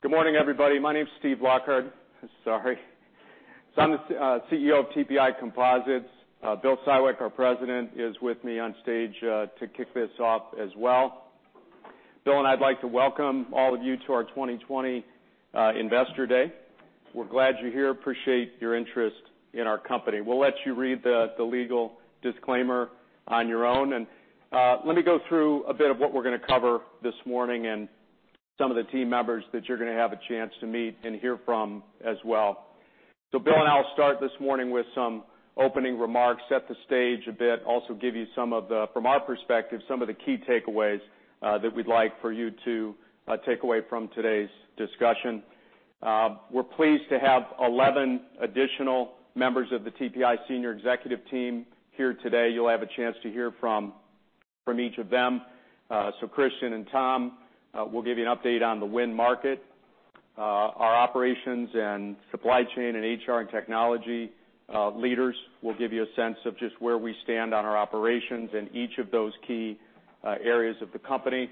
Good morning, everybody. My name's Steve Lockard. Sorry. I'm the CEO of TPI Composites. Bill Siwek, our President, is with me on stage to kick this off as well. Bill and I'd like to welcome all of you to our 2020 Investor Day. We're glad you're here. Appreciate your interest in our company. We'll let you read the legal disclaimer on your own. Let me go through a bit of what we're going to cover this morning and some of the team members that you're going to have a chance to meet and hear from as well. Bill and I will start this morning with some opening remarks, set the stage a bit, also give you, from our perspective, some of the key takeaways that we'd like for you to take away from today's discussion. We're pleased to have 11 additional members of the TPI senior executive team here today. You'll have a chance to hear from each of them. Christian and Tom will give you an update on the wind market. Our operations and supply chain and HR and technology leaders will give you a sense of just where we stand on our operations in each of those key areas of the company.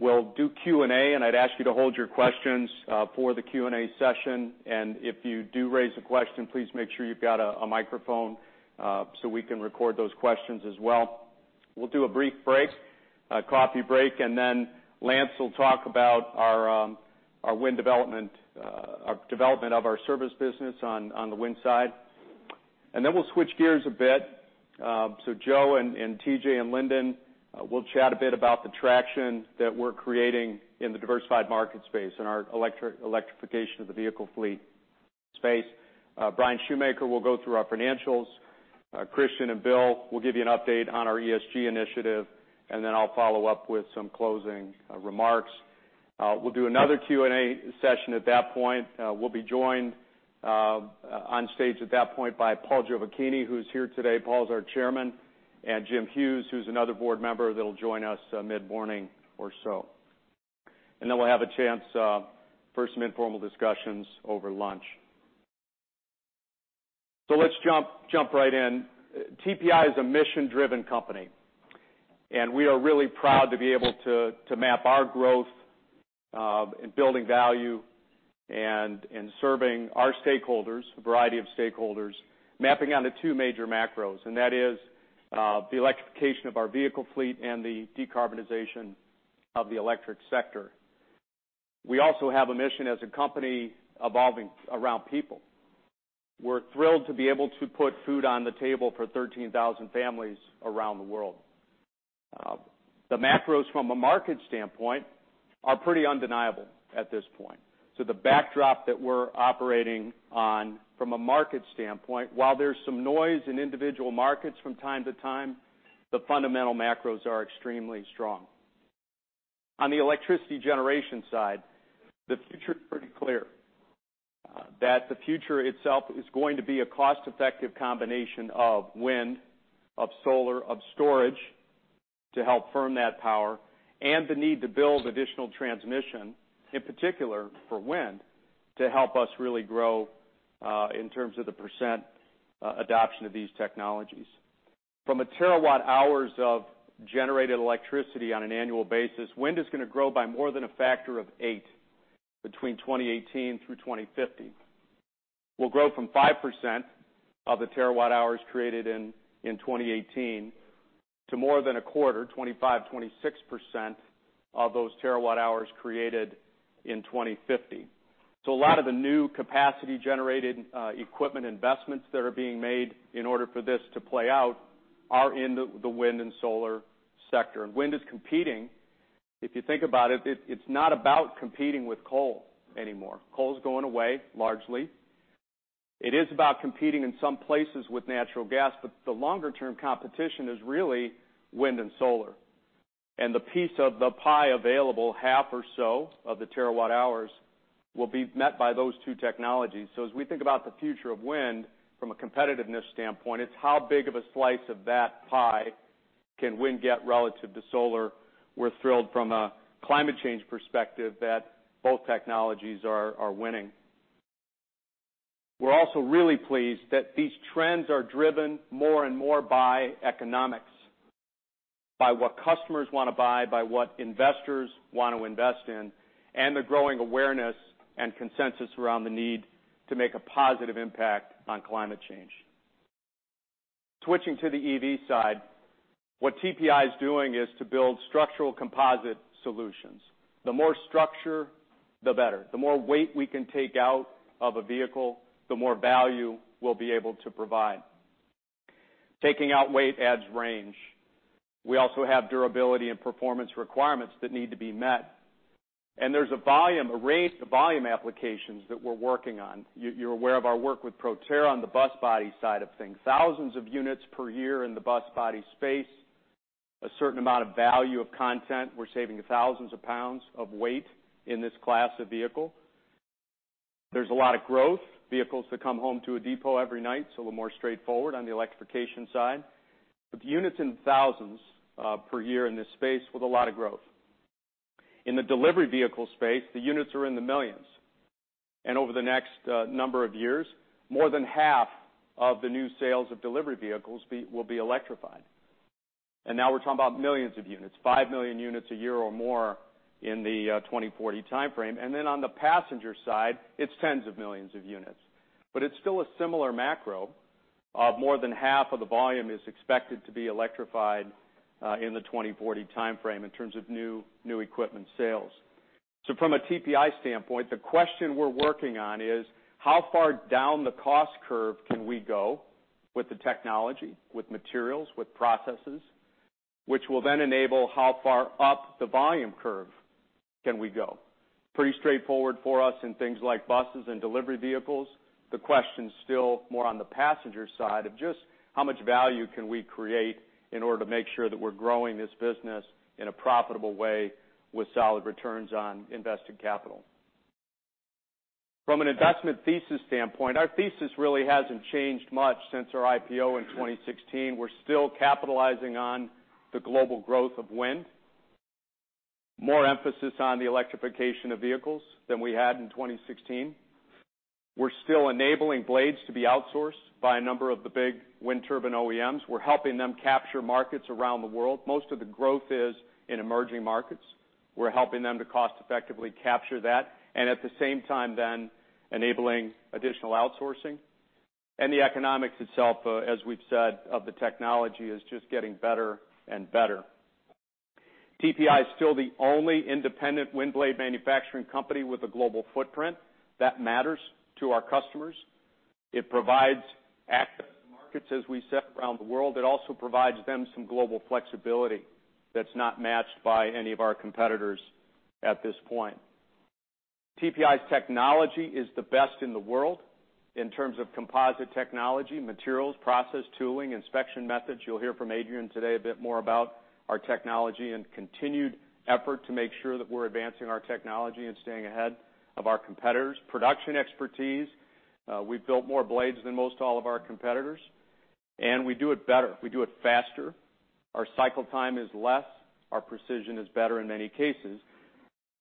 We'll do Q&A, and I'd ask you to hold your questions for the Q&A session. If you do raise a question, please make sure you've got a microphone so we can record those questions as well. We'll do a brief break, a coffee break, and then Lance will talk about our development of our service business on the wind side. We'll switch gears a bit. Joe and T.J. and Lyndon will chat a bit about the traction that we're creating in the diversified market space, in our electrification of the vehicle fleet space. Brian Shoemaker will go through our financials. Christian and Bill will give you an update on our ESG initiative, and then I'll follow up with some closing remarks. We'll do another Q&A session at that point. We'll be joined on stage at that point by Paul Giovacchini, who's here today. Paul's our chairman, and Jim Hughes, who's another board member that'll join us mid-morning or so. We'll have a chance for some informal discussions over lunch. Let's jump right in. TPI is a mission-driven company, and we are really proud to be able to map our growth in building value and in serving our stakeholders, a variety of stakeholders, mapping onto two major macros, and that is the electrification of our vehicle fleet and the decarbonization of the electric sector. We also have a mission as a company evolving around people. We're thrilled to be able to put food on the table for 13,000 families around the world. The macros from a market standpoint are pretty undeniable at this point. The backdrop that we're operating on from a market standpoint, while there's some noise in individual markets from time to time, the fundamental macros are extremely strong. On the electricity generation side, the future is pretty clear. The future itself is going to be a cost-effective combination of wind, of solar, of storage to help firm that power, and the need to build additional transmission, in particular for wind, to help us really grow in terms of the percent adoption of these technologies. From a terawatt-hours of generated electricity on an annual basis, wind is going to grow by more than a factor of eight between 2018 through 2050. We'll grow from 5% of the terawatt-hours created in 2018 to more than a quarter, 25%-26% of those terawatt-hours created in 2050. A lot of the new capacity-generated equipment investments that are being made in order for this to play out are in the wind and solar sector. Wind is competing. If you think about it's not about competing with coal anymore. Coal is going away, largely. It is about competing in some places with natural gas. The longer-term competition is really wind and solar. The piece of the pie available, half or so of the terawatt hours, will be met by those two technologies. As we think about the future of wind from a competitiveness standpoint, it's how big of a slice of that pie can wind get relative to solar. We're thrilled from a climate change perspective that both technologies are winning. We're also really pleased that these trends are driven more and more by economics, by what customers want to buy, by what investors want to invest in, and the growing awareness and consensus around the need to make a positive impact on climate change. Switching to the EV side, what TPI is doing is to build structural composite solutions. The more structure, the better. The more weight we can take out of a vehicle, the more value we'll be able to provide. Taking out weight adds range. We also have durability and performance requirements that need to be met. There's a range of volume applications that we're working on. You're aware of our work with Proterra on the bus body side of things, thousands of units per year in the bus body space, a certain amount of value of content. We're saving thousands of pounds of weight in this class of vehicle. There's a lot of growth. Vehicles that come home to a depot every night, so a little more straightforward on the electrification side. The units in thousands per year in this space with a lot of growth. In the delivery vehicle space, the units are in the millions. Over the next number of years, more than half of the new sales of delivery vehicles will be electrified. Now we're talking about millions of units, five million units a year or more in the 2040 timeframe. Then on the passenger side, it's tens of millions of units. It's still a similar macro of more than half of the volume is expected to be electrified in the 2040 timeframe in terms of new equipment sales. From a TPI standpoint, the question we're working on is, how far down the cost curve can we go with the technology, with materials, with processes, which will then enable how far up the volume curve can we go? Pretty straightforward for us in things like buses and delivery vehicles. The question's still more on the passenger side of just how much value can we create in order to make sure that we're growing this business in a profitable way with solid returns on invested capital. From an investment thesis standpoint, our thesis really hasn't changed much since our IPO in 2016. We're still capitalizing on the global growth of wind. More emphasis on the electrification of vehicles than we had in 2016. We're still enabling blades to be outsourced by a number of the big wind turbine OEMs. We're helping them capture markets around the world. Most of the growth is in emerging markets. We're helping them to cost effectively capture that, and at the same time then, enabling additional outsourcing. The economics itself, as we've said, of the technology is just getting better and better. TPI is still the only independent wind blade manufacturing company with a global footprint. That matters to our customers. It provides access to markets, as we said, around the world. It also provides them some global flexibility that's not matched by any of our competitors at this point. TPI's technology is the best in the world in terms of composite technology, materials, process, tooling, inspection methods. You'll hear from Adrian today a bit more about our technology and continued effort to make sure that we're advancing our technology and staying ahead of our competitors. Production expertise. We've built more blades than most all of our competitors, and we do it better. We do it faster. Our cycle time is less. Our precision is better in many cases.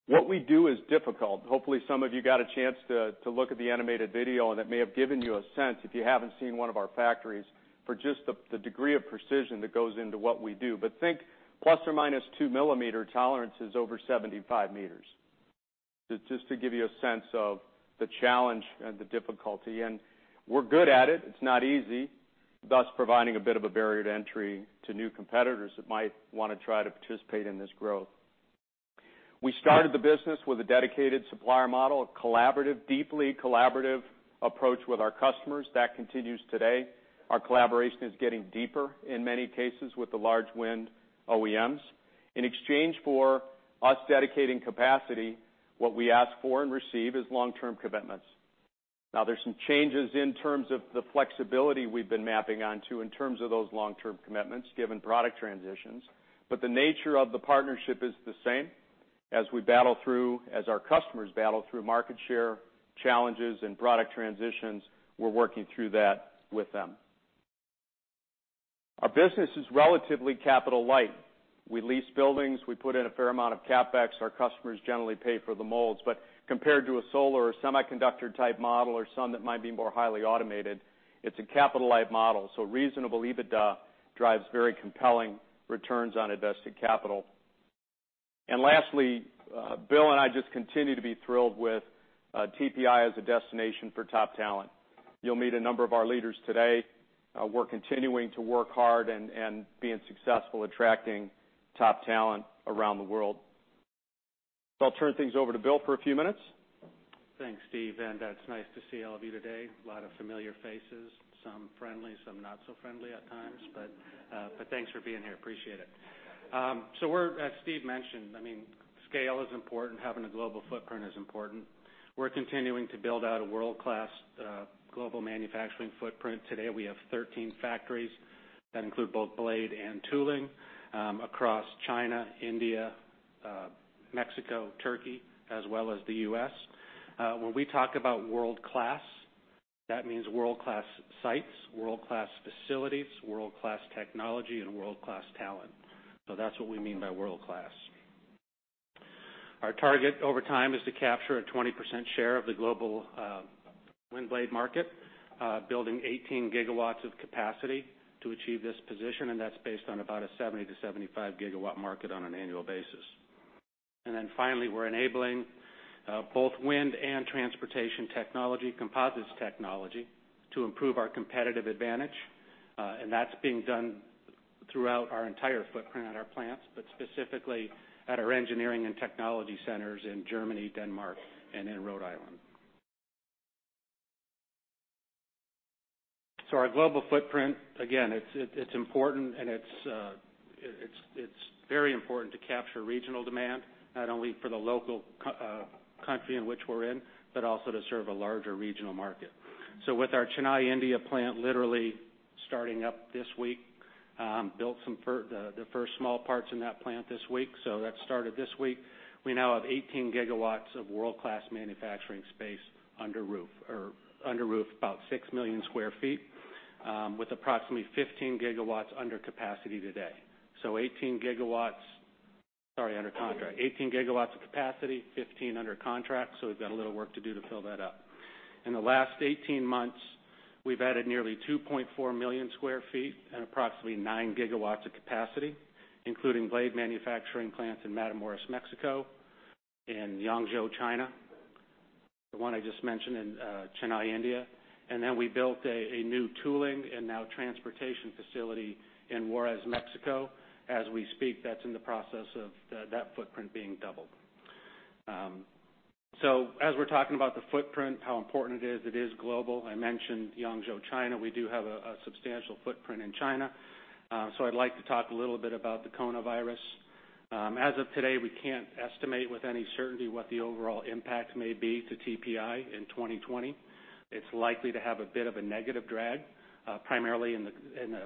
What we do is difficult. Hopefully, some of you got a chance to look at the animated video, and that may have given you a sense, if you haven't seen one of our factories, for just the degree of precision that goes into what we do. Think ±2 mm tolerance is over 75 m. Just to give you a sense of the challenge and the difficulty, and we're good at it. It's not easy, thus providing a bit of a barrier to entry to new competitors that might want to try to participate in this growth. We started the business with a dedicated supplier model, a collaborative, deeply collaborative approach with our customers. That continues today. Our collaboration is getting deeper in many cases with the large wind OEMs. In exchange for us dedicating capacity, what we ask for and receive is long-term commitments. There's some changes in terms of the flexibility we've been mapping onto in terms of those long-term commitments, given product transitions. The nature of the partnership is the same. As our customers battle through market share challenges and product transitions, we're working through that with them. Our business is relatively capital-light. We lease buildings. We put in a fair amount of CapEx. Our customers generally pay for the molds. Compared to a solar or semiconductor type model or some that might be more highly automated, it's a capital-light model. Reasonable EBITDA drives very compelling returns on invested capital. Lastly, Bill and I just continue to be thrilled with TPI as a destination for top talent. You'll meet a number of our leaders today. We're continuing to work hard and being successful attracting top talent around the world. I'll turn things over to Bill for a few minutes. Thanks, Steve. It's nice to see all of you today. A lot of familiar faces, some friendly, some not so friendly at times. Thanks for being here. Appreciate it. As Steve mentioned, scale is important. Having a global footprint is important. We're continuing to build out a world-class global manufacturing footprint. Today, we have 13 factories that include both blade and tooling, across China, India, Mexico, Turkey, as well as the U.S. When we talk about world-class, that means world-class sites, world-class facilities, world-class technology, and world-class talent. That's what we mean by world-class. Our target over time is to capture a 20% share of the global wind blade market, building 18 GW of capacity to achieve this position. That's based on about a 70-75 GW market on an annual basis. Finally, we're enabling both wind and transportation technology, composites technology, to improve our competitive advantage. That's being done throughout our entire footprint at our plants, but specifically at our engineering and technology centers in Germany, Denmark, and in Rhode Island. Our global footprint, again, it's important and it's very important to capture regional demand, not only for the local country in which we're in, but also to serve a larger regional market. With our Chennai, India plant literally starting up this week, built the first small parts in that plant this week. That started this week. We now have 18 GW of world-class manufacturing space under roof. Under roof, about 6 million sq ft, with approximately 15 GW under capacity today. 18 GW. Sorry, under contract. 18 GW of capacity, 15 GW under contract, so we've got a little work to do to fill that up. In the last 18 months, we've added nearly 2.4 million sq ft and approximately 9 GW of capacity, including blade manufacturing plants in Matamoros, Mexico, in Yangzhou, China, the one I just mentioned in Chennai, India, and then we built a new tooling and now transportation facility in Juarez, Mexico. As we speak, that's in the process of that footprint being doubled. As we're talking about the footprint, how important it is, it is global. I mentioned Yangzhou, China. We do have a substantial footprint in China. I'd like to talk a little bit about the coronavirus. As of today, we can't estimate with any certainty what the overall impact may be to TPI in 2020. It's likely to have a bit of a negative drag, primarily in the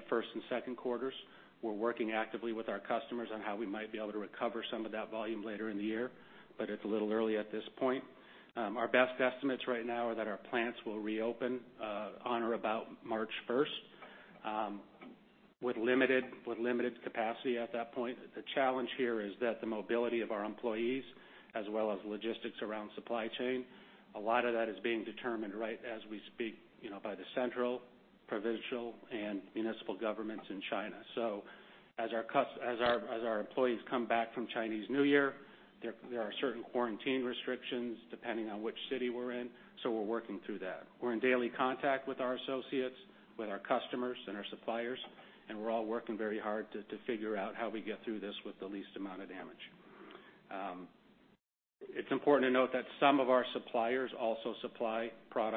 first and second quarters. We're working actively with our customers on how we might be able to recover some of that volume later in the year, but it's a little early at this point. Our best estimates right now are that our plants will reopen on or about March 1st, with limited capacity at that point. The challenge here is that the mobility of our employees, as well as logistics around supply chain, a lot of that is being determined right as we speak by the central, provincial, and municipal governments in China. As our employees come back from Chinese New Year, there are certain quarantine restrictions depending on which city we're in, so we're working through that. We're in daily contact with our associates, with our customers, and our suppliers, and we're all working very hard to figure out how we get through this with the least amount of damage. It's important to note that some of our suppliers also supply raw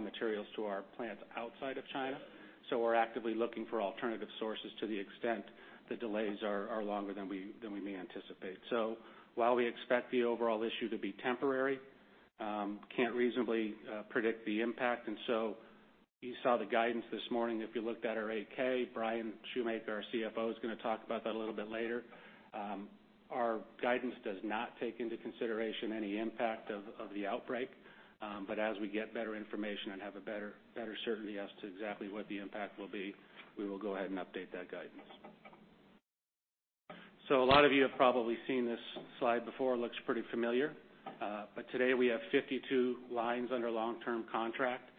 materials to our plants outside of China, so we're actively looking for alternative sources to the extent the delays are longer than we may anticipate. While we expect the overall issue to be temporary, we can't reasonably predict the impact. You saw the guidance this morning, if you looked at our 8-K, Brian Shoemaker, our CFO, is going to talk about that a little bit later. Our guidance does not take into consideration any impact of the outbreak. As we get better information and have a better certainty as to exactly what the impact will be, we will go ahead and update that guidance. A lot of you have probably seen this slide before. It looks pretty familiar. Today, we have 52 lines under long-term contract.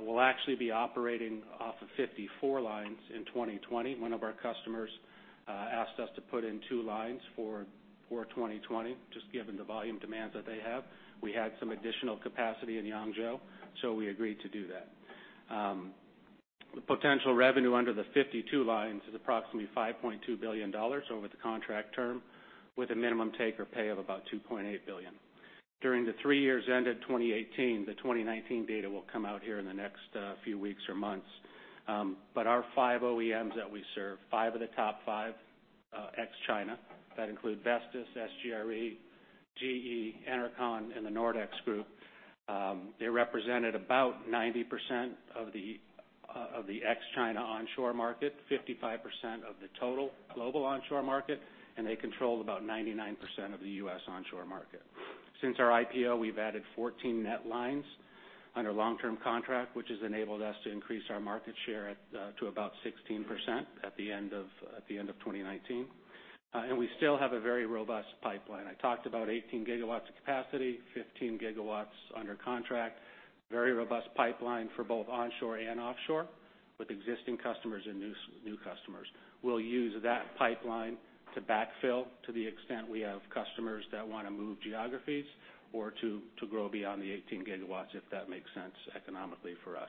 We'll actually be operating off of 54 lines in 2020. One of our customers asked us to put in two lines for 2020, just given the volume demands that they have. We had some additional capacity in Yangzhou, we agreed to do that. The potential revenue under the 52 lines is approximately $5.2 billion over the contract term, with a minimum take or pay of about $2.8 billion. During the three years ended 2018, the 2019 data will come out here in the next few weeks or months, our five OEMs that we serve, five of the top five ex-China, that include Vestas, SGRE, GE, Enercon, and the Nordex Group, they represented about 90% of the ex-China onshore market, 55% of the total global onshore market, and they controlled about 99% of the U.S. onshore market. Since our IPO, we've added 14 net lines under long-term contract, which has enabled us to increase our market share to about 16% at the end of 2019. We still have a very robust pipeline. I talked about 18 GW of capacity, 15 GW under contract, very robust pipeline for both onshore and offshore with existing customers and new customers. We'll use that pipeline to backfill to the extent we have customers that want to move geographies or to grow beyond the 18 GW, if that makes sense economically for us.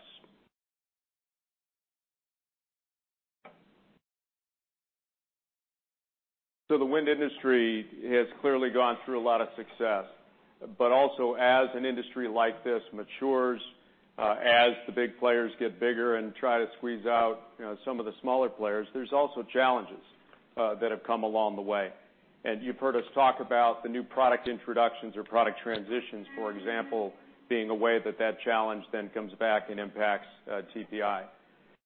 The wind industry has clearly gone through a lot of success. Also, as an industry like this matures, as the big players get bigger and try to squeeze out some of the smaller players, there's also challenges that have come along the way. You've heard us talk about the new product introductions or product transitions, for example, being a way that that challenge then comes back and impacts TPI.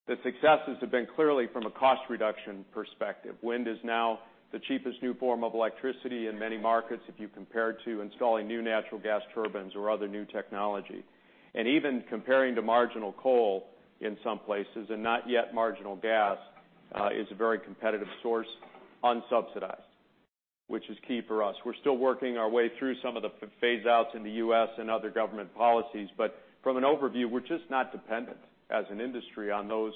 The successes have been clearly from a cost reduction perspective. Wind is now the cheapest new form of electricity in many markets if you compare it to installing new natural gas turbines or other new technology. Even comparing to marginal coal in some places, and not yet marginal gas, is a very competitive source, unsubsidized, which is key for us. We're still working our way through some of the phase outs in the U.S. and other government policies, but from an overview, we're just not dependent as an industry on those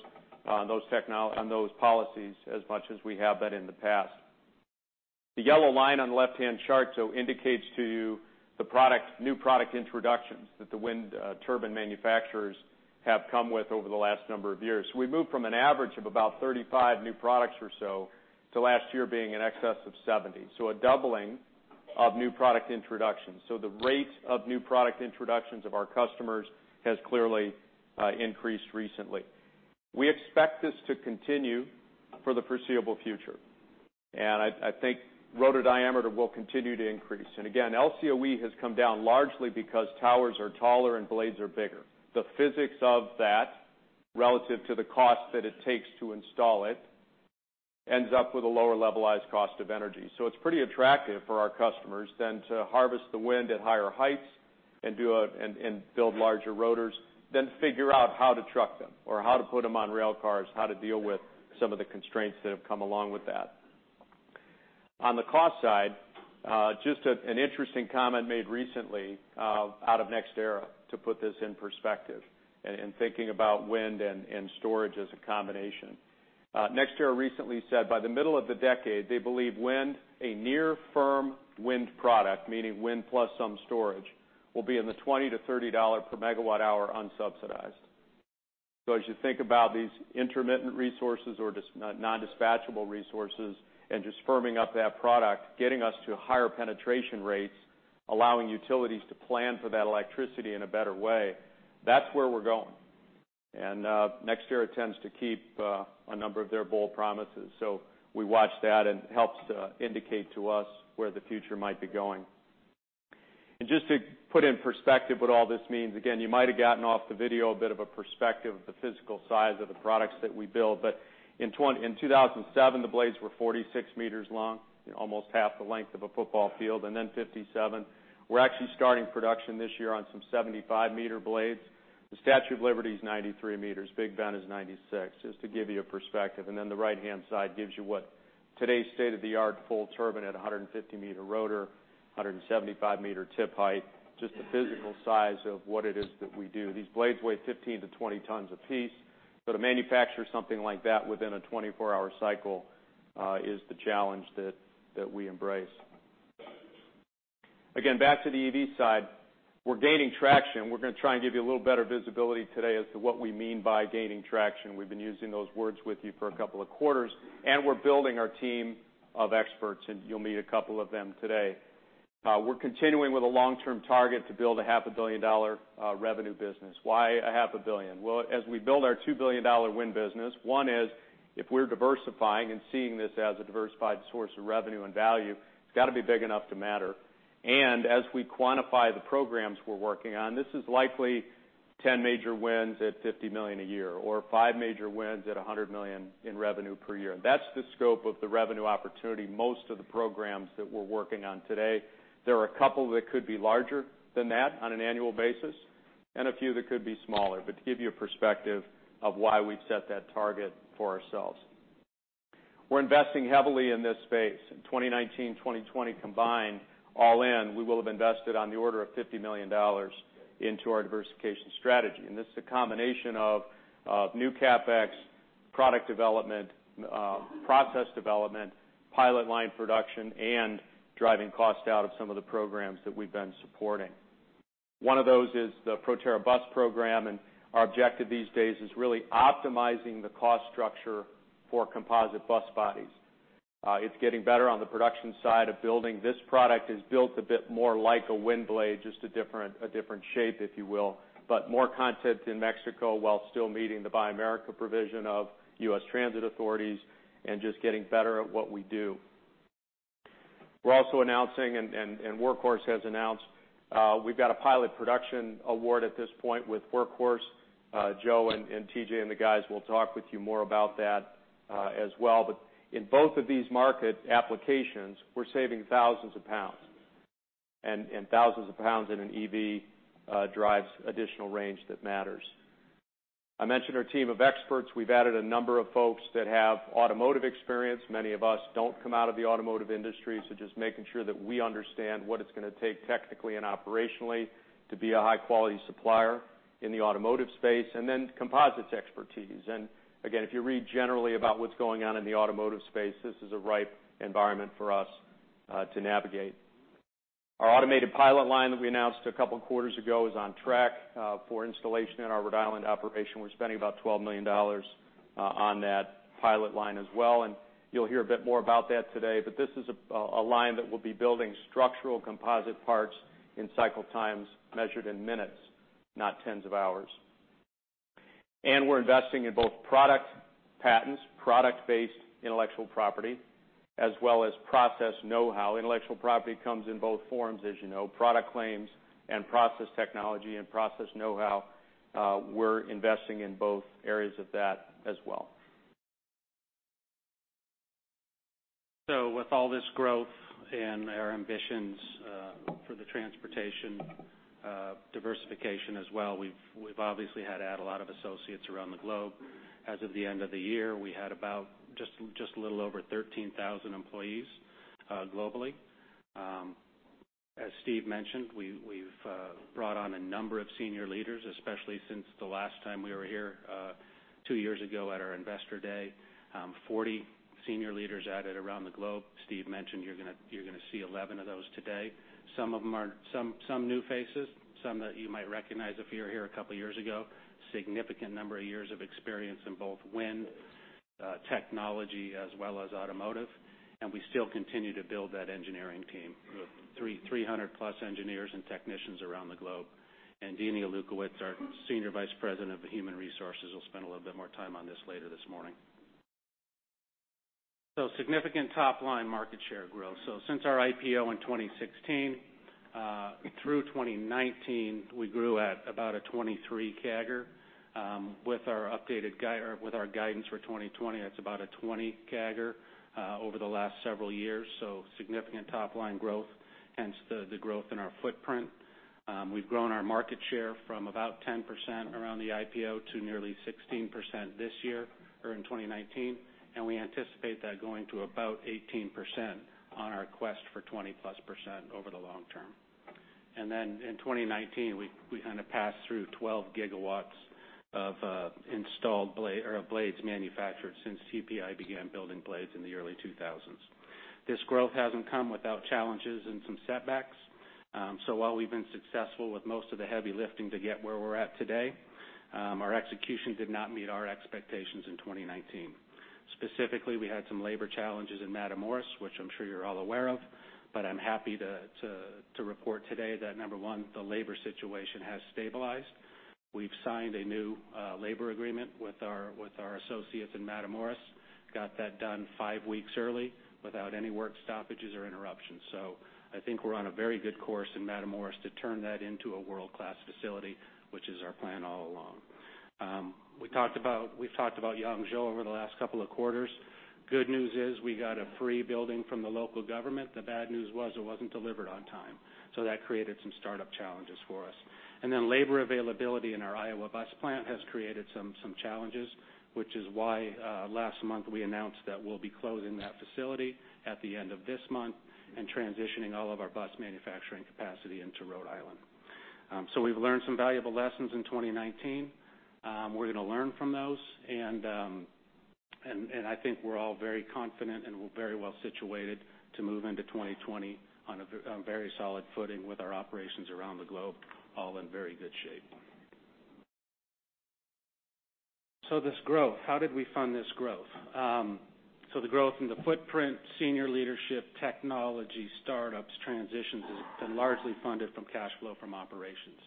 policies as much as we have been in the past. The yellow line on the left-hand chart indicates to you the new product introductions that the wind turbine manufacturers have come with over the last number of years. We moved from an average of about 35 new products or so to last year being in excess of 70. A doubling of new product introductions. The rate of new product introductions of our customers has clearly increased recently. We expect this to continue for the foreseeable future, and I think rotor diameter will continue to increase. Again, LCOE has come down largely because towers are taller and blades are bigger. The physics of that relative to the cost that it takes to install it ends up with a lower levelized cost of energy. It's pretty attractive for our customers then to harvest the wind at higher heights and build larger rotors, then figure out how to truck them or how to put them on rail cars, how to deal with some of the constraints that have come along with that. On the cost side, just an interesting comment made recently out of NextEra to put this in perspective, in thinking about wind and storage as a combination. NextEra recently said by the middle of the decade, they believe wind, a near firm wind product, meaning wind plus some storage, will be in the $20-$30 per megawatt hour unsubsidized. As you think about these intermittent resources or non-dispatchable resources and just firming up that product, getting us to higher penetration rates, allowing utilities to plan for that electricity in a better way, that's where we're going. NextEra tends to keep a number of their bold promises, so we watch that and it helps indicate to us where the future might be going. Just to put in perspective what all this means, again, you might have gotten off the video a bit of a perspective of the physical size of the products that we build. In 2007, the blades were 46 m long, almost half the length of a football field, and then 57. We're actually starting production this year on some 75-meter blades. The Statue of Liberty is 93 m. Big Ben is 96 m, just to give you a perspective. The right-hand side gives you what today's state-of-the-art full turbine at 150-m rotor, 175-m tip height, just the physical size of what it is that we do. These blades weigh 15-20 tons apiece, to manufacture something like that within a 24-hour cycle is the challenge that we embrace. Back to the EV side, we're gaining traction. We're going to try and give you a little better visibility today as to what we mean by gaining traction. We've been using those words with you for a couple of quarters, we're building our team of experts, you'll meet a couple of them today. We're continuing with a long-term target to build a half a billion dollar revenue business. Why a half a billion? Well, as we build our $2 billion wind business, one is, if we're diversifying and seeing this as a diversified source of revenue and value, it's got to be big enough to matter. As we quantify the programs we're working on, this is likely 10 major wins at $50 million a year or five major wins at $100 million in revenue per year. That's the scope of the revenue opportunity, most of the programs that we're working on today. There are a couple that could be larger than that on an annual basis, and a few that could be smaller, but to give you a perspective of why we've set that target for ourselves. We're investing heavily in this space. In 2019, 2020 combined, all in, we will have invested on the order of $50 million into our diversification strategy. This is a combination of new CapEx, product development, process development, pilot line production, and driving cost out of some of the programs that we've been supporting. One of those is the Proterra bus program. Our objective these days is really optimizing the cost structure for composite bus bodies. It's getting better on the production side of building. This product is built a bit more like a wind blade, just a different shape, if you will, but more content in Mexico while still meeting the Buy America provision of U.S. transit authorities and just getting better at what we do. We're also announcing, Workhorse has announced, we've got a pilot production award at this point with Workhorse. Joe and TJ and the guys will talk with you more about that as well. In both of these market applications, we're saving thousands of pounds, and thousands of pounds in an EV drives additional range that matters. I mentioned our team of experts. We've added a number of folks that have automotive experience. Many of us don't come out of the automotive industry, just making sure that we understand what it's going to take technically and operationally to be a high-quality supplier in the automotive space, then composites expertise. Again, if you read generally about what's going on in the automotive space, this is a ripe environment for us to navigate. Our automated pilot line that we announced a couple quarters ago is on track for installation in our Rhode Island operation. We're spending about $12 million on that pilot line as well. You'll hear a bit more about that today. This is a line that will be building structural composite parts in cycle times measured in minutes, not tens of hours. We're investing in both product patents, product-based intellectual property, as well as process know-how. Intellectual property comes in both forms, as you know, product claims and process technology and process know-how. We're investing in both areas of that as well. With all this growth and our ambitions for the transportation diversification as well, we've obviously had to add a lot of associates around the globe. As of the end of the year, we had about just a little over 13,000 employees globally. As Steve mentioned, we've brought on a number of senior leaders, especially since the last time we were here two years ago at our Investor Day. 40 senior leaders added around the globe. Steve mentioned you're going to see 11 of those today. Some new faces, some that you might recognize if you were here a couple of years ago. Significant number of years of experience in both wind technology as well as automotive, we still continue to build that engineering team with 300-plus engineers and technicians around the globe. Deane Ilukowicz, our Senior Vice President of Human Resources, will spend a little bit more time on this later this morning. Significant top-line market share growth. Since our IPO in 2016 through 2019, we grew at about a 23 CAGR. With our guidance for 2020, that's about a 20 CAGR over the last several years, so significant top-line growth, hence the growth in our footprint. We've grown our market share from about 10% around the IPO to nearly 16% this year, or in 2019, and we anticipate that going to about 18% on our quest for 20-plus% over the long term. In 2019, we kind of passed through 12 GW of blades manufactured since TPI began building blades in the early 2000s. This growth hasn't come without challenges and some setbacks. While we've been successful with most of the heavy lifting to get where we're at today, our execution did not meet our expectations in 2019. Specifically, we had some labor challenges in Matamoros, which I'm sure you're all aware of, but I'm happy to report today that, number 1, the labor situation has stabilized. We've signed a new labor agreement with our associates in Matamoros, got that done five weeks early without any work stoppages or interruptions. I think we're on a very good course in Matamoros to turn that into a world-class facility, which is our plan all along. We've talked about Yangzhou over the last couple of quarters. Good news is we got a free building from the local government. The bad news was it wasn't delivered on time. That created some startup challenges for us. Labor availability in our Iowa bus plant has created some challenges, which is why, last month, we announced that we'll be closing that facility at the end of this month and transitioning all of our bus manufacturing capacity into Rhode Island. We've learned some valuable lessons in 2019. We're going to learn from those, and I think we're all very confident and very well situated to move into 2020 on a very solid footing with our operations around the globe, all in very good shape. This growth, how did we fund this growth? The growth in the footprint, senior leadership, technology, startups, transitions, has been largely funded from cash flow from operations.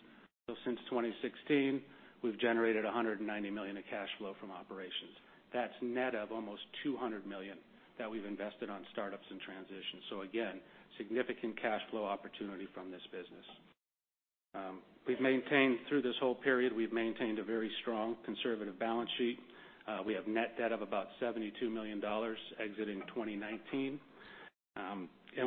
Since 2016, we've generated $190 million of cash flow from operations. That's net of almost $200 million that we've invested on startups and transitions. Again, significant cash flow opportunity from this business. Through this whole period, we've maintained a very strong conservative balance sheet. We have net debt of about $72 million exiting 2019.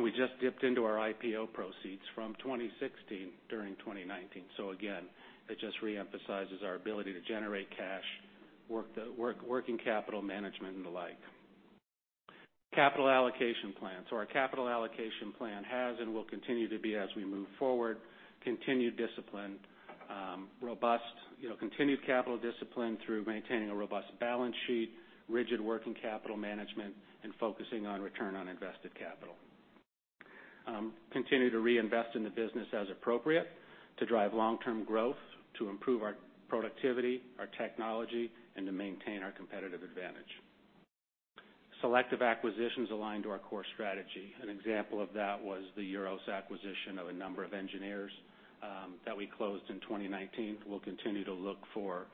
We just dipped into our IPO proceeds from 2016 during 2019. Again, it just reemphasizes our ability to generate cash, working capital management, and the like. Capital allocation plan. Our capital allocation plan has and will continue to be as we move forward, continued discipline, robust. Continued capital discipline through maintaining a robust balance sheet, rigid working capital management, and focusing on return on invested capital. Continue to reinvest in the business as appropriate to drive long-term growth, to improve our productivity, our technology, and to maintain our competitive advantage. Selective acquisitions aligned to our core strategy. An example of that was the EUROS acquisition of a number of engineers that we closed in 2019. We'll continue to look for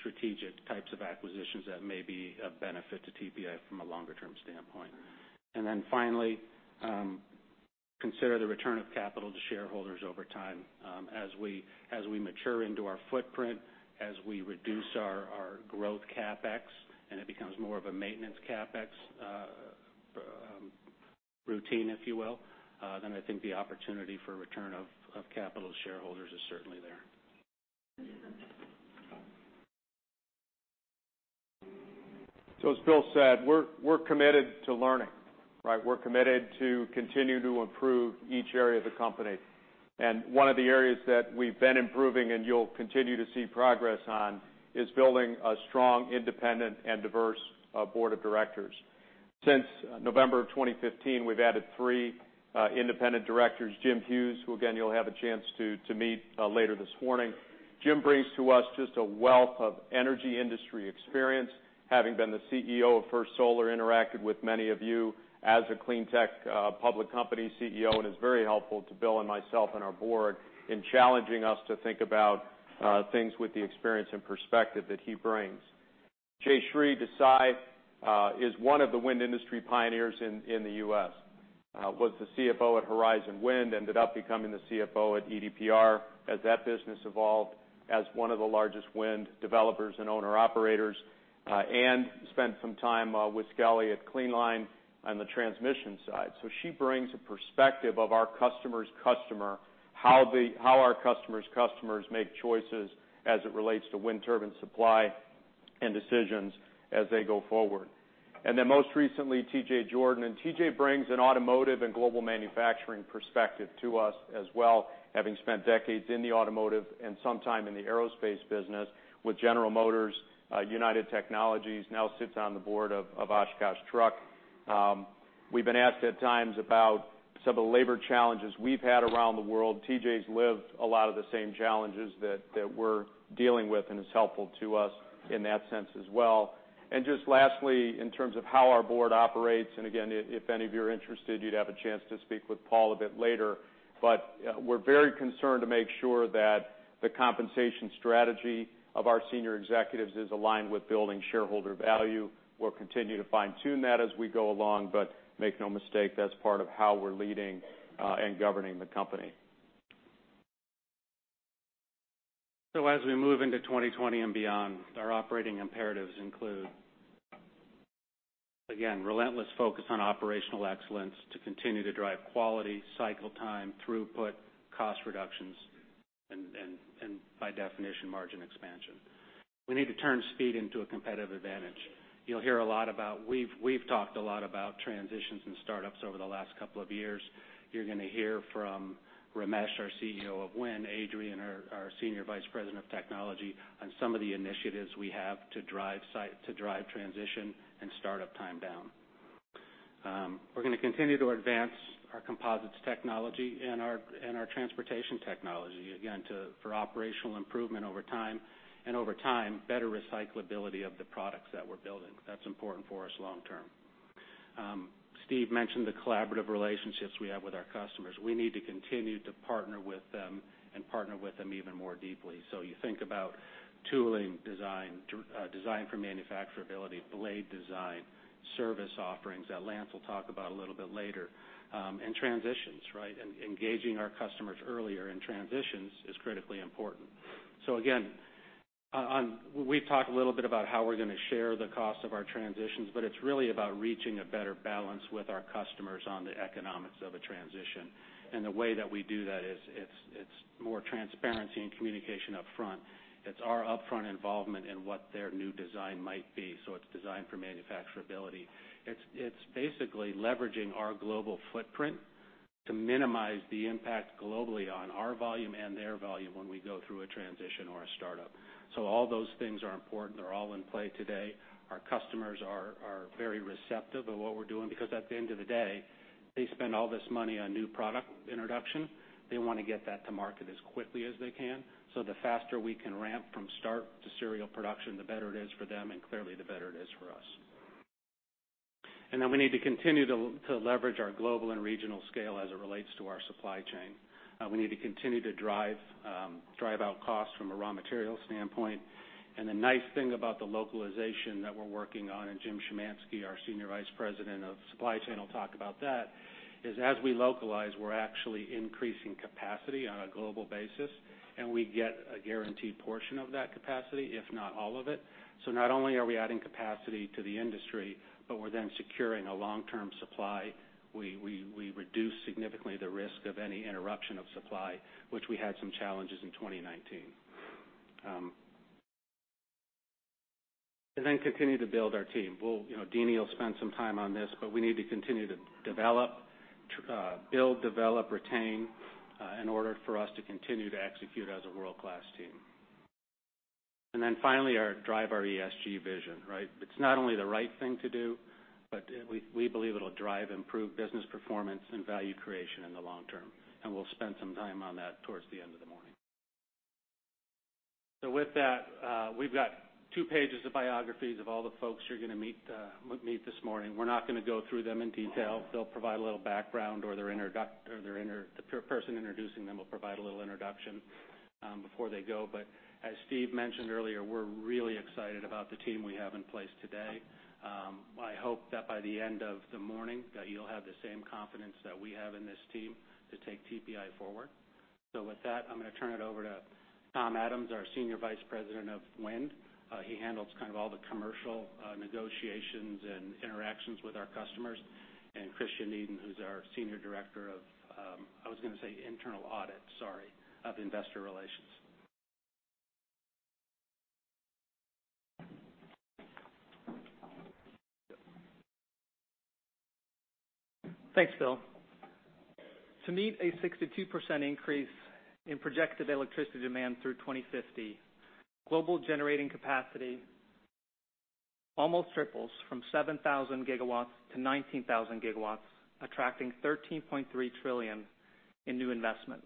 strategic types of acquisitions that may be of benefit to TPI from a longer-term standpoint. Finally, consider the return of capital to shareholders over time. As we mature into our footprint, as we reduce our growth CapEx, and it becomes more of a maintenance CapEx routine, if you will, then I think the opportunity for return of capital to shareholders is certainly there. As Bill said, we're committed to learning, right? We're committed to continue to improve each area of the company. One of the areas that we've been improving and you'll continue to see progress on is building a strong, independent, and diverse board of directors. Since November of 2015, we've added three independent directors. Jim Hughes, who again, you'll have a chance to meet later this morning. Jim brings to us just a wealth of energy industry experience, having been the CEO of First Solar, interacted with many of you as a clean tech public company CEO, and is very helpful to Bill and myself and our board in challenging us to think about things with the experience and perspective that he brings. Jayshree Desai is one of the wind industry pioneers in the U.S. Was the CFO at Horizon Wind, ended up becoming the CFO at EDPR as that business evolved as one of the largest wind developers and owner operators, spent some time with Skelly at Clean Line on the transmission side. She brings a perspective of our customer's customer, how our customer's customers make choices as it relates to wind turbine supply and decisions as they go forward. Most recently, T.J. Jordan. T.J. brings an automotive and global manufacturing perspective to us as well, having spent decades in the automotive and some time in the aerospace business with General Motors, United Technologies, now sits on the board of Oshkosh Truck. We've been asked at times about some of the labor challenges we've had around the world. T.J.'s lived a lot of the same challenges that we're dealing with, and is helpful to us in that sense as well. Just lastly, in terms of how our board operates, again, if any of you are interested, you'd have a chance to speak with Paul a bit later, but we're very concerned to make sure that the compensation strategy of our senior executives is aligned with building shareholder value. We'll continue to fine-tune that as we go along, but make no mistake, that's part of how we're leading and governing the company. As we move into 2020 and beyond, our operating imperatives include, again, relentless focus on operational excellence to continue to drive quality, cycle time, throughput, cost reductions, and by definition, margin expansion. We need to turn speed into a competitive advantage. You'll hear a lot. We've talked a lot about transitions and startups over the last couple of years. You're going to hear from Ramesh, our CEO of Wind, Adrian, our Senior Vice President of Technology, on some of the initiatives we have to drive transition and startup time down. We're going to continue to advance our composites technology and our transportation technology, again, for operational improvement over time, and over time, better recyclability of the products that we're building. That's important for us long term. Steve mentioned the collaborative relationships we have with our customers. We need to continue to partner with them and partner with them even more deeply. You think about tooling design for manufacturability, blade design, service offerings that Lance will talk about a little bit later, and transitions, right? Engaging our customers earlier in transitions is critically important. Again, we've talked a little bit about how we're going to share the cost of our transitions, but it's really about reaching a better balance with our customers on the economics of a transition. The way that we do that is, it's more transparency and communication upfront. It's our upfront involvement in what their new design might be. It's designed for manufacturability. It's basically leveraging our global footprint to minimize the impact globally on our volume and their volume when we go through a transition or a startup. All those things are important. They're all in play today. Our customers are very receptive of what we're doing, because at the end of the day, they spend all this money on new product introduction. They want to get that to market as quickly as they can. The faster we can ramp from start to serial production, the better it is for them, and clearly, the better it is for us. We need to continue to leverage our global and regional scale as it relates to our supply chain. We need to continue to drive out costs from a raw material standpoint. The nice thing about the localization that we're working on, and Jim Schimanski, our Senior Vice President - Global Supply Chain, will talk about that, is as we localize, we're actually increasing capacity on a global basis, and we get a guaranteed portion of that capacity, if not all of it. Not only are we adding capacity to the industry, but we're then securing a long-term supply. We reduce significantly the risk of any interruption of supply, which we had some challenges in 2019. Then continue to build our team. Deane will spend some time on this, but we need to continue to build, develop, retain, in order for us to continue to execute as a world-class team. Then finally, drive our ESG vision, right? It's not only the right thing to do, but we believe it'll drive improved business performance and value creation in the long term, and we'll spend some time on that towards the end of the morning. With that, we've got two pages of biographies of all the folks you're going to meet this morning. We're not going to go through them in detail. They'll provide a little background, or the person introducing them will provide a little introduction before they go. As Steve mentioned earlier, we're really excited about the team we have in place today. I hope that by the end of the morning, that you'll have the same confidence that we have in this team to take TPI forward. With that, I'm going to turn it over to Tom Adams, our Senior Vice President of Wind. He handles all the commercial negotiations and interactions with our customers. Christian Eden, who's our Senior Director, I was going to say internal audit, sorry, of Investor Relations. Thanks, Bill. To meet a 62% increase in projected electricity demand through 2050, global generating capacity almost triples from 7,000 GW to 19,000 GW, attracting $13.3 trillion in new investment.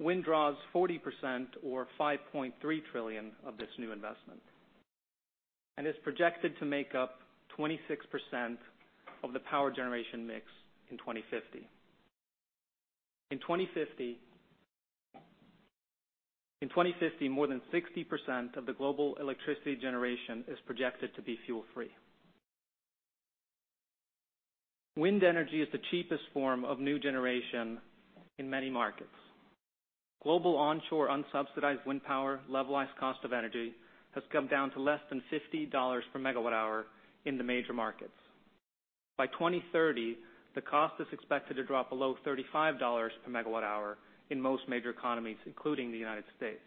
Wind draws 40%, or $5.3 trillion of this new investment, and is projected to make up 26% of the power generation mix in 2050. In 2050, more than 60% of the global electricity generation is projected to be fuel-free. Wind energy is the cheapest form of new generation in many markets. Global onshore unsubsidized wind power levelized cost of energy has come down to less than $50 per megawatt hour in the major markets. By 2030, the cost is expected to drop below $35 per megawatt hour in most major economies, including the United States.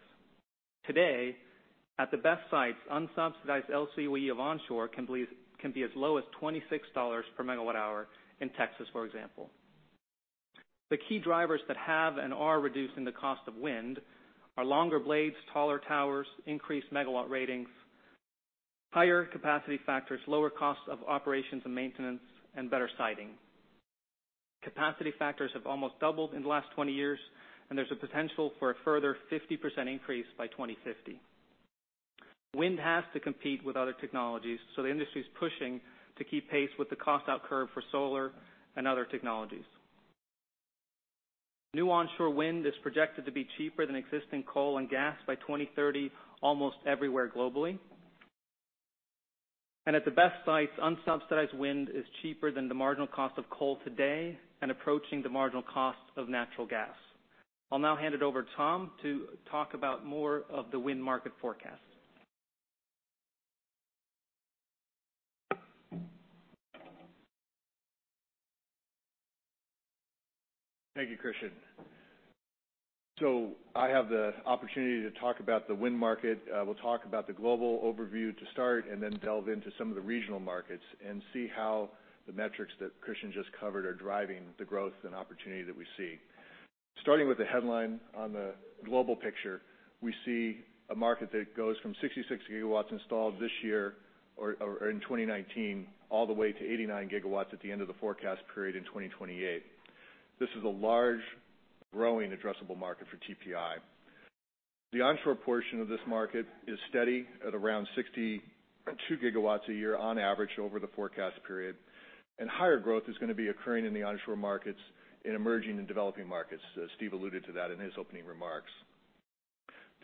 Today, at the best sites, unsubsidized LCOE of onshore can be as low as $26 per megawatt hour in Texas, for example. The key drivers that have and are reducing the cost of wind are longer blades, taller towers, increased megawatt ratings, higher capacity factors, lower costs of operations and maintenance, and better siting. Capacity factors have almost doubled in the last 20 years. There's a potential for a further 50% increase by 2050. Wind has to compete with other technologies. The industry is pushing to keep pace with the cost out curve for solar and other technologies. New onshore wind is projected to be cheaper than existing coal and gas by 2030, almost everywhere globally. At the best sites, unsubsidized wind is cheaper than the marginal cost of coal today and approaching the marginal cost of natural gas. I'll now hand it over to Tom to talk about more of the wind market forecast. Thank you, Christian. I have the opportunity to talk about the wind market. We'll talk about the global overview to start and then delve into some of the regional markets and see how the metrics that Christian just covered are driving the growth and opportunity that we see. Starting with the headline on the global picture, we see a market that goes from 66 GW installed this year or in 2019, all the way to 89 GW at the end of the forecast period in 2028. This is a large, growing addressable market for TPI. The onshore portion of this market is steady at around 62 GW a year on average over the forecast period, and higher growth is going to be occurring in the onshore markets, in emerging and developing markets, as Steve alluded to that in his opening remarks.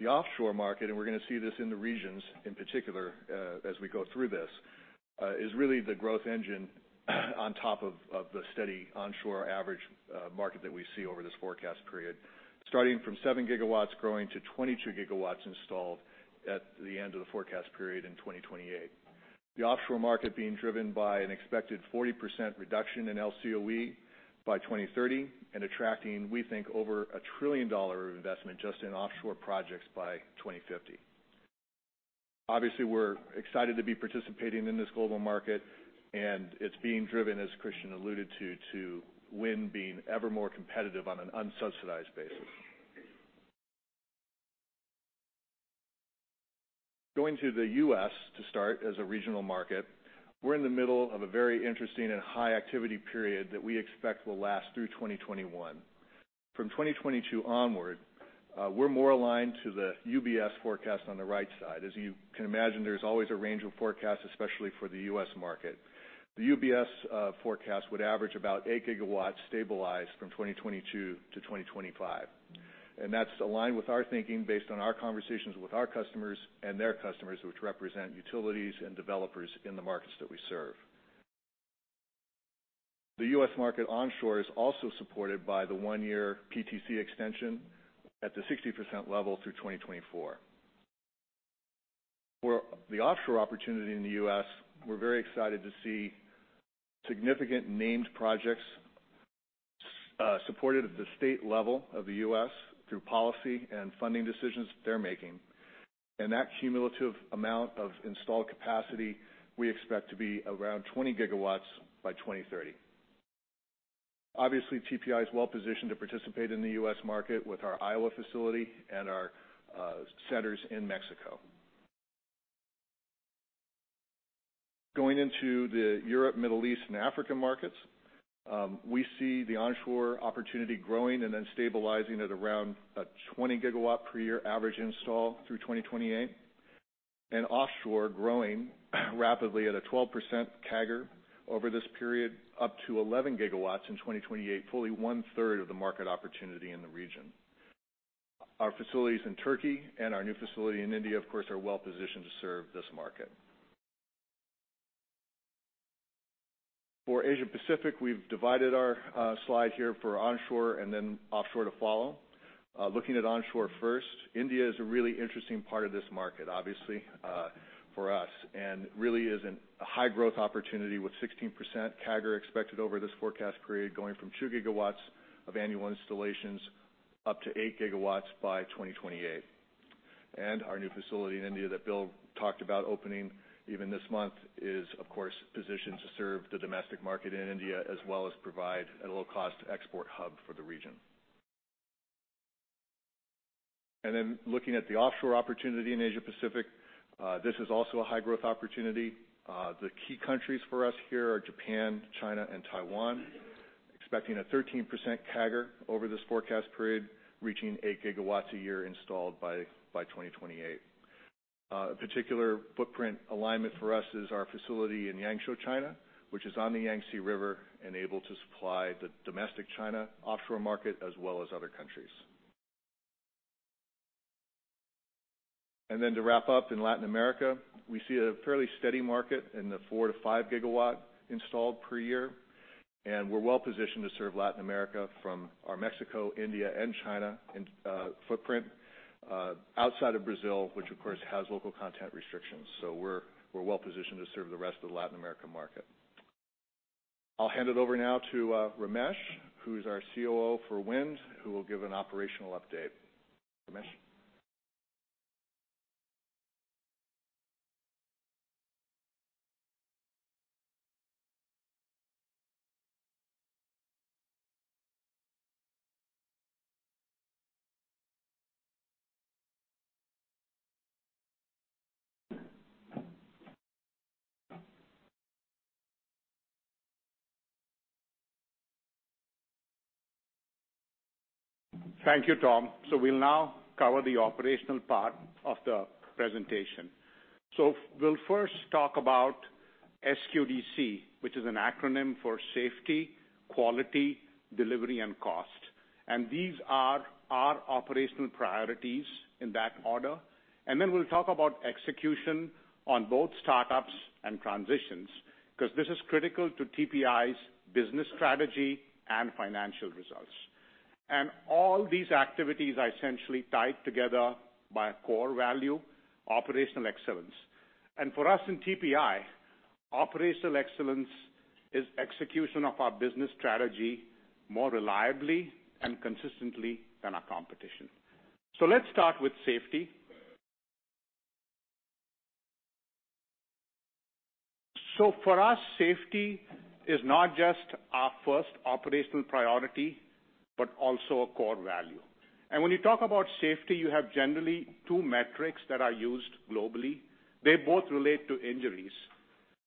The offshore market, and we're going to see this in the regions in particular as we go through this, is really the growth engine on top of the steady onshore average market that we see over this forecast period. Starting from seven GW growing to 22 GW installed at the end of the forecast period in 2028. The offshore market being driven by an expected 40% reduction in LCOE by 2030 and attracting, we think, over $1 trillion of investment just in offshore projects by 2050. Obviously, we're excited to be participating in this global market, and it's being driven, as Christian alluded to wind being ever more competitive on an unsubsidized basis. Going to the U.S. to start as a regional market, we're in the middle of a very interesting and high activity period that we expect will last through 2021. From 2022 onward, we're more aligned to the UBS forecast on the right side. As you can imagine, there's always a range of forecasts, especially for the U.S. market. The UBS forecast would average about 8 GW stabilized from 2022 to 2025. That's aligned with our thinking based on our conversations with our customers and their customers, which represent utilities and developers in the markets that we serve. The U.S. market onshore is also supported by the one-year PTC extension at the 60% level through 2024. For the offshore opportunity in the U.S., we're very excited to see significant named projects supported at the state level of the U.S. through policy and funding decisions they're making. That cumulative amount of installed capacity we expect to be around 20 GW by 2030. Obviously, TPI is well-positioned to participate in the U.S. market with our Iowa facility and our centers in Mexico. Going into the Europe, Middle East, and Africa markets, we see the onshore opportunity growing and then stabilizing at around a 20 GW per year average install through 2028. Offshore growing rapidly at a 12% CAGR over this period up to 11 GW in 2028, fully one-third of the market opportunity in the region. Our facilities in Turkey and our new facility in India, of course, are well-positioned to serve this market. For Asia-Pacific, we've divided our slide here for onshore and then offshore to follow. Looking at onshore first, India is a really interesting part of this market, obviously for us, and really is a high growth opportunity with 16% CAGR expected over this forecast period, going from 2 GW of annual installations up to 8 GW by 2028. Our new facility in India that Bill talked about opening even this month is, of course, positioned to serve the domestic market in India, as well as provide a low-cost export hub for the region. Looking at the offshore opportunity in Asia-Pacific, this is also a high-growth opportunity. The key countries for us here are Japan, China, and Taiwan. Expecting a 13% CAGR over this forecast period, reaching 8 GW a year installed by 2028. A particular footprint alignment for us is our facility in Yangzhou, China, which is on the Yangtze River and able to supply the domestic China offshore market as well as other countries. To wrap up, in Latin America, we see a fairly steady market in the four to five gigawatt installed per year, and we're well-positioned to serve Latin America from our Mexico, India, and China footprint outside of Brazil, which of course has local content restrictions. We're well-positioned to serve the rest of the Latin America market. I will hand it over now to Ramesh, who's our COO for wind, who will give an operational update. Ramesh. Thank you, Tom. We'll now cover the operational part of the presentation. We'll first talk about SQDC, which is an acronym for safety, quality, delivery, and cost. These are our operational priorities in that order. We'll talk about execution on both startups and transitions, because this is critical to TPI's business strategy and financial results. All these activities are essentially tied together by a core value, operational excellence. For us in TPI, operational excellence is execution of our business strategy more reliably and consistently than our competition. Let's start with safety. For us, safety is not just our first operational priority, but also a core value. When you talk about safety, you have generally two metrics that are used globally. They both relate to injuries.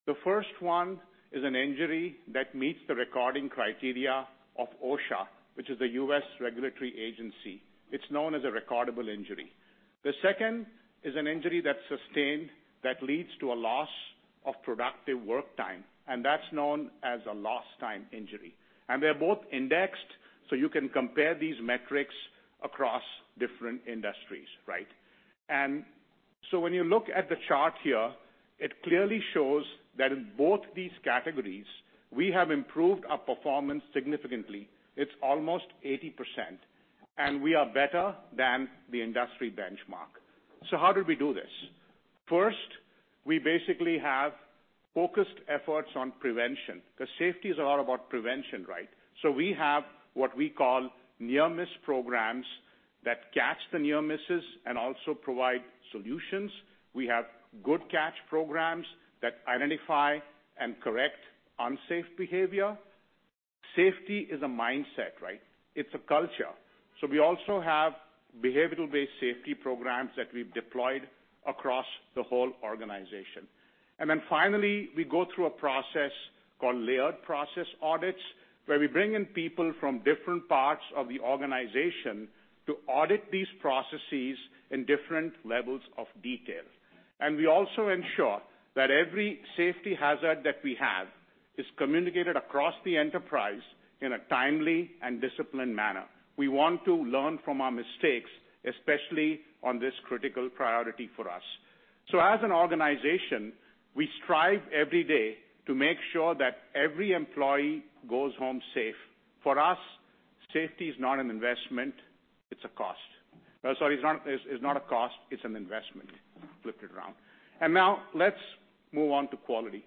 The first one is an injury that meets the recording criteria of OSHA, which is a U.S. regulatory agency. It's known as a recordable injury. The second is an injury that's sustained that leads to a loss of productive work time, and that's known as a lost time injury. They're both indexed, so you can compare these metrics across different industries, right? When you look at the chart here, it clearly shows that in both these categories, we have improved our performance significantly. It's almost 80%, and we are better than the industry benchmark. How did we do this? First, we basically have focused efforts on prevention, because safety is all about prevention, right? We have what we call near-miss programs that catch the near misses and also provide solutions. We have good catch programs that identify and correct unsafe behavior. Safety is a mindset, right? It's a culture. We also have behavioral-based safety programs that we've deployed across the whole organization. Finally, we go through a process called layered process audits, where we bring in people from different parts of the organization to audit these processes in different levels of detail. We also ensure that every safety hazard that we have is communicated across the enterprise in a timely and disciplined manner. We want to learn from our mistakes, especially on this critical priority for us. As an organization, we strive every day to make sure that every employee goes home safe. For us, safety is not an investment, it's a cost. Sorry, it's not a cost, it's an investment. Flip it around. Now let's move on to quality.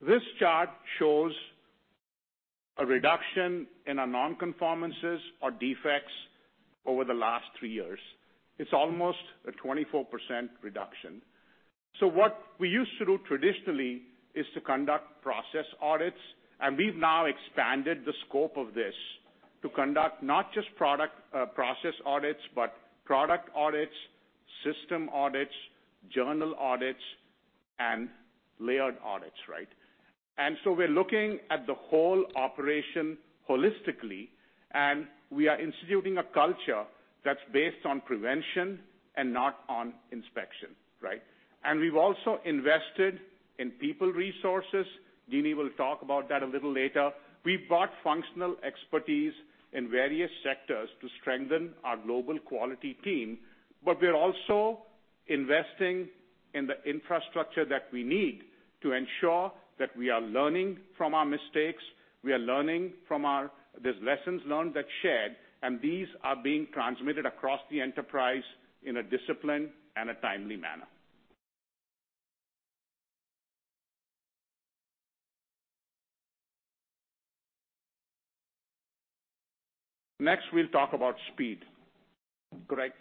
This chart shows a reduction in our non-conformances or defects over the last three years. It's almost a 24% reduction. What we used to do traditionally is to conduct process audits. We've now expanded the scope of this to conduct not just process audits, but product audits, system audits, journal audits, and layered audits. We're looking at the whole operation holistically. We are instituting a culture that's based on prevention and not on inspection. We've also invested in people resources. Deane will talk about that a little later. We've brought functional expertise in various sectors to strengthen our global quality team, but we're also investing in the infrastructure that we need to ensure that we are learning from our mistakes. There's lessons learned that's shared, and these are being transmitted across the enterprise in a disciplined and a timely manner. Next, we'll talk about speed. Great.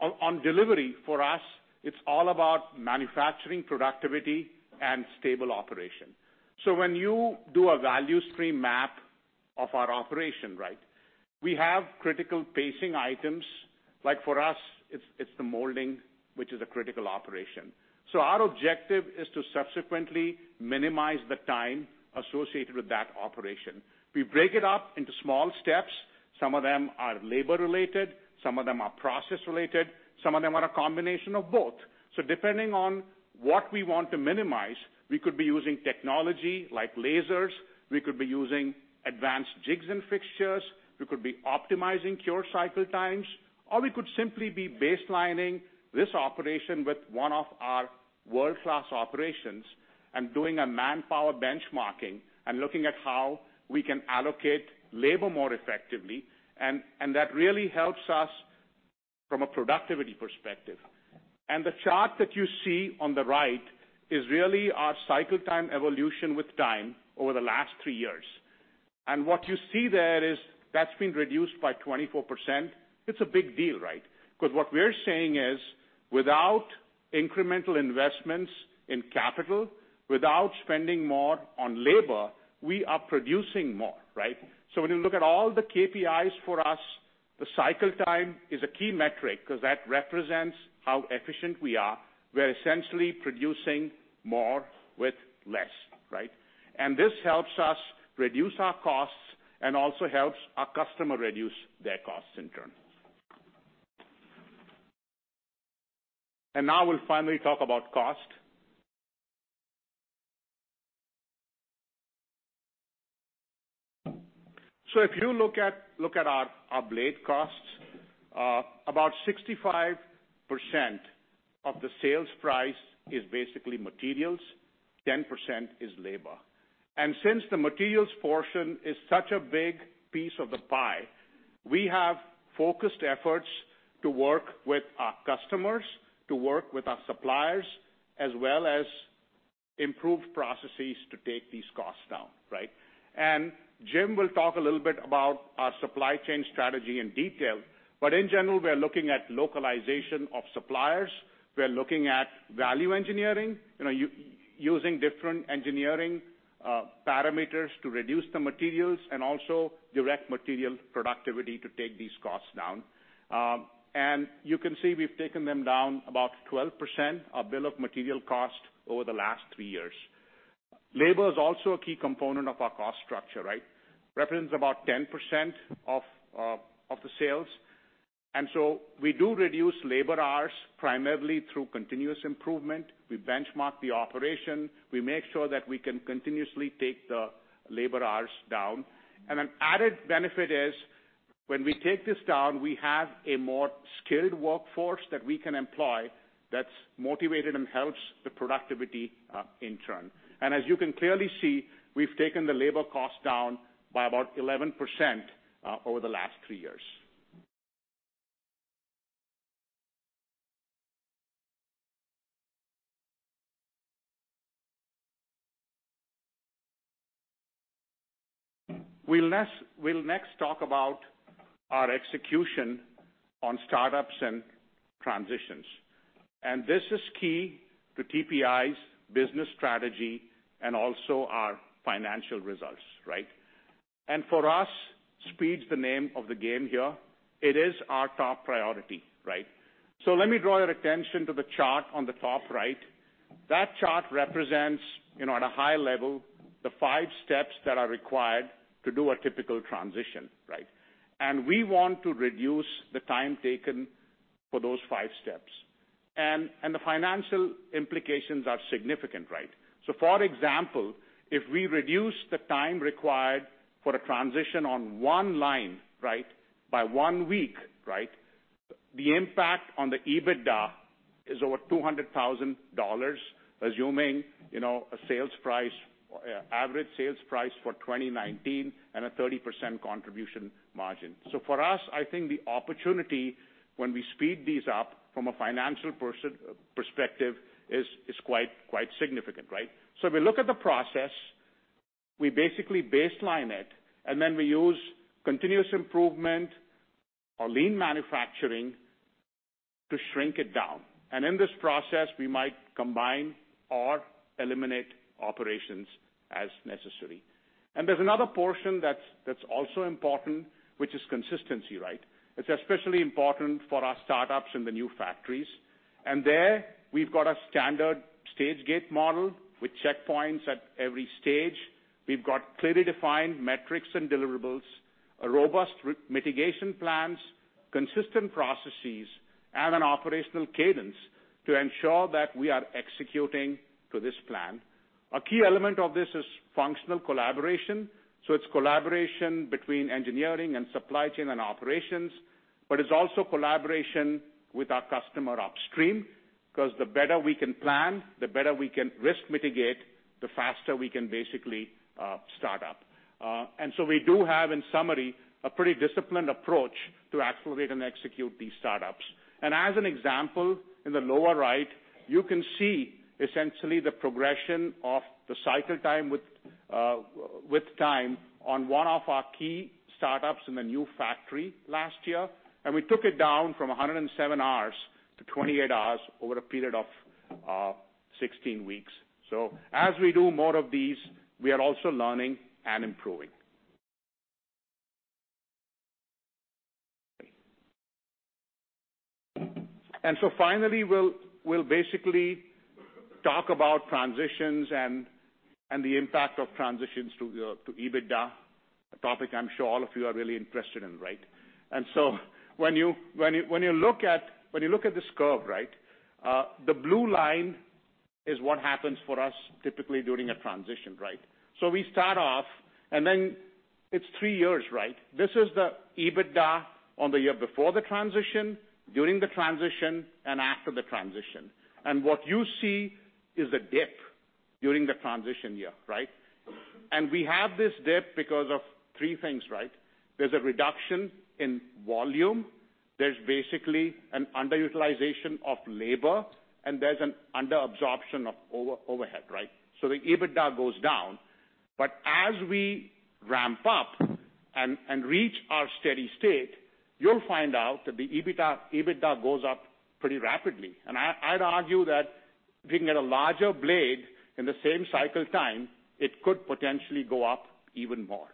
On delivery, for us, it's all about manufacturing productivity and stable operation. When you do a value stream map of our operation, right? We have critical pacing items. Like for us, it's the molding, which is a critical operation. Our objective is to subsequently minimize the time associated with that operation. We break it up into small steps. Some of them are labor-related, some of them are process-related, some of them are a combination of both. Depending on what we want to minimize, we could be using technology like lasers, we could be using advanced jigs and fixtures, we could be optimizing cure cycle times, or we could simply be baselining this operation with one of our world-class operations and doing a manpower benchmarking and looking at how we can allocate labor more effectively. That really helps us from a productivity perspective. The chart that you see on the right is really our cycle time evolution with time over the last three years. What you see there is that's been reduced by 24%. It's a big deal, right. Because what we're saying is, without incremental investments in capital, without spending more on labor, we are producing more, right. When you look at all the KPIs for us, the cycle time is a key metric because that represents how efficient we are. We're essentially producing more with less, right. This helps us reduce our costs and also helps our customer reduce their costs in turn. Now we'll finally talk about cost. If you look at our blade costs, about 65% of the sales price is basically materials, 10% is labor. Since the materials portion is such a big piece of the pie, we have focused efforts to work with our customers, to work with our suppliers, as well as improve processes to take these costs down. Jim will talk a little bit about our supply chain strategy in detail, but in general, we are looking at localization of suppliers. We are looking at value engineering, using different engineering parameters to reduce the materials and also direct material productivity to take these costs down. You can see we've taken them down about 12%, our bill of material cost, over the last three years. Labor is also a key component of our cost structure. Represents about 10% of the sales, we do reduce labor hours primarily through continuous improvement. We benchmark the operation. We make sure that we can continuously take the labor hours down. An added benefit is when we take this down, we have a more skilled workforce that we can employ that's motivated and helps the productivity in turn. As you can clearly see, we've taken the labor cost down by about 11% over the last three years. We'll next talk about our execution on startups and transitions. This is key to TPI's business strategy and also our financial results. For us, speed's the name of the game here. It is our top priority. Let me draw your attention to the chart on the top right. That chart represents, at a high level, the five steps that are required to do a typical transition. We want to reduce the time taken for those five steps. The financial implications are significant. For example, if we reduce the time required for a transition on one line by one week, the impact on the EBITDA is over $200,000, assuming average sales price for 2019 and a 30% contribution margin. For us, I think the opportunity when we speed these up from a financial perspective is quite significant. We look at the process, we basically baseline it, and then we use continuous improvement or lean manufacturing to shrink it down. In this process, we might combine or eliminate operations as necessary. There's another portion that's also important, which is consistency. It's especially important for our startups in the new factories. There we've got a standard stage gate model with checkpoints at every stage. We've got clearly defined metrics and deliverables, a robust mitigation plans, consistent processes, and an operational cadence to ensure that we are executing to this plan. A key element of this is functional collaboration. It's collaboration between engineering and supply chain and operations. It's also collaboration with our customer upstream. The better we can plan, the better we can risk mitigate, the faster we can basically start up. We do have, in summary, a pretty disciplined approach to accelerate and execute these startups. As an example, in the lower right, you can see essentially the progression of the cycle time with time on one of our key startups in the new factory last year. We took it down from 107 hours to 28 hours over a period of 16 weeks. As we do more of these, we are also learning and improving. Finally, we'll basically talk about transitions and the impact of transitions to EBITDA, a topic I'm sure all of you are really interested in. When you look at this curve, the blue line is what happens for us typically during a transition. We start off, and then it's three years. This is the EBITDA on the year before the transition, during the transition, and after the transition. What you see is a dip during the transition year. We have this dip because of three things. There's a reduction in volume, there's basically an underutilization of labor, and there's an under absorption of overhead. The EBITDA goes down. As we ramp up and reach our steady state, you'll find out that the EBITDA goes up pretty rapidly. I'd argue that being at a larger blade in the same cycle time, it could potentially go up even more.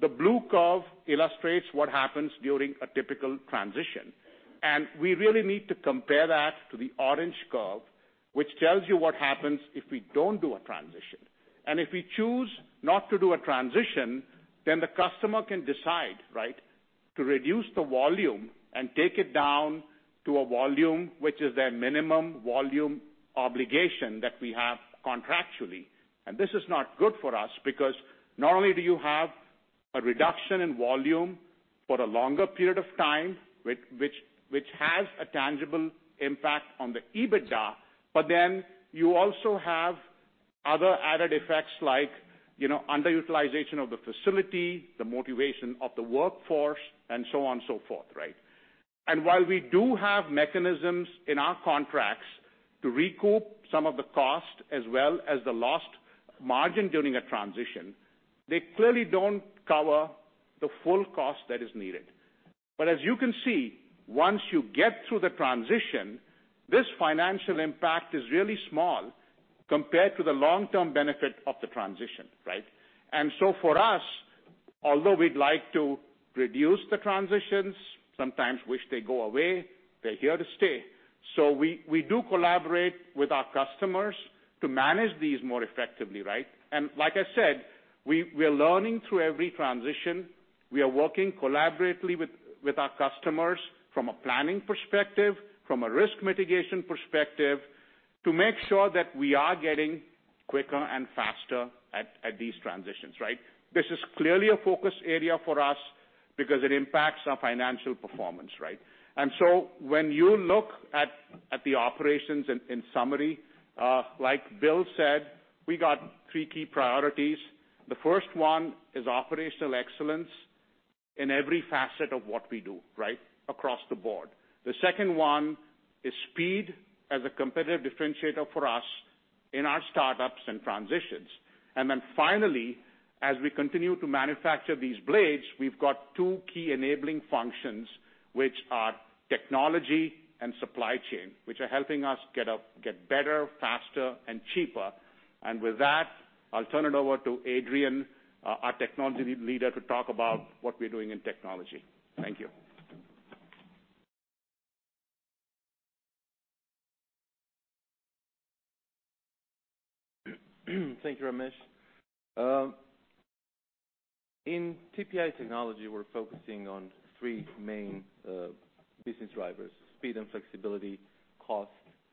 The blue curve illustrates what happens during a typical transition. We really need to compare that to the orange curve, which tells you what happens if we don't do a transition. If we choose not to do a transition, then the customer can decide to reduce the volume and take it down to a volume which is their minimum volume obligation that we have contractually. This is not good for us, because not only do you have a reduction in volume for a longer period of time, which has a tangible impact on the EBITDA, but then you also have other added effects like underutilization of the facility, the motivation of the workforce, and so on and so forth. While we do have mechanisms in our contracts to recoup some of the cost as well as the lost margin during a transition, they clearly don't cover the full cost that is needed. As you can see, once you get through the transition, this financial impact is really small compared to the long-term benefit of the transition. For us, although we'd like to reduce the transitions, sometimes wish they go away, they're here to stay. We do collaborate with our customers to manage these more effectively. Like I said, we are learning through every transition. We are working collaboratively with our customers from a planning perspective, from a risk mitigation perspective, to make sure that we are getting quicker and faster at these transitions. This is clearly a focus area for us because it impacts our financial performance. When you look at the operations in summary, like Bill said, we got three key priorities. The first one is operational excellence in every facet of what we do across the board. The second one is speed as a competitive differentiator for us in our startups and transitions. Finally, as we continue to manufacture these blades, we've got two key enabling functions, which are technology and supply chain, which are helping us get better, faster, and cheaper. With that, I'll turn it over to Adrian, our technology leader, to talk about what we're doing in technology. Thank you. Thank you, Ramesh. In TPI technology, we're focusing on three main business drivers, speed and flexibility, cost,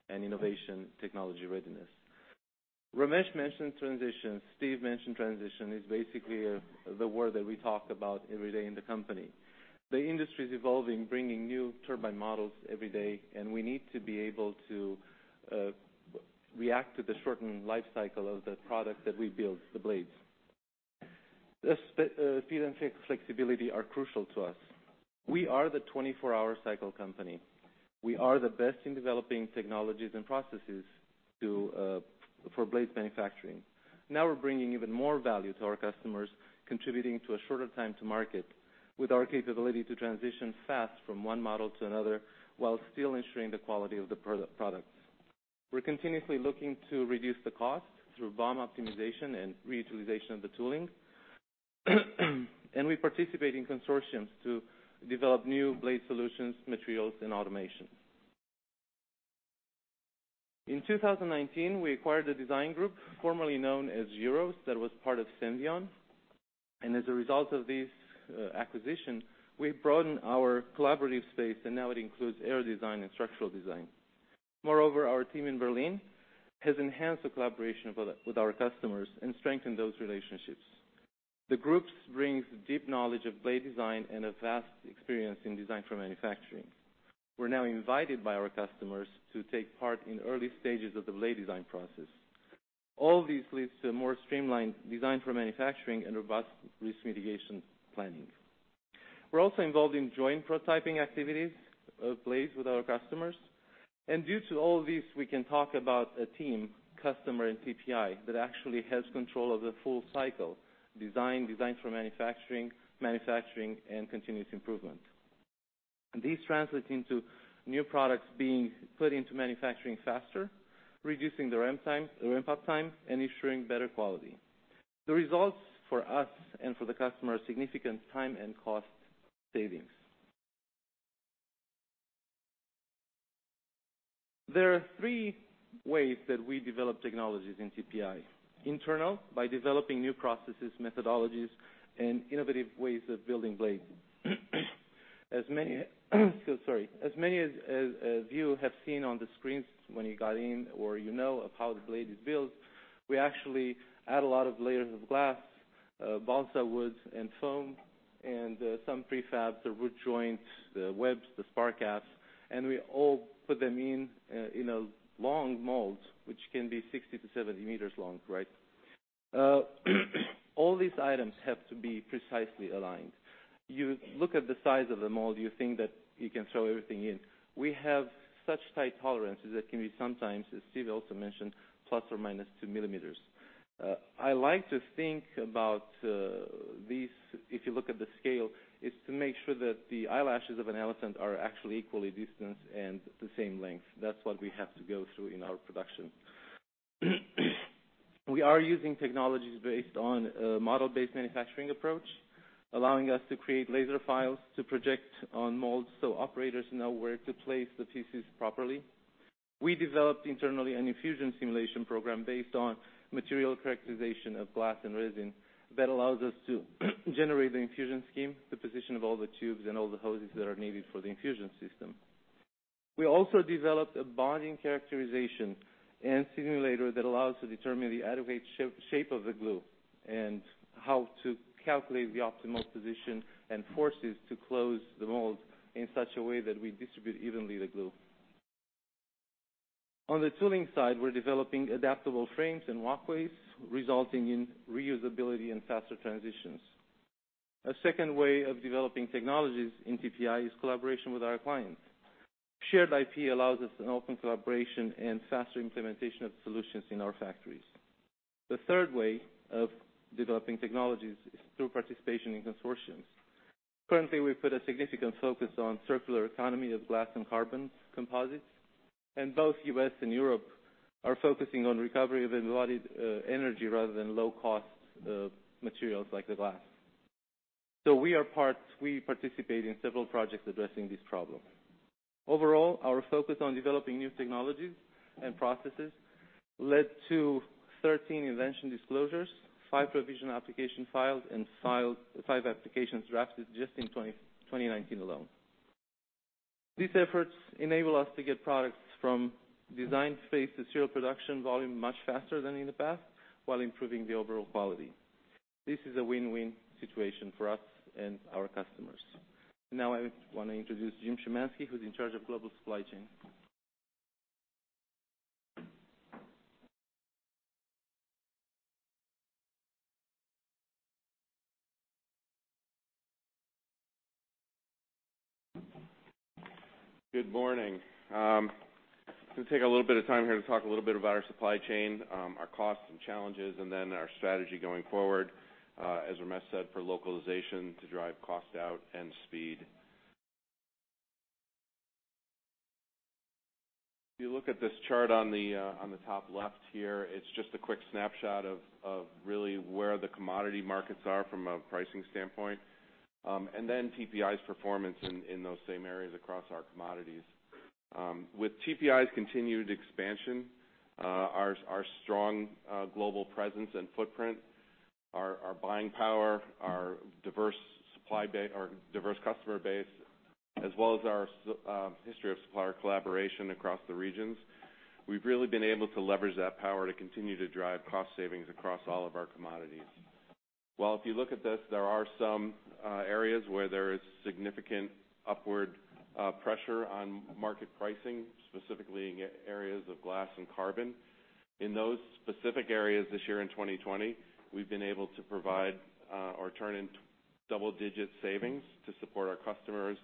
and innovation technology readiness. Ramesh mentioned transitions, Steve mentioned transition, is basically the word that we talk about every day in the company. The industry is evolving, bringing new turbine models every day, and we need to be able to react to the shortened life cycle of the product that we build, the blades. The speed and flexibility are crucial to us. We are the 24-hour cycle company. We are the best in developing technologies and processes for blades manufacturing. Now we're bringing even more value to our customers, contributing to a shorter time to market with our capability to transition fast from one model to another while still ensuring the quality of the products. We're continuously looking to reduce the cost through BOM optimization and reutilization of the tooling. We participate in consortiums to develop new blade solutions, materials, and automation. In 2019, we acquired a design group, formerly known as EUROS, that was part of Senvion. As a result of this acquisition, we broadened our collaborative space, and now it includes aero design and structural design. Moreover, our team in Berlin has enhanced the collaboration with our customers and strengthened those relationships. The groups brings deep knowledge of blade design and a vast experience in design for manufacturing. We're now invited by our customers to take part in early stages of the blade design process. All this leads to more streamlined design for manufacturing and robust risk mitigation planning. We're also involved in joint prototyping activities of blades with our customers. Due to all this, we can talk about a team, customer and TPI, that actually has control of the full cycle, design for manufacturing, and continuous improvement. This translates into new products being put into manufacturing faster, reducing the ramp-up time, and ensuring better quality. The results for us and for the customer are significant time and cost savings. There are three ways that we develop technologies in TPI. Internal, by developing new processes, methodologies, and innovative ways of building blades. As many of you have seen on the screens when you got in, or you know of how the blade is built, we actually add a lot of layers of glass, balsa wood, and foam, and some prefabs, the root joints, the webs, the spar caps, we all put them in a long mold, which can be 60 to 70 meters long. All these items have to be precisely aligned. You look at the size of the mold, you think that you can throw everything in. We have such tight tolerances that can be sometimes, as Steve also mentioned, ±2 mm. I like to think about these, if you look at the scale, is to make sure that the eyelashes of an elephant are actually equally distant and the same length. That's what we have to go through in our production. We are using technologies based on a model-based manufacturing approach, allowing us to create laser files to project on molds so operators know where to place the pieces properly. We developed internally an infusion simulation program based on material characterization of glass and resin that allows us to generate the infusion scheme, the position of all the tubes and all the hoses that are needed for the infusion system. We also developed a bonding characterization and simulator that allows to determine the adequate shape of the glue and how to calculate the optimal position and forces to close the mold in such a way that we distribute evenly the glue. On the tooling side, we're developing adaptable frames and walkways, resulting in reusability and faster transitions. A second way of developing technologies in TPI is collaboration with our clients. Shared IP allows us an open collaboration and faster implementation of solutions in our factories. The third way of developing technologies is through participation in consortiums. Currently, we've put a significant focus on circular economy of glass and carbon composites, and both U.S. and Europe are focusing on recovery of embodied energy rather than low-cost materials like the glass. We participate in several projects addressing this problem. Overall, our focus on developing new technologies and processes led to 13 invention disclosures, five provision applications filed, and five applications drafted just in 2019 alone. These efforts enable us to get products from design phase to serial production volume much faster than in the past while improving the overall quality. This is a win-win situation for us and our customers. I want to introduce Jim Schimanski, who's in charge of global supply chain. Good morning. I'm going to take a little bit of time here to talk a little bit about our supply chain, our costs and challenges, and then our strategy going forward, as Ramesh said, for localization to drive cost out and speed. If you look at this chart on the top left here, it's just a quick snapshot of really where the commodity markets are from a pricing standpoint, and then TPI's performance in those same areas across our commodities. With TPI's continued expansion, our strong global presence and footprint, our buying power, our diverse customer base, as well as our history of supplier collaboration across the regions, we've really been able to leverage that power to continue to drive cost savings across all of our commodities. While if you look at this, there are some areas where there is significant upward pressure on market pricing, specifically in areas of glass and carbon. In those specific areas this year in 2020, we've been able to provide or turn in double-digit savings to support our customers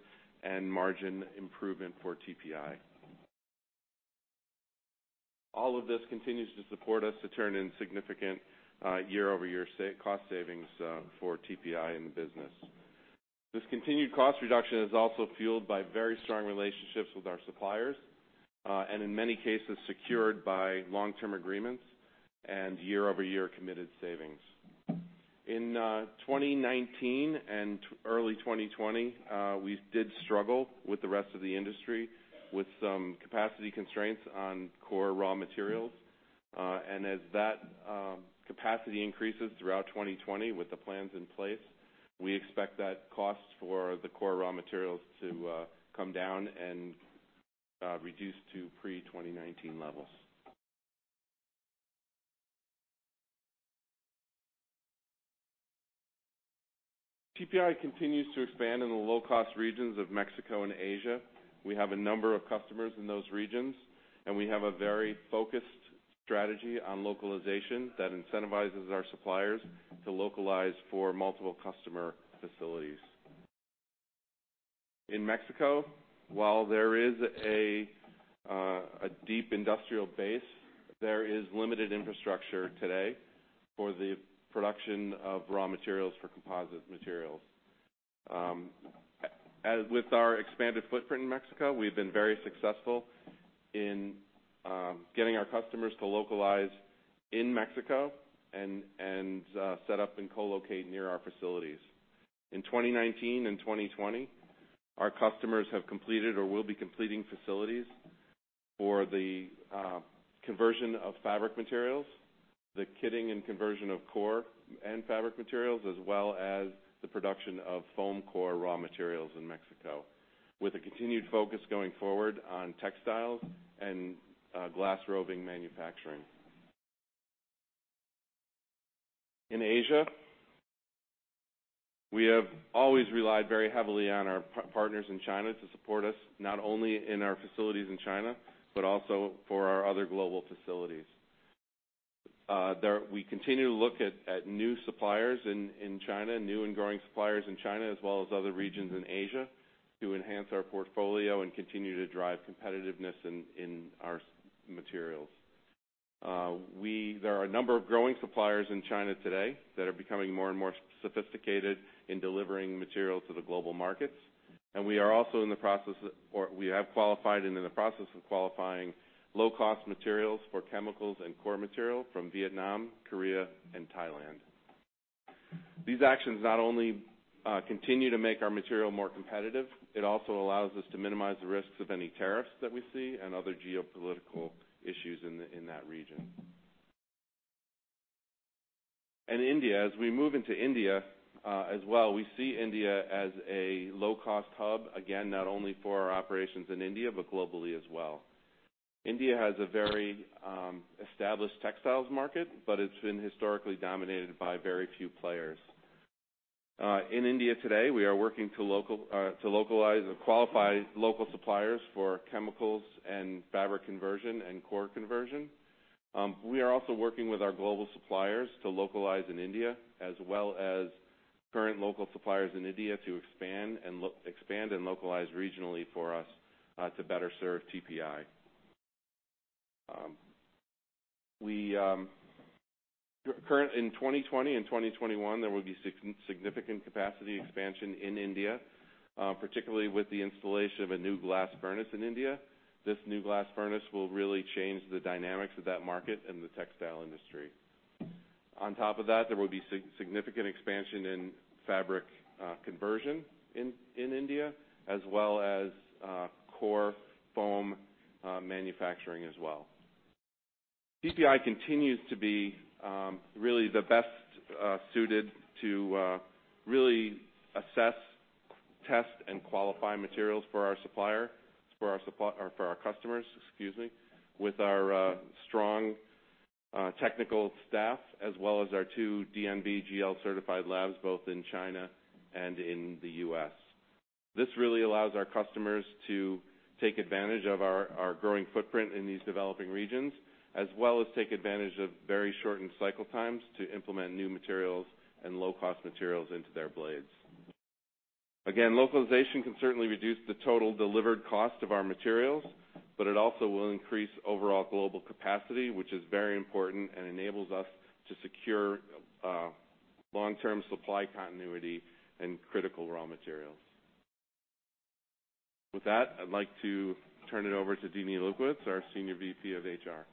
and margin improvement for TPI. All of this continues to support us to turn in significant year-over-year cost savings for TPI in the business. This continued cost reduction is also fueled by very strong relationships with our suppliers, and in many cases, secured by long-term agreements and year-over-year committed savings. In 2019 and early 2020, we did struggle with the rest of the industry with some capacity constraints on core raw materials. As that capacity increases throughout 2020 with the plans in place, we expect that cost for the core raw materials to come down and reduce to pre-2019 levels. TPI continues to expand in the low-cost regions of Mexico and Asia. We have a number of customers in those regions, and we have a very focused strategy on localization that incentivizes our suppliers to localize for multiple customer facilities. In Mexico, while there is a deep industrial base, there is limited infrastructure today for the production of raw materials for composite materials. With our expanded footprint in Mexico, we've been very successful in getting our customers to localize in Mexico and set up and co-locate near our facilities. In 2019 and 2020, our customers have completed or will be completing facilities for the conversion of fabric materials, the kitting and conversion of core and fabric materials, as well as the production of foam core raw materials in Mexico. With a continued focus going forward on textiles and glass roving manufacturing. In Asia, we have always relied very heavily on our partners in China to support us, not only in our facilities in China, but also for our other global facilities. We continue to look at new suppliers in China, new and growing suppliers in China, as well as other regions in Asia to enhance our portfolio and continue to drive competitiveness in our materials. There are a number of growing suppliers in China today that are becoming more and more sophisticated in delivering materials to the global markets. We are also in the process, or we have qualified and are in the process of qualifying low-cost materials for chemicals and core material from Vietnam, Korea, and Thailand. These actions not only continue to make our material more competitive, but they also allow us to minimize the risks of any tariffs that we see and other geopolitical issues in that region. India, as we move into India as well, we see India as a low-cost hub, again, not only for our operations in India, but globally as well. India has a very established textiles market, but it's been historically dominated by very few players. In India today, we are working to localize or qualify local suppliers for chemicals and fabric conversion and core conversion. We are also working with our global suppliers to localize in India, as well as current local suppliers in India to expand and localize regionally for us to better serve TPI. In 2020 and 2021, there will be significant capacity expansion in India, particularly with the installation of a new glass furnace in India. This new glass furnace will really change the dynamics of that market and the textile industry. On top of that, there will be significant expansion in fabric conversion in India, as well as core foam manufacturing as well. TPI continues to be really the best suited to really assess, test, and qualify materials for our customers, with our strong technical staff, as well as our two DNV GL certified labs, both in China and in the U.S. This really allows our customers to take advantage of our growing footprint in these developing regions, as well as take advantage of very shortened cycle times to implement new materials and low-cost materials into their blades. Localization can certainly reduce the total delivered cost of our materials, but it also will increase overall global capacity, which is very important and enables us to secure long-term supply continuity and critical raw materials. With that, I'd like to turn it over to Deane Ilukowicz, our Senior VP of HR.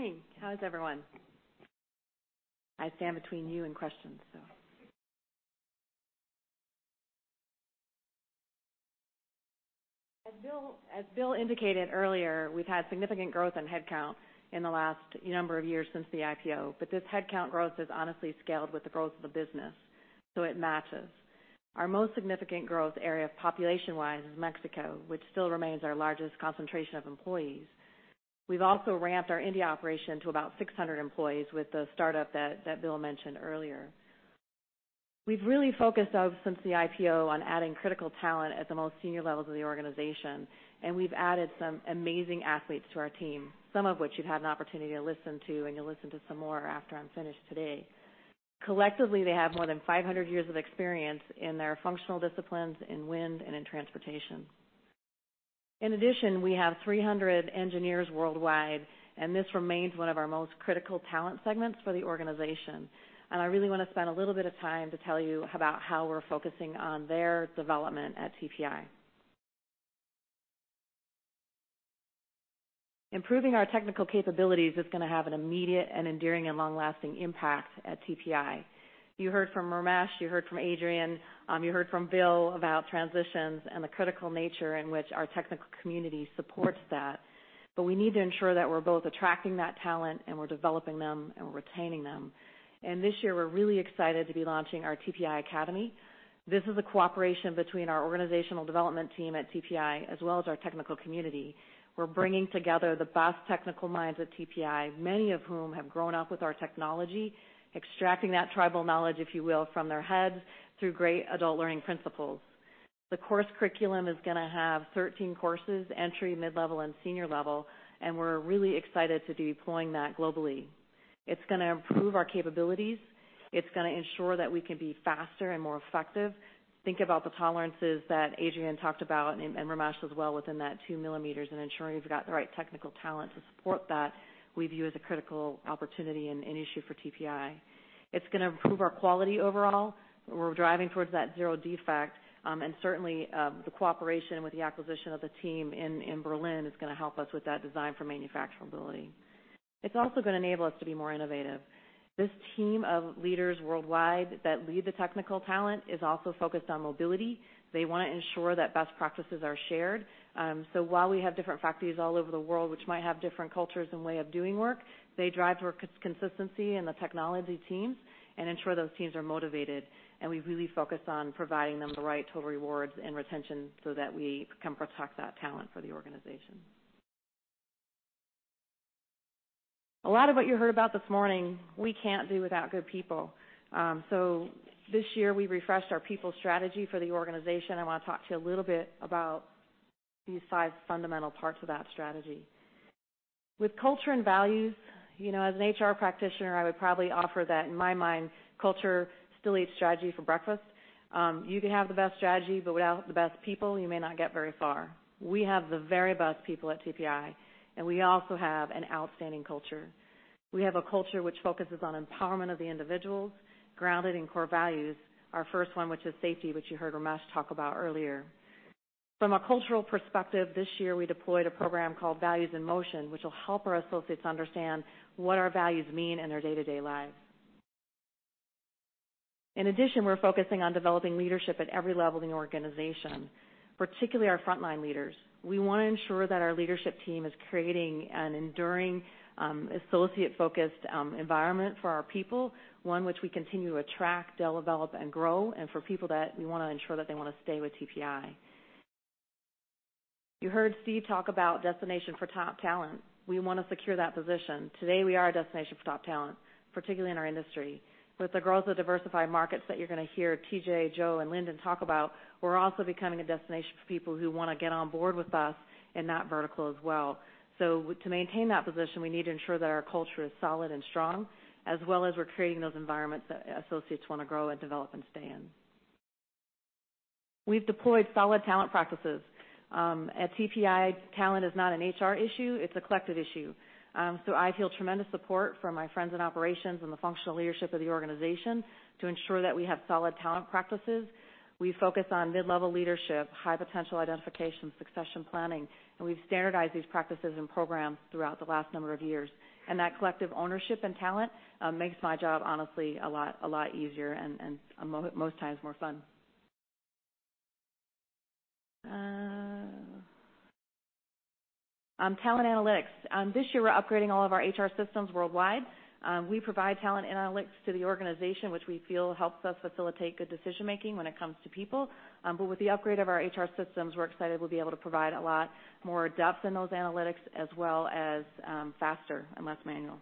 Good morning. How is everyone? I stand between you and questions. As Bill indicated earlier, we've had significant growth in head count in the last number of years since the IPO, but this head count growth has honestly scaled with the growth of the business, so it matches. Our most significant growth area population-wise is Mexico, which still remains our largest concentration of employees. We've also ramped our India operation to about 600 employees with the startup that Bill mentioned earlier. We've really focused since the IPO on adding critical talent at the most senior levels of the organization, and we've added some amazing athletes to our team, some of which you've had an opportunity to listen to, and you'll listen to some more after I'm finished today. Collectively, they have more than 500 years of experience in their functional disciplines, in wind, and in transportation. We have 300 engineers worldwide, and this remains one of our most critical talent segments for the organization. I really want to spend a little bit of time to tell you about how we're focusing on their development at TPI. Improving our technical capabilities is going to have an immediate and enduring, and long-lasting impact at TPI. You heard from Ramesh, you heard from Adrian, you heard from Bill about transitions and the critical nature in which our technical community supports that. We need to ensure that we're both attracting that talent, and we're developing them and we're retaining them. This year, we're really excited to be launching our TPI Academy. This is a cooperation between our organizational development team at TPI as well as our technical community. We're bringing together the best technical minds at TPI, many of whom have grown up with our technology, extracting that tribal knowledge, if you will, from their heads through great adult learning principles. The course curriculum is going to have 13 courses, entry, mid-level, and senior level. We're really excited to be deploying that globally. It's going to improve our capabilities. It's going to ensure that we can be faster and more effective. Think about the tolerances that Adrian talked about, and Ramesh as well, within that 2 mm. Ensuring you've got the right technical talent to support that, we view as a critical opportunity and an issue for TPI. It's going to improve our quality overall. We're driving towards that zero defect. Certainly, the cooperation with the acquisition of the team in Berlin is going to help us with that design for manufacturability. It's also going to enable us to be more innovative. This team of leaders worldwide that lead the technical talent is also focused on mobility. They want to ensure that best practices are shared. While we have different factories all over the world, which might have different cultures and way of doing work, they drive towards consistency in the technology teams and ensure those teams are motivated, and we really focus on providing them the right total rewards and retention so that we can protect that talent for the organization. A lot of what you heard about this morning, we can't do without good people. This year, we refreshed our people strategy for the organization. I want to talk to you a little bit about these five fundamental parts of that strategy. With culture and values, as an HR practitioner, I would probably offer that in my mind, culture still eats strategy for breakfast. You can have the best strategy, but without the best people, you may not get very far. We have the very best people at TPI, and we also have an outstanding culture. We have a culture which focuses on empowerment of the individuals, grounded in core values. Our first one, which is safety, which you heard Ramesh talk about earlier. From a cultural perspective, this year, we deployed a program called Values in Motion, which will help our associates understand what our values mean in their day-to-day lives. In addition, we're focusing on developing leadership at every level in the organization, particularly our frontline leaders. We want to ensure that our leadership team is creating an enduring, associate-focused environment for our people, one which we continue to attract, develop, and grow, and for people that we want to ensure that they want to stay with TPI. You heard Steve talk about destination for top talent. We want to secure that position. Today, we are a destination for top talent, particularly in our industry. With the growth of diversified markets that you're going to hear TJ, Joe, and Lyndon talk about, we're also becoming a destination for people who want to get on board with us in that vertical as well. To maintain that position, we need to ensure that our culture is solid and strong, as well as we're creating those environments that associates want to grow and develop and stay in. We've deployed solid talent practices. At TPI, talent is not an HR issue, it's a collective issue. I feel tremendous support from my friends in operations and the functional leadership of the organization to ensure that we have solid talent practices. We focus on mid-level leadership, high potential identification, succession planning, we've standardized these practices and programs throughout the last number of years. That collective ownership and talent makes my job, honestly, a lot easier and, most times, more fun. Talent analytics. This year, we're upgrading all of our HR systems worldwide. We provide talent analytics to the organization, which we feel helps us facilitate good decision-making when it comes to people. With the upgrade of our HR systems, we're excited we'll be able to provide a lot more depth in those analytics as well as faster and less manual.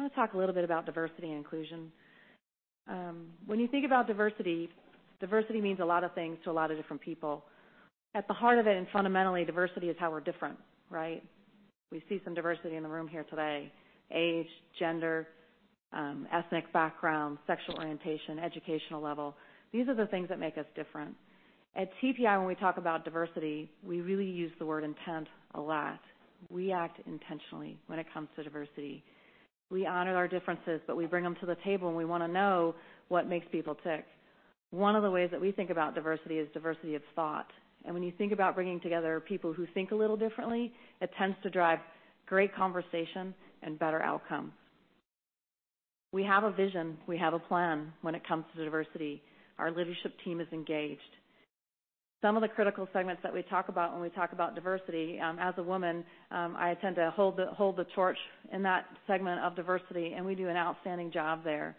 I'm going to talk a little bit about diversity and inclusion. When you think about diversity means a lot of things to a lot of different people. At the heart of it, and fundamentally, diversity is how we're different, right? We see some diversity in the room here today. Age, gender, ethnic background, sexual orientation, educational level. These are the things that make us different. At TPI, when we talk about diversity, we really use the word intent a lot. We act intentionally when it comes to diversity. We honor our differences, but we bring them to the table, and we want to know what makes people tick. One of the ways that we think about diversity is diversity of thought, and when you think about bringing together people who think a little differently, it tends to drive great conversation and better outcomes. We have a vision. We have a plan when it comes to diversity. Our leadership team is engaged. Some of the critical segments that we talk about when we talk about diversity, as a woman, I tend to hold the torch in that segment of diversity, and we do an outstanding job there.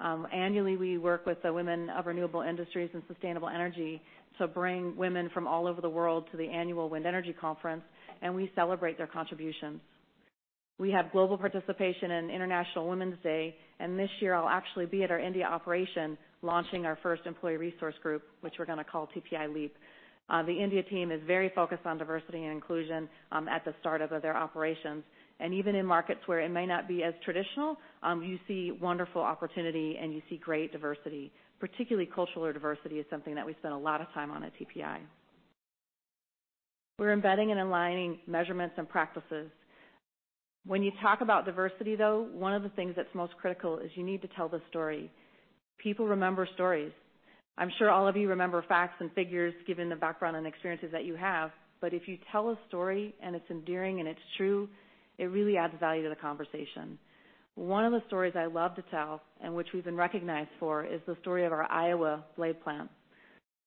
Annually, we work with the Women of Renewable Industries and Sustainable Energy to bring women from all over the world to the annual Wind Energy Conference, and we celebrate their contributions. We have global participation in International Women's Day, and this year, I'll actually be at our India operation launching our first employee resource group, which we're going to call TPI LEAP. The India team is very focused on diversity and inclusion at the startup of their operations. Even in markets where it may not be as traditional, you see wonderful opportunity and you see great diversity, particularly cultural diversity is something that we spend a lot of time on at TPI. We're embedding and aligning measurements and practices. When you talk about diversity, though, one of the things that's most critical is you need to tell the story. People remember stories. I'm sure all of you remember facts and figures, given the background and experiences that you have. If you tell a story and it's endearing and it's true, it really adds value to the conversation. One of the stories I love to tell, and which we've been recognized for, is the story of our Iowa blade plant.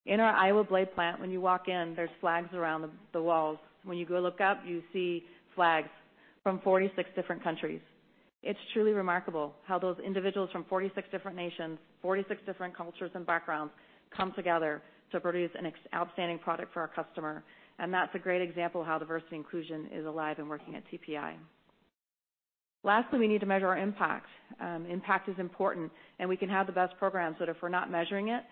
In our Iowa blade plant, when you walk in, there's flags around the walls. When you go look up, you see flags from 46 different countries. It's truly remarkable how those individuals from 46 different nations, 46 different cultures and backgrounds, come together to produce an outstanding product for our customer. That's a great example of how diversity and inclusion is alive and working at TPI. Lastly, we need to measure our impact. Impact is important, we can have the best programs, but if we're not measuring it,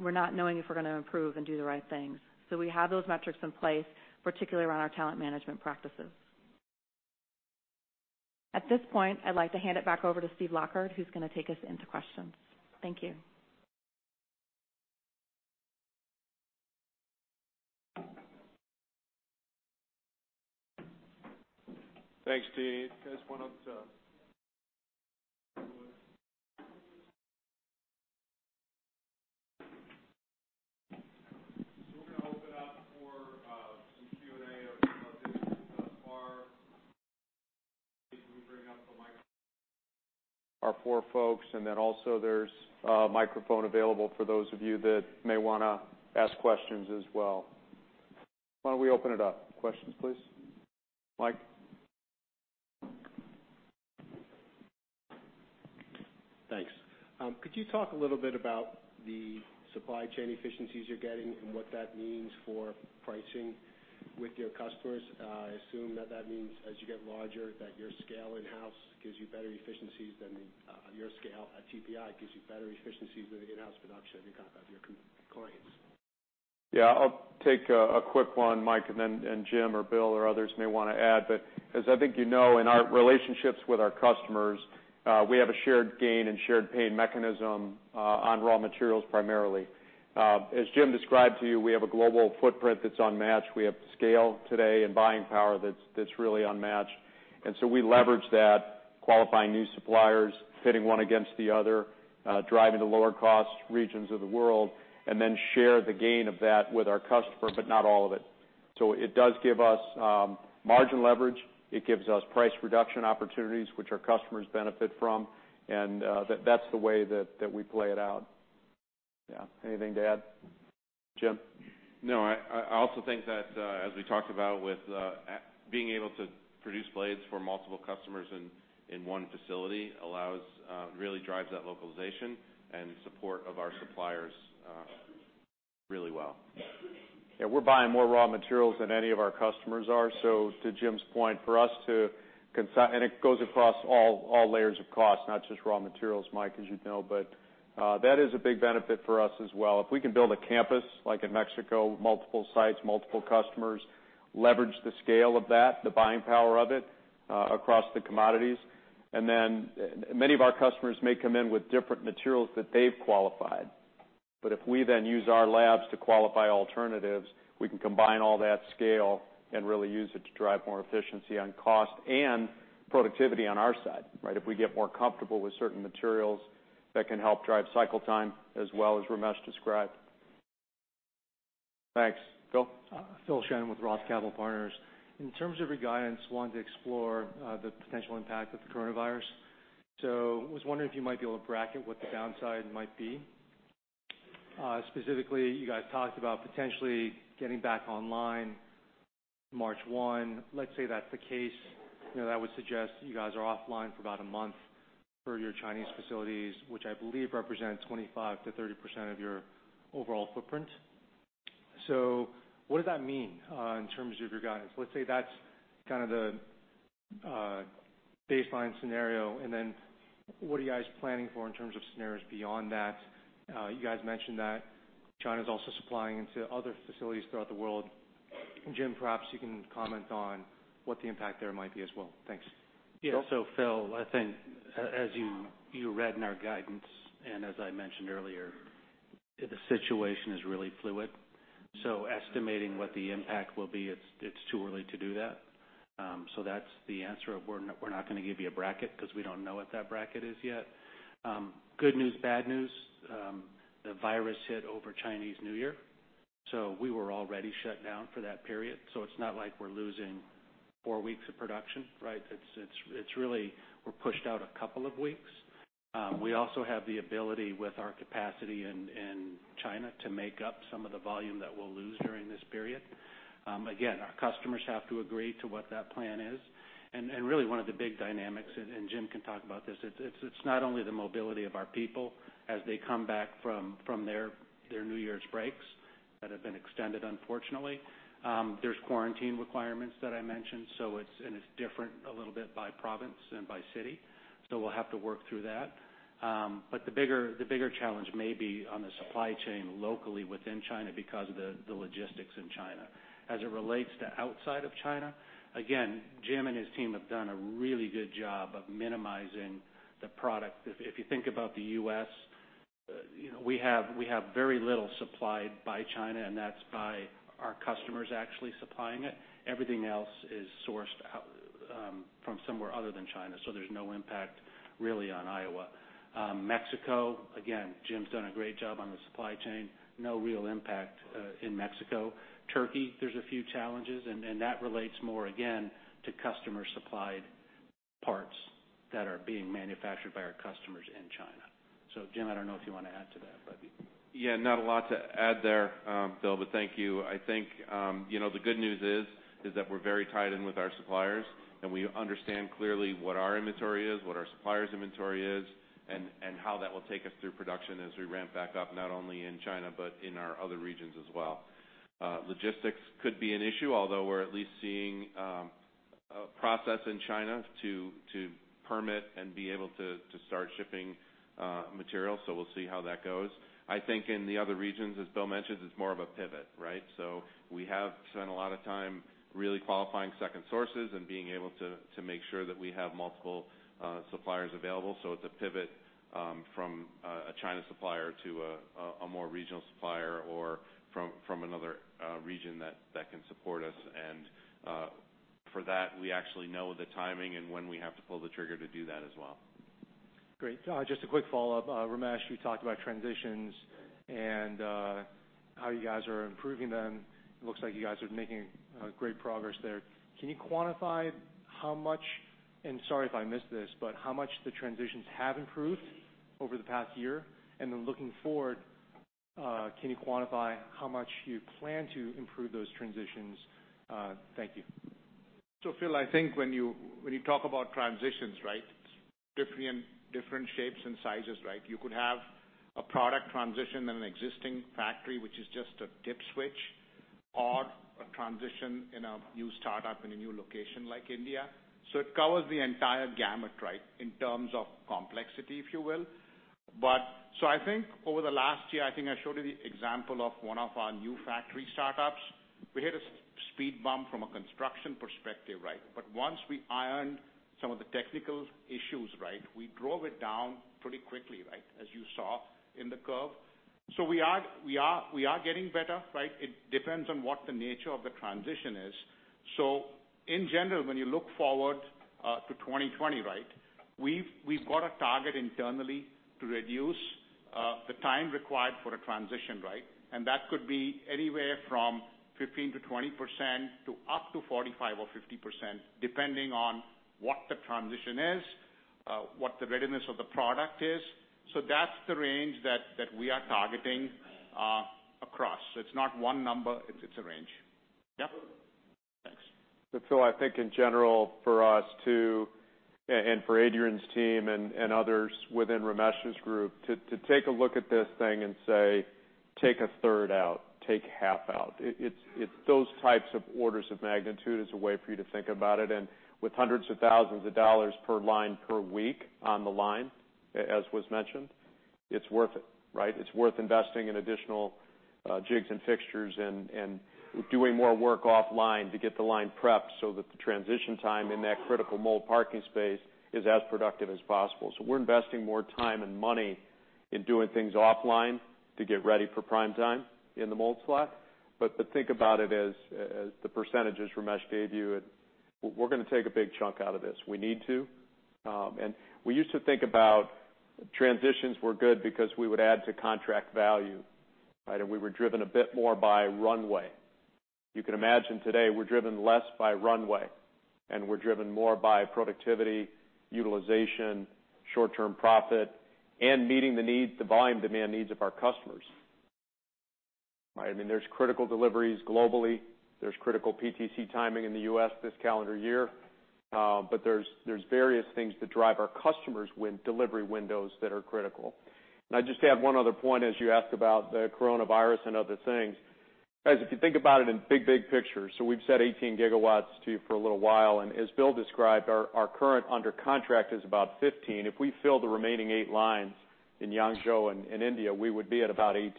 we're not knowing if we're going to improve and do the right things. We have those metrics in place, particularly around our talent management practices. At this point, I'd like to hand it back over to Steve Lockard, who's going to take us into questions. Thank you. Thanks, Deane. We're going to open up for some Q&A or some observations thus far. Steve, can we bring up the mic for our four folks, also there's a microphone available for those of you that may want to ask questions as well. Why don't we open it up? Questions, please. Mike? Thanks. Could you talk a little bit about the supply chain efficiencies you're getting and what that means for pricing with your customers? I assume that that means as you get larger, your scale at TPI gives you better efficiencies with in-house production than you have with your clients. I'll take a quick one, Mike, and then Jim or Bill or others may want to add. As I think you know, in our relationships with our customers, we have a shared gain and shared pain mechanism on raw materials, primarily. As Jim described to you, we have a global footprint that's unmatched. We have scale today and buying power that's really unmatched. We leverage that, qualifying new suppliers, pitting one against the other, driving the lower cost regions of the world, and then share the gain of that with our customers, but not all of it. It does give us margin leverage. It gives us price reduction opportunities, which our customers benefit from, and that's the way that we play it out. Anything to add, Jim? No, I also think that, as we talked about with being able to produce blades for multiple customers in one facility really drives that localization and support of our suppliers really well. Yeah. We're buying more raw materials than any of our customers are. To Jim's point, and it goes across all layers of cost, not just raw materials, Mike, as you know, but that is a big benefit for us as well. If we can build a campus, like in Mexico, multiple sites, multiple customers, leverage the scale of that, the buying power of it, across the commodities. Many of our customers may come in with different materials that they've qualified. If we then use our labs to qualify alternatives, we can combine all that scale and really use it to drive more efficiency on cost and productivity on our side. Right? If we get more comfortable with certain materials that can help drive cycle time as well as Ramesh described. Thanks. Phil? Phil Shen with ROTH Capital Partners. In terms of your guidance, I wanted to explore the potential impact of the coronavirus. I was wondering if you might be able to bracket what the downside might be. Specifically, you guys talked about potentially getting back online March 1. Let's say that's the case. That would suggest you guys are offline for about a month for your Chinese facilities, which I believe represent 25%-30% of your overall footprint. What does that mean in terms of your guidance? Let's say that's kind of the baseline scenario. What are you guys planning for in terms of scenarios beyond that? You guys mentioned that China's also supplying into other facilities throughout the world. Jim, perhaps you can comment on what the impact there might be as well. Thanks. Yeah. Phil, I think as you read in our guidance, and as I mentioned earlier, the situation is really fluid. Estimating what the impact will be, it's too early to do that. That's the answer of we're not going to give you a bracket because we don't know what that bracket is yet. Good news, bad news. The virus hit over Chinese New Year, we were already shut down for that period. It's not like we're losing four weeks of production, right? It's really we're pushed out a couple of weeks. We also have the ability with our capacity in China to make up some of the volume that we'll lose during this period. Again, our customers have to agree to what that plan is. Really one of the big dynamics, and Jim can talk about this, it's not only the mobility of our people as they come back from their New Year's breaks that have been extended, unfortunately. There's quarantine requirements that I mentioned, and it's different a little bit by province than by city, so we'll have to work through that. The bigger challenge may be on the supply chain locally within China because of the logistics in China. As it relates to outside of China, again, Jim and his team have done a really good job of minimizing the product. If you think about the U.S., we have very little supplied by China, and that's by our customers actually supplying it. Everything else is sourced from somewhere other than China, so there's no impact really on Iowa. Mexico, again, Jim's done a great job on the supply chain. No real impact in Mexico. Turkey, there's a few challenges, and that relates more, again, to customer-supplied parts that are being manufactured by our customers in China. Jim, I don't know if you want to add to that, but Yeah, not a lot to add there, Phil, but thank you. I think the good news is that we're very tied in with our suppliers, and we understand clearly what our inventory is, what our suppliers' inventory is, and how that will take us through production as we ramp back up, not only in China, but in our other regions as well. Logistics could be an issue, although we're at least seeing a process in China to permit and be able to start shipping materials. We'll see how that goes. I think in the other regions, as Phil mentioned, it's more of a pivot, right? We have spent a lot of time really qualifying second sources and being able to make sure that we have multiple suppliers available. It's a pivot from a China supplier to a more regional supplier or from another region that can support us. For that, we actually know the timing and when we have to pull the trigger to do that as well. Great. Just a quick follow-up. Ramesh, you talked about transitions and how you guys are improving them. It looks like you guys are making great progress there. Can you quantify how much, and sorry if I missed this, but how much the transitions have improved over the past year? Looking forward, can you quantify how much you plan to improve those transitions? Thank you. Phil, I think when you talk about transitions, right, it's different shapes and sizes, right? You could have a product transition in an existing factory, which is just a dip switch. Or a transition in a new startup in a new location like India. It covers the entire gamut, right? In terms of complexity, if you will. I think over the last year, I think I showed you the example of one of our new factory startups. We hit a speed bump from a construction perspective, right? Once we ironed some of the technical issues, right, we drove it down pretty quickly, right? As you saw in the curve. We are getting better, right? It depends on what the nature of the transition is. In general, when you look forward to 2020, right? We've got a target internally to reduce the time required for a transition, right? That could be anywhere from 15%-20% to up to 45% or 50%, depending on what the transition is, what the readiness of the product is. That's the range that we are targeting across. It's not one number, it's a range. Yeah. Thanks. I think in general for us too, and for Adrian's team and others within Ramesh's group, to take a look at this thing and say, "Take a third out, take half out." It's those types of orders of magnitude is a way for you to think about it. With hundreds of thousands of dollars per line per week on the line, as was mentioned, it's worth it, right? It's worth investing in additional jigs and fixtures and doing more work offline to get the line prepped so that the transition time in that critical mold parking space is as productive as possible. We're investing more time and money in doing things offline to get ready for prime time in the mold slot. Think about it as the percentages Ramesh gave you, we're going to take a big chunk out of this. We need to. We used to think about transitions were good because we would add to contract value, right? We were driven a bit more by runway. You can imagine today we're driven less by runway, and we're driven more by productivity, utilization, short-term profit, and meeting the volume demand needs of our customers. Right? There's critical deliveries globally. There's critical PTC timing in the U.S. this calendar year. There's various things that drive our customers with delivery windows that are critical. I just add one other point, as you asked about the coronavirus and other things. Guys, if you think about it in big pictures, we've said 18 GW to you for a little while, and as Bill described, our current under contract is about 15 GW. If we fill the remaining eight lines in Yangzhou and India, we would be at about 18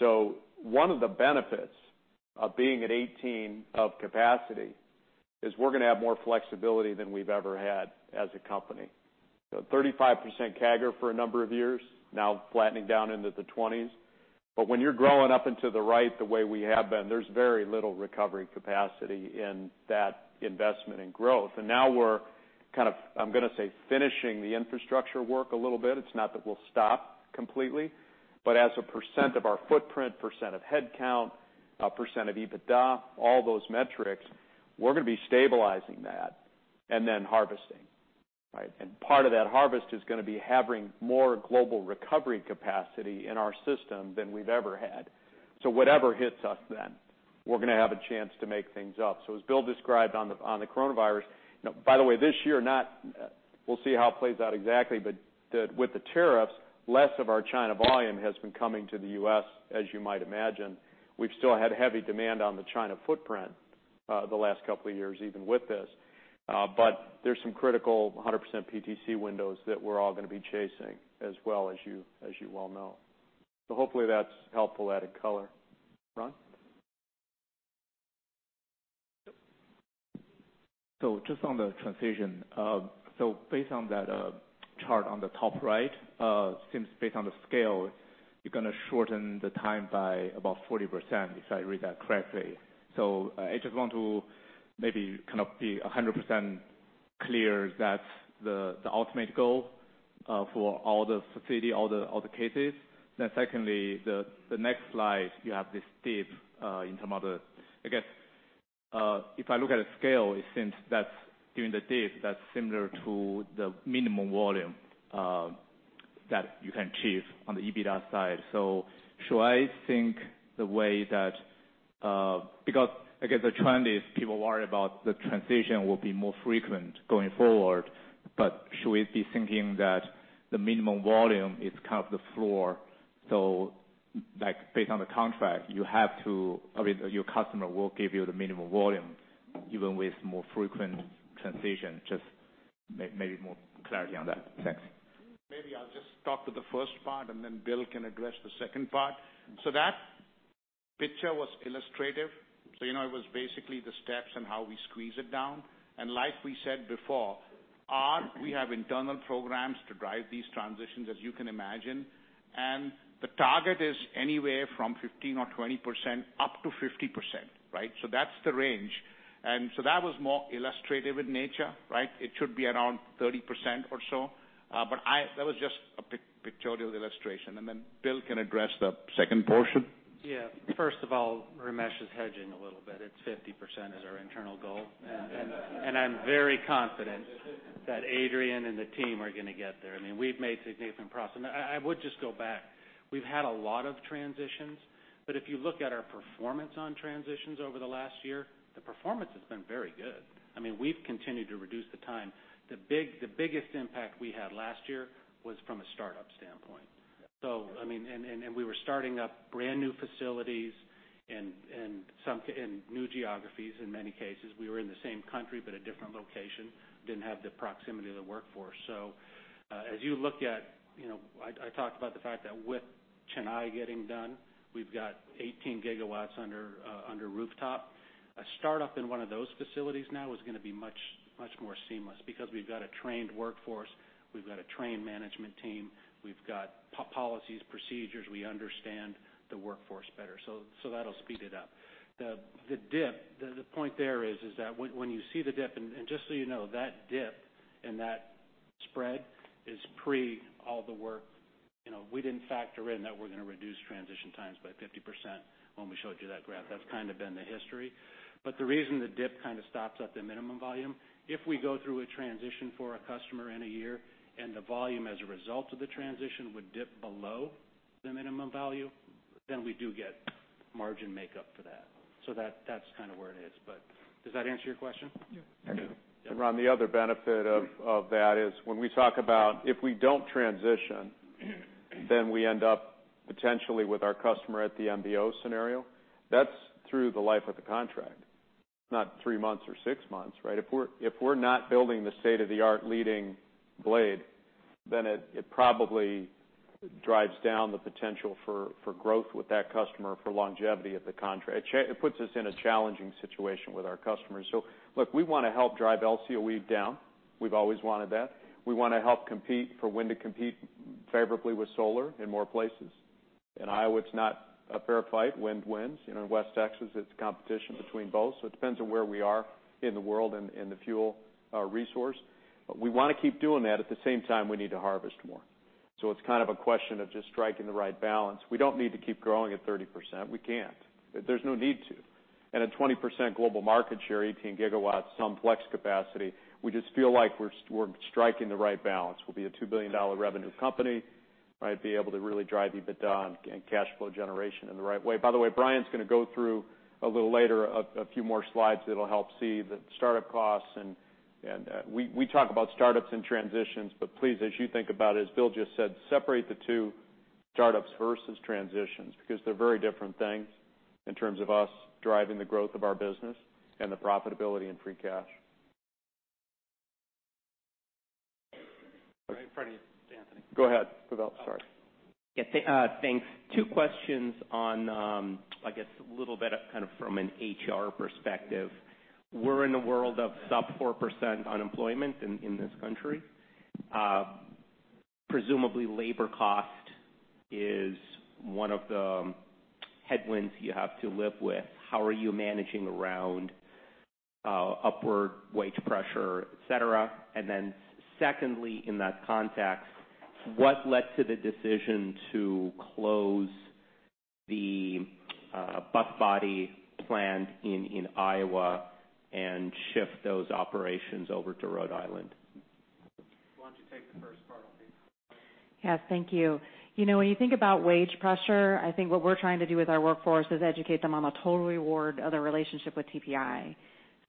GW. One of the benefits of being at 18 GW of capacity is we're going to have more flexibility than we've ever had as a company. 35% CAGR for a number of years, now flattening down into the 20s. When you're growing up into the right the way we have been, there's very little recovery capacity in that investment in growth. Now we're kind of, I'm going to say, finishing the infrastructure work a little bit. It's not that we'll stop completely, but as a percent of our footprint, percent of headcount, percent of EBITDA, all those metrics, we're going to be stabilizing that and then harvesting, right? Part of that harvest is going to be having more global recovery capacity in our system than we've ever had. Whatever hits us then, we're going to have a chance to make things up. As Bill described on the coronavirus, by the way, this year, we'll see how it plays out exactly, but with the tariffs, less of our China volume has been coming to the U.S., as you might imagine. We've still had heavy demand on the China footprint, the last couple of years, even with this. There's some critical 100% PTC windows that we're all going to be chasing as well, as you well know. Hopefully that's helpful added color. Ron? Just on the transition. Based on that chart on the top right, seems based on the scale, you're going to shorten the time by about 40%, if I read that correctly. I just want to maybe kind of be 100% clear that's the ultimate goal for all the facility, all the cases. Secondly, the next slide, you have this dip in some of the, I guess, if I look at a scale, it seems that doing the dip, that's similar to the minimum volume that you can achieve on the EBITDA side. Should I think the way that Because I guess the trend is people worry about the transition will be more frequent going forward, but should we be thinking that the minimum volume is kind of the floor? Based on the contract, your customer will give you the minimum volume even with more frequent transition, just maybe more clarity on that. Thanks. Maybe I'll just talk to the first part, then Bill can address the second part. That picture was illustrative. It was basically the steps on how we squeeze it down. Like we said before, we have internal programs to drive these transitions, as you can imagine, and the target is anywhere from 15% or 20% up to 50%, right? That's the range. That was more illustrative in nature, right? It should be around 30% or so. That was just a pictorial illustration. Then Bill can address the second portion. Yeah. First of all, Ramesh is hedging a little bit. It's 50% is our internal goal. I'm very confident that Adrian and the team are going to get there. We've made significant progress. I would just go back. If you look at our performance on transitions over the last year, the performance has been very good. We've continued to reduce the time. The biggest impact we had last year was from a startup standpoint. We were starting up brand new facilities in new geographies in many cases. We were in the same country, but a different location, didn't have the proximity to the workforce. As you look at, I talked about the fact that with Chennai getting done, we've got 18 GW under rooftop. A startup in one of those facilities now is going to be much more seamless because we've got a trained workforce, we've got a trained management team, we've got policies, procedures, we understand the workforce better. That'll speed it up. The dip, the point there is that when you see the dip, and just so you know, that dip and that spread is pre all the work. We didn't factor in that we're going to reduce transition times by 50% when we showed you that graph. That's kind of been the history. The reason the dip kind of stops at the minimum volume, if we go through a transition for a customer in a year, and the volume as a result of the transition would dip below the minimum value, then we do get margin makeup for that. That's where it is. Does that answer your question? Yeah. Thank you. Yeah. Ron, the other benefit of that is when we talk about if we don't transition, then we end up potentially with our customer at the MBO scenario. That's through the life of the contract, not three months or six months, right? If we're not building the state-of-the-art leading blade, then it probably drives down the potential for growth with that customer for longevity of the contract. It puts us in a challenging situation with our customers. Look, we want to help drive LCOE down. We've always wanted that. We want to help compete for wind to compete favorably with solar in more places. In Iowa, it's not a fair fight. Wind wins. In West Texas, it's a competition between both. It depends on where we are in the world and the fuel resource. We want to keep doing that. At the same time, we need to harvest more. It's kind of a question of just striking the right balance. We don't need to keep growing at 30%. We can't. There's no need to. A 20% global market share, 18 GW, some flex capacity, we just feel like we're striking the right balance. We'll be a $2 billion revenue company, might be able to really drive EBITDA and cash flow generation in the right way. By the way, Brian's going to go through, a little later, a few more slides that'll help see the startup costs. We talk about startups and transitions, but please, as you think about it, as Bill just said, separate the two, startups versus transitions, because they're very different things in terms of us driving the growth of our business and the profitability and free cash. Right in front of you, Anthony. Go ahead, Pavel. Sorry. Yeah, thanks. Two questions on, I guess a little bit of from an HR perspective. We're in a world of sub 4% unemployment in this country. Presumably, labor cost is one of the headwinds you have to live with. How are you managing around upward wage pressure, et cetera? Then secondly, in that context, what led to the decision to close the bus body plant in Iowa and shift those operations over to Rhode Island? Why don't you take the first part, and I'll take the second? Yeah, thank you. When you think about wage pressure, I think what we're trying to do with our workforce is educate them on the total reward of the relationship with TPI.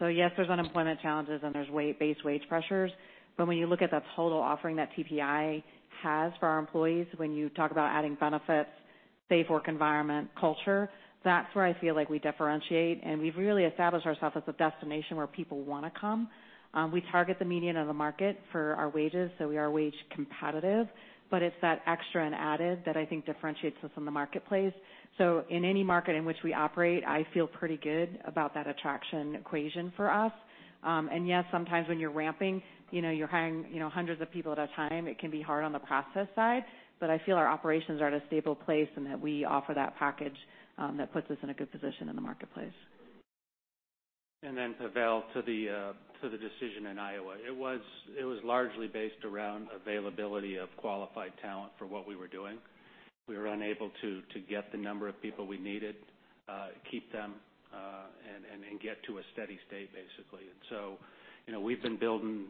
Yes, there's unemployment challenges and there's base wage pressures, but when you look at the total offering that TPI has for our employees, when you talk about adding benefits, safe work environment, culture, that's where I feel like we differentiate, and we've really established ourselves as a destination where people want to come. We target the median of the market for our wages, so we are wage competitive, but it's that extra and added that I think differentiates us in the marketplace. In any market in which we operate, I feel pretty good about that attraction equation for us. Yes, sometimes when you're ramping, you're hiring hundreds of people at a time, it can be hard on the process side. I feel our operations are at a stable place and that we offer that package that puts us in a good position in the marketplace. Then, Pavel, to the decision in Iowa. It was largely based around availability of qualified talent for what we were doing. We were unable to get the number of people we needed, keep them, and get to a steady state, basically. So we've been building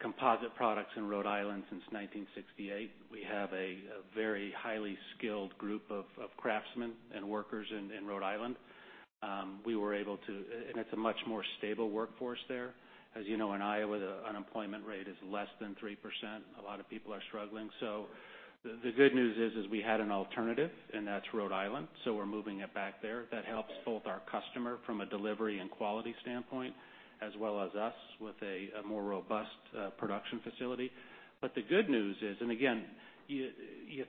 composite products in Rhode Island since 1968. We have a very highly skilled group of craftsmen and workers in Rhode Island. And it's a much more stable workforce there. As you know, in Iowa, the unemployment rate is less than 3%. A lot of people are struggling. So the good news is we had an alternative, and that's Rhode Island, so we're moving it back there. That helps both our customer from a delivery and quality standpoint, as well as us with a more robust production facility. The good news is, and again, you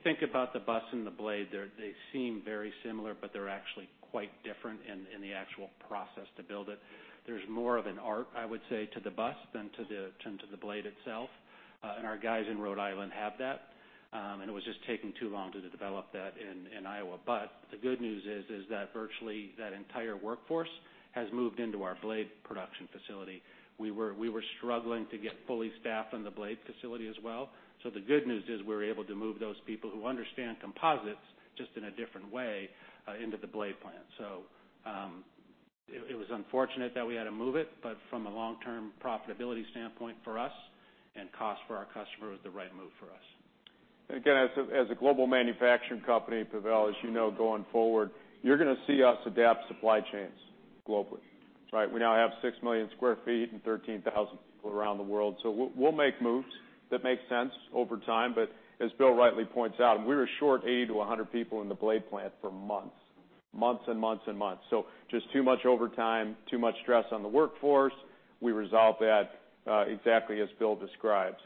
think about the bus and the blade, they seem very similar, but they're actually quite different in the actual process to build it. There's more of an art, I would say, to the bus than to the blade itself. Our guys in Rhode Island have that. It was just taking too long to develop that in Iowa. The good news is that virtually that entire workforce has moved into our blade production facility. We were struggling to get fully staffed on the blade facility as well. The good news is we were able to move those people who understand composites, just in a different way, into the blade plant. It was unfortunate that we had to move it, but from a long-term profitability standpoint for us and cost for our customer, it was the right move for us. Again, as a global manufacturing company, Pavel, as you know, going forward, you're going to see us adapt supply chains globally. Right. We now have 6 million sq ft and 13,000 people around the world. We'll make moves that make sense over time. As Bill rightly points out, we were short 80-100 people in the blade plant for months. Months. Months, and months. Just too much overtime, too much stress on the workforce. We resolved that exactly as Bill described.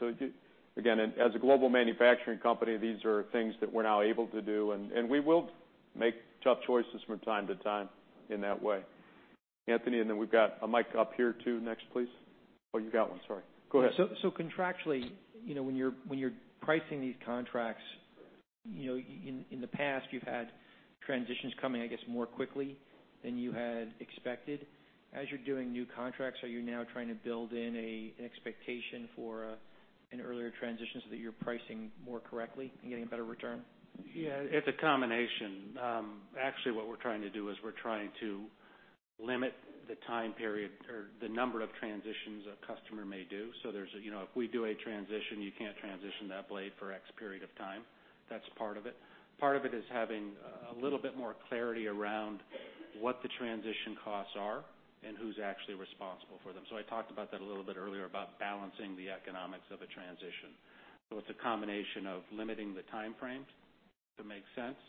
Again, as a global manufacturing company, these are things that we're now able to do, and we will make tough choices from time to time in that way. Anthony, we've got a mic up here too. Next, please. You got one, sorry. Go ahead. Contractually, when you're pricing these contracts, in the past you've had transitions coming, I guess, more quickly than you had expected. As you're doing new contracts, are you now trying to build in an expectation for an earlier transition so that you're pricing more correctly and getting a better return? Yeah. It's a combination. Actually, what we're trying to do is we're trying to limit the time period or the number of transitions a customer may do. If we do a transition, you can't transition that blade for X period of time. That's part of it. Part of it is having a little bit more clarity around what the transition costs are and who's actually responsible for them. I talked about that a little bit earlier, about balancing the economics of a transition. It's a combination of limiting the timeframes to make sense,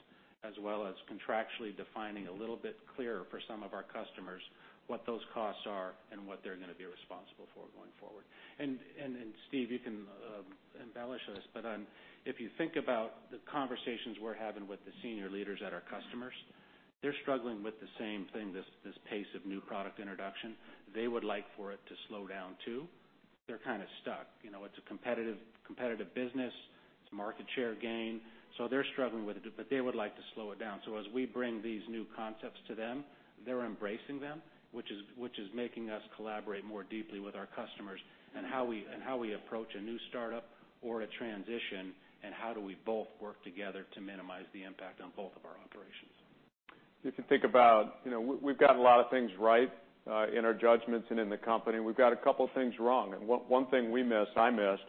as well as contractually defining a little bit clearer for some of our customers what those costs are and what they're going to be responsible for going forward. Steve, you can embellish on this, but if you think about the conversations we're having with the senior leaders at our customers, they're struggling with the same thing, this pace of new product introduction. They would like for it to slow down, too. They're kind of stuck. It's a competitive business. It's market share gain. They're struggling with it, but they would like to slow it down. As we bring these new concepts to them, they're embracing them, which is making us collaborate more deeply with our customers on how we approach a new startup or a transition, and how do we both work together to minimize the impact on both of our operations. If you think about, we've got a lot of things right in our judgments and in the company, we've got a couple things wrong. One thing we missed, I missed,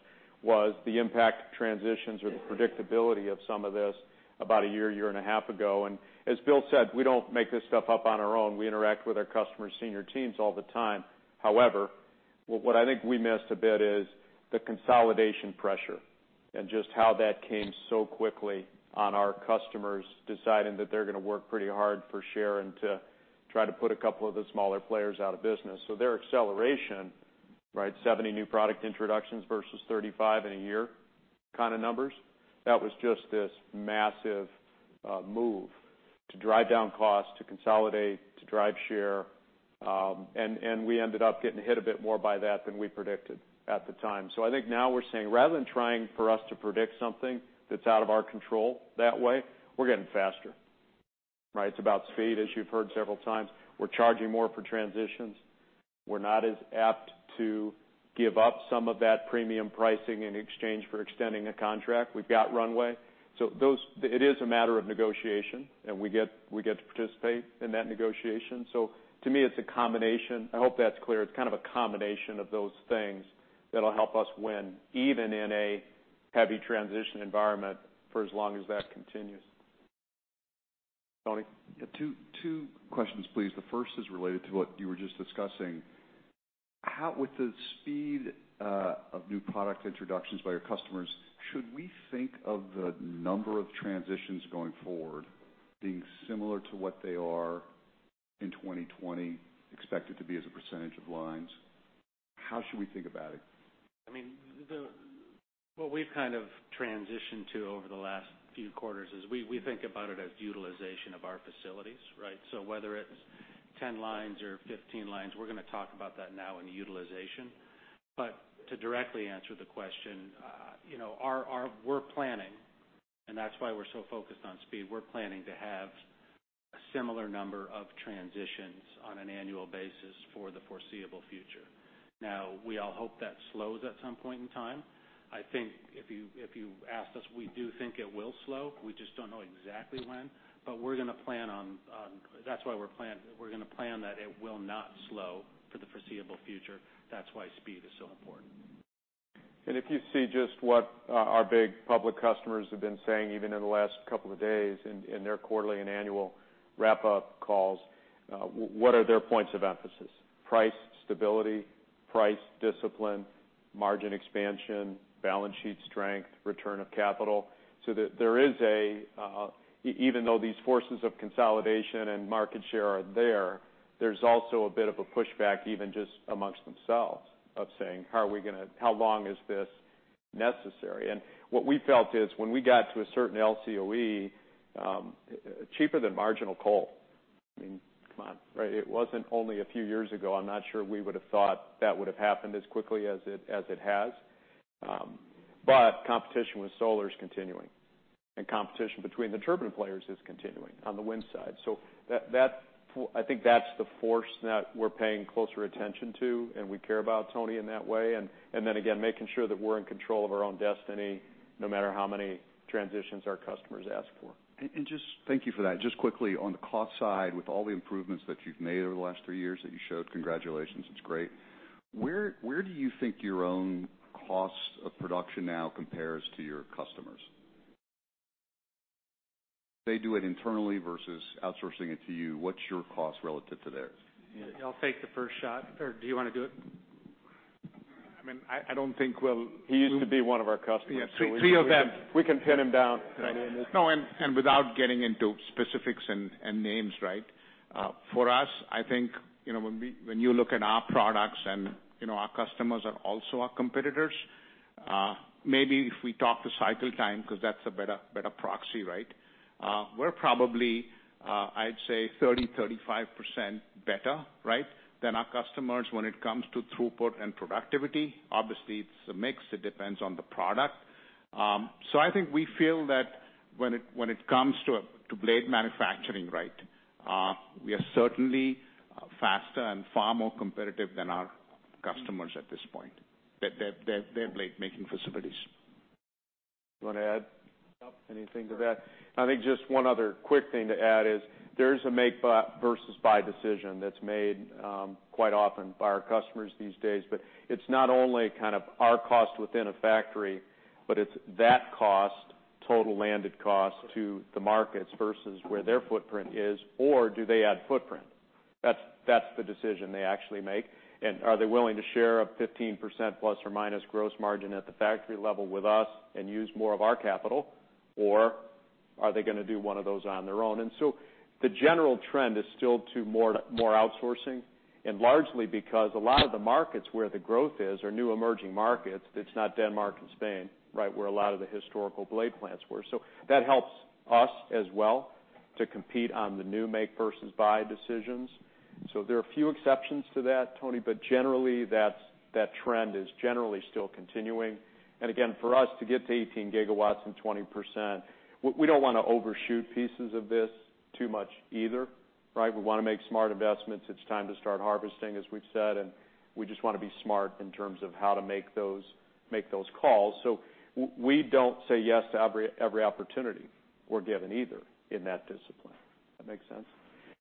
was the impact of transitions or the predictability of some of this about a year and a half ago. As Bill said, we don't make this stuff up on our own. We interact with our customers' senior teams all the time. However, what I think we missed a bit is the consolidation pressure and just how that came so quickly on our customers deciding that they're going to work pretty hard for share and to try to put a couple of the smaller players out of business. Their acceleration, 70 new product introductions versus 35 in a year kind of numbers, that was just this massive move to drive down costs, to consolidate, to drive share. We ended up getting hit a bit more by that than we predicted at the time. I think now we're saying, rather than trying for us to predict something that's out of our control that way, we're getting faster. It's about speed, as you've heard several times. We're charging more for transitions. We're not as apt to give up some of that premium pricing in exchange for extending a contract. We've got runway. It is a matter of negotiation, and we get to participate in that negotiation. To me, it's a combination. I hope that's clear. It's kind of a combination of those things that'll help us win, even in a heavy transition environment, for as long as that continues. Tony? Yeah. Two questions, please. The first is related to what you were just discussing. With the speed of new product introductions by your customers, should we think of the number of transitions going forward being similar to what they are in 2020, expected to be as a percentage of lines? How should we think about it? What we've kind of transitioned to over the last few quarters is we think about it as utilization of our facilities. Whether it's 10 lines or 15 lines, we're going to talk about that now in utilization. To directly answer the question, we're planning, and that's why we're so focused on speed. We're planning to have a similar number of transitions on an annual basis for the foreseeable future. We all hope that slows at some point in time. I think if you asked us, we do think it will slow. We just don't know exactly when. We're going to plan that it will not slow for the foreseeable future. That's why speed is so important. If you see just what our big public customers have been saying, even in the last couple of days in their quarterly and annual wrap-up calls, what are their points of emphasis? Price stability, price discipline, margin expansion, balance sheet strength, return of capital. Even though these forces of consolidation and market share are there's also a bit of a pushback, even just amongst themselves, of saying, "How long is this necessary?" What we felt is when we got to a certain LCOE, cheaper than marginal coal. I mean, come on. It wasn't only a few years ago, I'm not sure we would have thought that would have happened as quickly as it has. Competition with solar is continuing, and competition between the turbine players is continuing on the wind side. I think that's the force that we're paying closer attention to, and we care about, Tony, in that way. Again, making sure that we're in control of our own destiny, no matter how many transitions our customers ask for. Thank you for that. Just quickly, on the cost side, with all the improvements that you've made over the last three years that you showed, congratulations. It's great. Where do you think your own cost of production now compares to your customers? They do it internally versus outsourcing it to you. What's your cost relative to theirs? I'll take the first shot, or do you want to do it? I don't think we'll- He used to be one of our customers. Three of them. We can pin him down. No, without getting into specifics and names. For us, I think, when you look at our products and our customers are also our competitors, maybe if we talk to cycle time, because that's a better proxy. We're probably, I'd say, 30%, 35% better than our customers when it comes to throughput and productivity. Obviously, it's a mix. It depends on the product. I think we feel that when it comes to blade manufacturing, we are certainly faster and far more competitive than our customers at this point. Their blade making facilities. You want to add anything to that? No. I think just one other quick thing to add is there's a make versus buy decision that's made quite often by our customers these days. It's not only our cost within a factory, but it's that cost, total landed cost to the markets versus where their footprint is, or do they add footprint? That's the decision they actually make. Are they willing to share a 15%± gross margin at the factory level with us and use more of our capital, or are they going to do one of those on their own? The general trend is still to more outsourcing, and largely because a lot of the markets where the growth is, are new emerging markets. It's not Denmark and Spain, where a lot of the historical blade plants were. That helps us as well to compete on the new make versus buy decisions. There are a few exceptions to that, Tony, but generally, that trend is generally still continuing. Again, for us to get to 18 GW and 20%, we don't want to overshoot pieces of this too much either. We want to make smart investments. It's time to start harvesting, as we've said, and we just want to be smart in terms of how to make those calls. We don't say yes to every opportunity we're given either in that discipline. That make sense?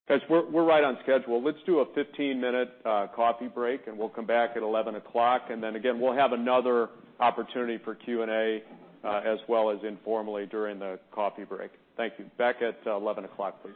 Guys, we're right on schedule. Let's do a 15-minute coffee break, and we'll come back at 11 o'clock, and then again, we'll have another opportunity for Q&A, as well as informally during the coffee break. Thank you. Back at 11 o'clock, please.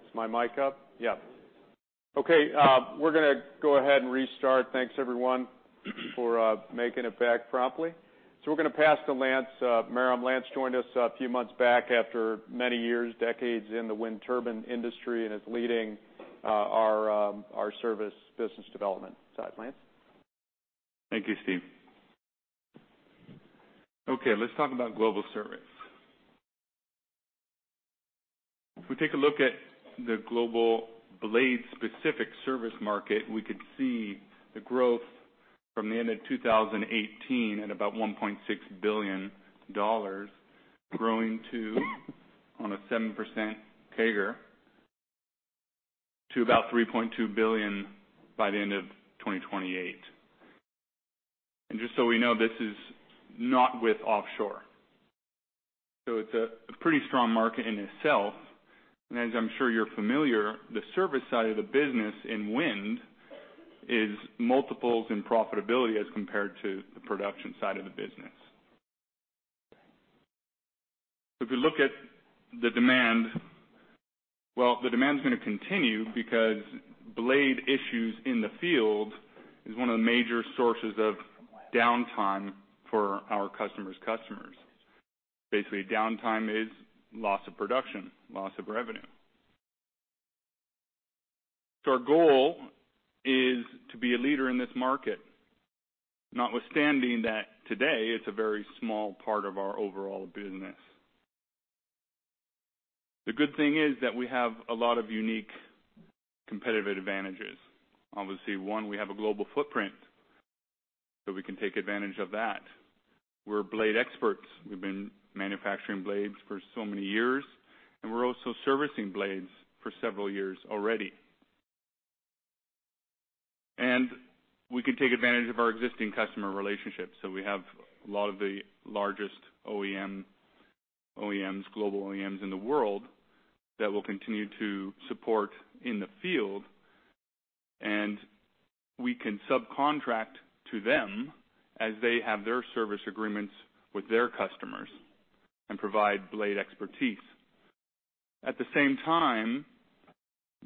Is my mic up? Yeah. Okay, we're going to go ahead and restart. Thanks, everyone, for making it back promptly. We're going to pass to Lance Marram. Lance joined us a few months back after many years, decades in the wind turbine industry, and is leading our service business development side. Lance? Thank you, Steve. Okay, let's talk about global service. If we take a look at the global blade-specific service market, we could see the growth from the end of 2018 at about $1.6 billion, growing to on a 7% CAGR to about $3.2 billion by the end of 2028. Just so we know, this is not with offshore. It's a pretty strong market in itself. As I'm sure you're familiar, the service side of the business in wind is multiples in profitability as compared to the production side of the business. If you look at the demand, well, the demand is going to continue because blade issues in the field is one of the major sources of downtime for our customers' customers. Basically, downtime is loss of production, loss of revenue. Our goal is to be a leader in this market, notwithstanding that today it's a very small part of our overall business. The good thing is that we have a lot of unique competitive advantages. Obviously, one, we have a global footprint, so we can take advantage of that. We're blade experts. We've been manufacturing blades for so many years, and we're also servicing blades for several years already. We can take advantage of our existing customer relationships, so we have a lot of the largest OEMs, global OEMs in the world that we'll continue to support in the field, and we can subcontract to them as they have their service agreements with their customers and provide blade expertise. At the same time,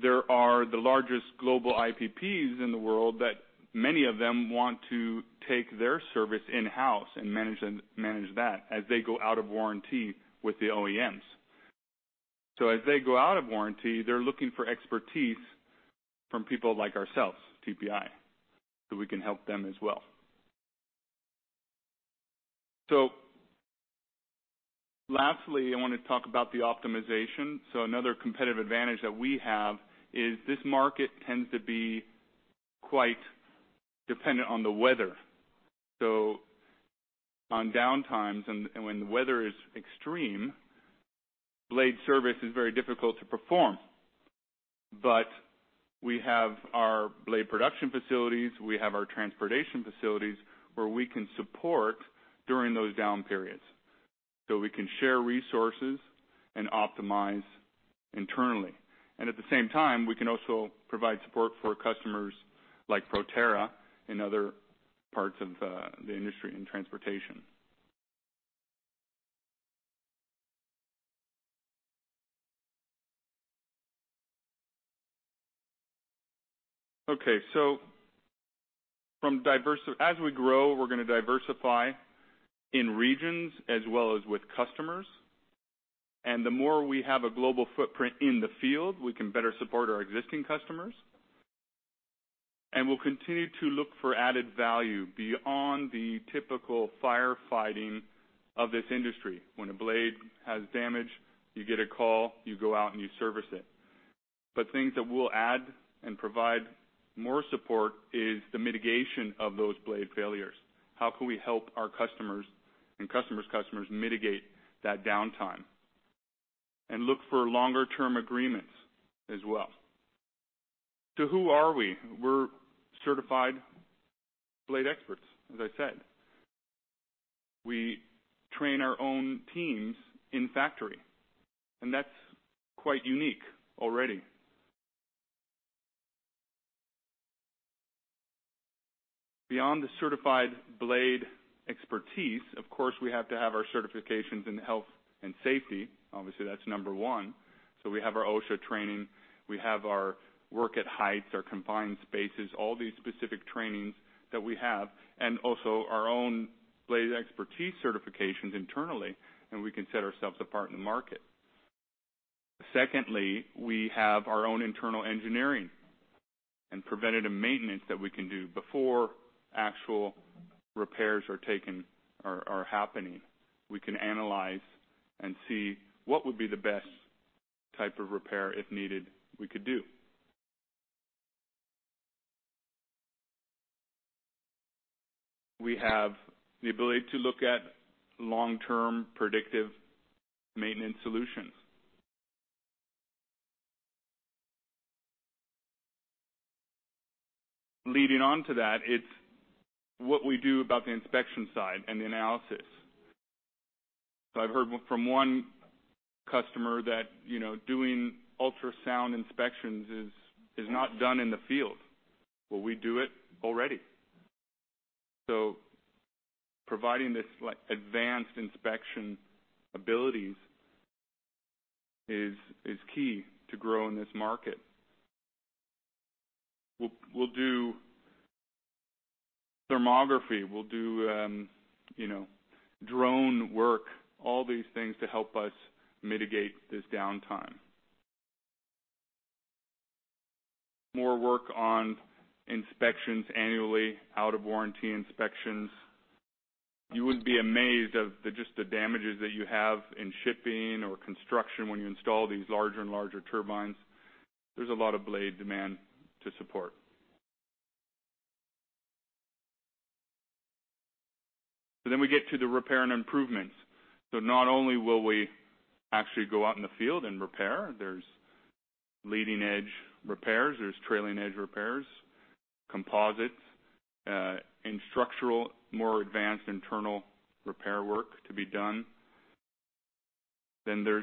there are the largest global IPPs in the world that many of them want to take their service in-house and manage that as they go out of warranty with the OEMs. As they go out of warranty, they're looking for expertise from people like ourselves, TPI, so we can help them as well. Lastly, I want to talk about the optimization. Another competitive advantage that we have is this market tends to be quite dependent on the weather. On downtimes and when the weather is extreme, blade service is very difficult to perform. We have our blade production facilities, we have our transportation facilities where we can support during those down periods. We can share resources and optimize internally. At the same time, we can also provide support for customers like Proterra and other parts of the industry in transportation. Okay. As we grow, we're going to diversify in regions as well as with customers. The more we have a global footprint in the field, we can better support our existing customers. We'll continue to look for added value beyond the typical firefighting of this industry. When a blade has damage, you get a call, you go out, and you service it. Things that we'll add and provide more support is the mitigation of those blade failures. How can we help our customers and customers' customers mitigate that downtime and look for longer-term agreements as well? Who are we? We're certified blade experts, as I said. We train our own teams in factory, and that's quite unique already. Beyond the certified blade expertise, of course, we have to have our certifications in health and safety. Obviously, that's number one. We have our OSHA training, we have our work at heights, our confined spaces, all these specific trainings that we have, and also our own blade expertise certifications internally, and we can set ourselves apart in the market. Secondly, we have our own internal engineering and preventative maintenance that we can do before actual repairs are happening. We can analyze and see what would be the best type of repair, if needed, we could do. We have the ability to look at long-term predictive maintenance solutions. Leading on to that, it's what we do about the inspection side and the analysis. I've heard from one customer that doing ultrasound inspections is not done in the field. Well, we do it already. Providing this advanced inspection abilities is key to grow in this market. We'll do thermography. We'll do drone work, all these things to help us mitigate this downtime. More work on inspections annually, out of warranty inspections. You would be amazed of just the damages that you have in shipping or construction when you install these larger and larger turbines. There's a lot of blade demand to support. Then we get to the repair and improvements. Not only will we actually go out in the field and repair, there's leading edge repairs, there's trailing edge repairs, composites, and structural, more advanced internal repair work to be done. Then there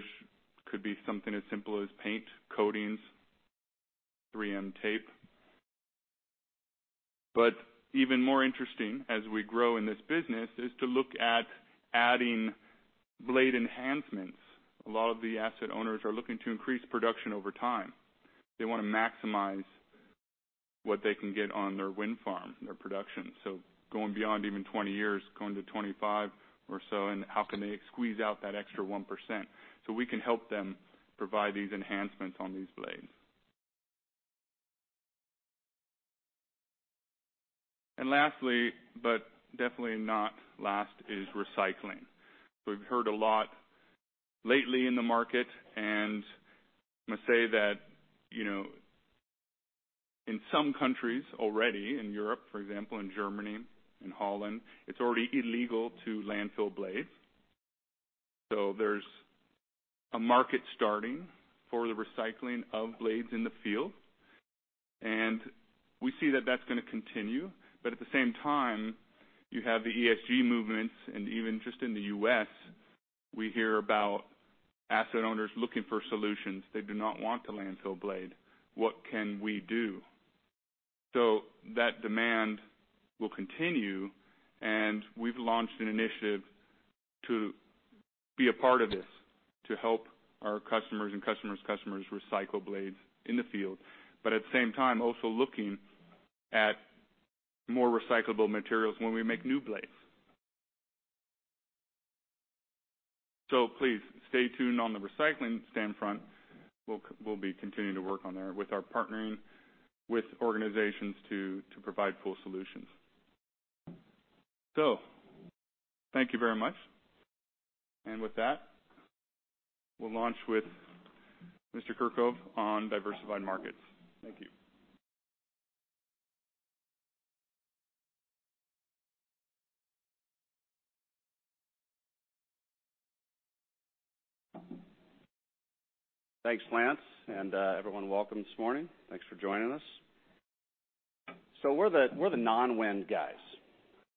could be something as simple as paint, coatings, 3M tape. Even more interesting, as we grow in this business, is to look at adding blade enhancements. A lot of the asset owners are looking to increase production over time. They want to maximize what they can get on their wind farm, their production. Going beyond even 20 years, going to 25 or so, and how can they squeeze out that extra 1%? We can help them provide these enhancements on these blades. Lastly, but definitely not last, is recycling. We've heard a lot lately in the market, and I'm going to say that, in some countries already, in Europe, for example, in Germany, in Holland, it's already illegal to landfill blades. There's a market starting for the recycling of blades in the field, and we see that that's going to continue. At the same time, you have the ESG movements, and even just in the U.S., we hear about asset owners looking for solutions. They do not want to landfill blade. What can we do? That demand will continue, and we've launched an initiative to be a part of this, to help our customers and customers' customers recycle blades in the field. At the same time, also looking at more recyclable materials when we make new blades. Please, stay tuned on the recycling stand front. We'll be continuing to work on there with our partnering with organizations to provide full solutions. Thank you very much. With that, we'll launch with Mr. Kishkill on diversified markets. Thank you. Thanks, Lance. Everyone, welcome this morning. Thanks for joining us. We're the non-wind guys.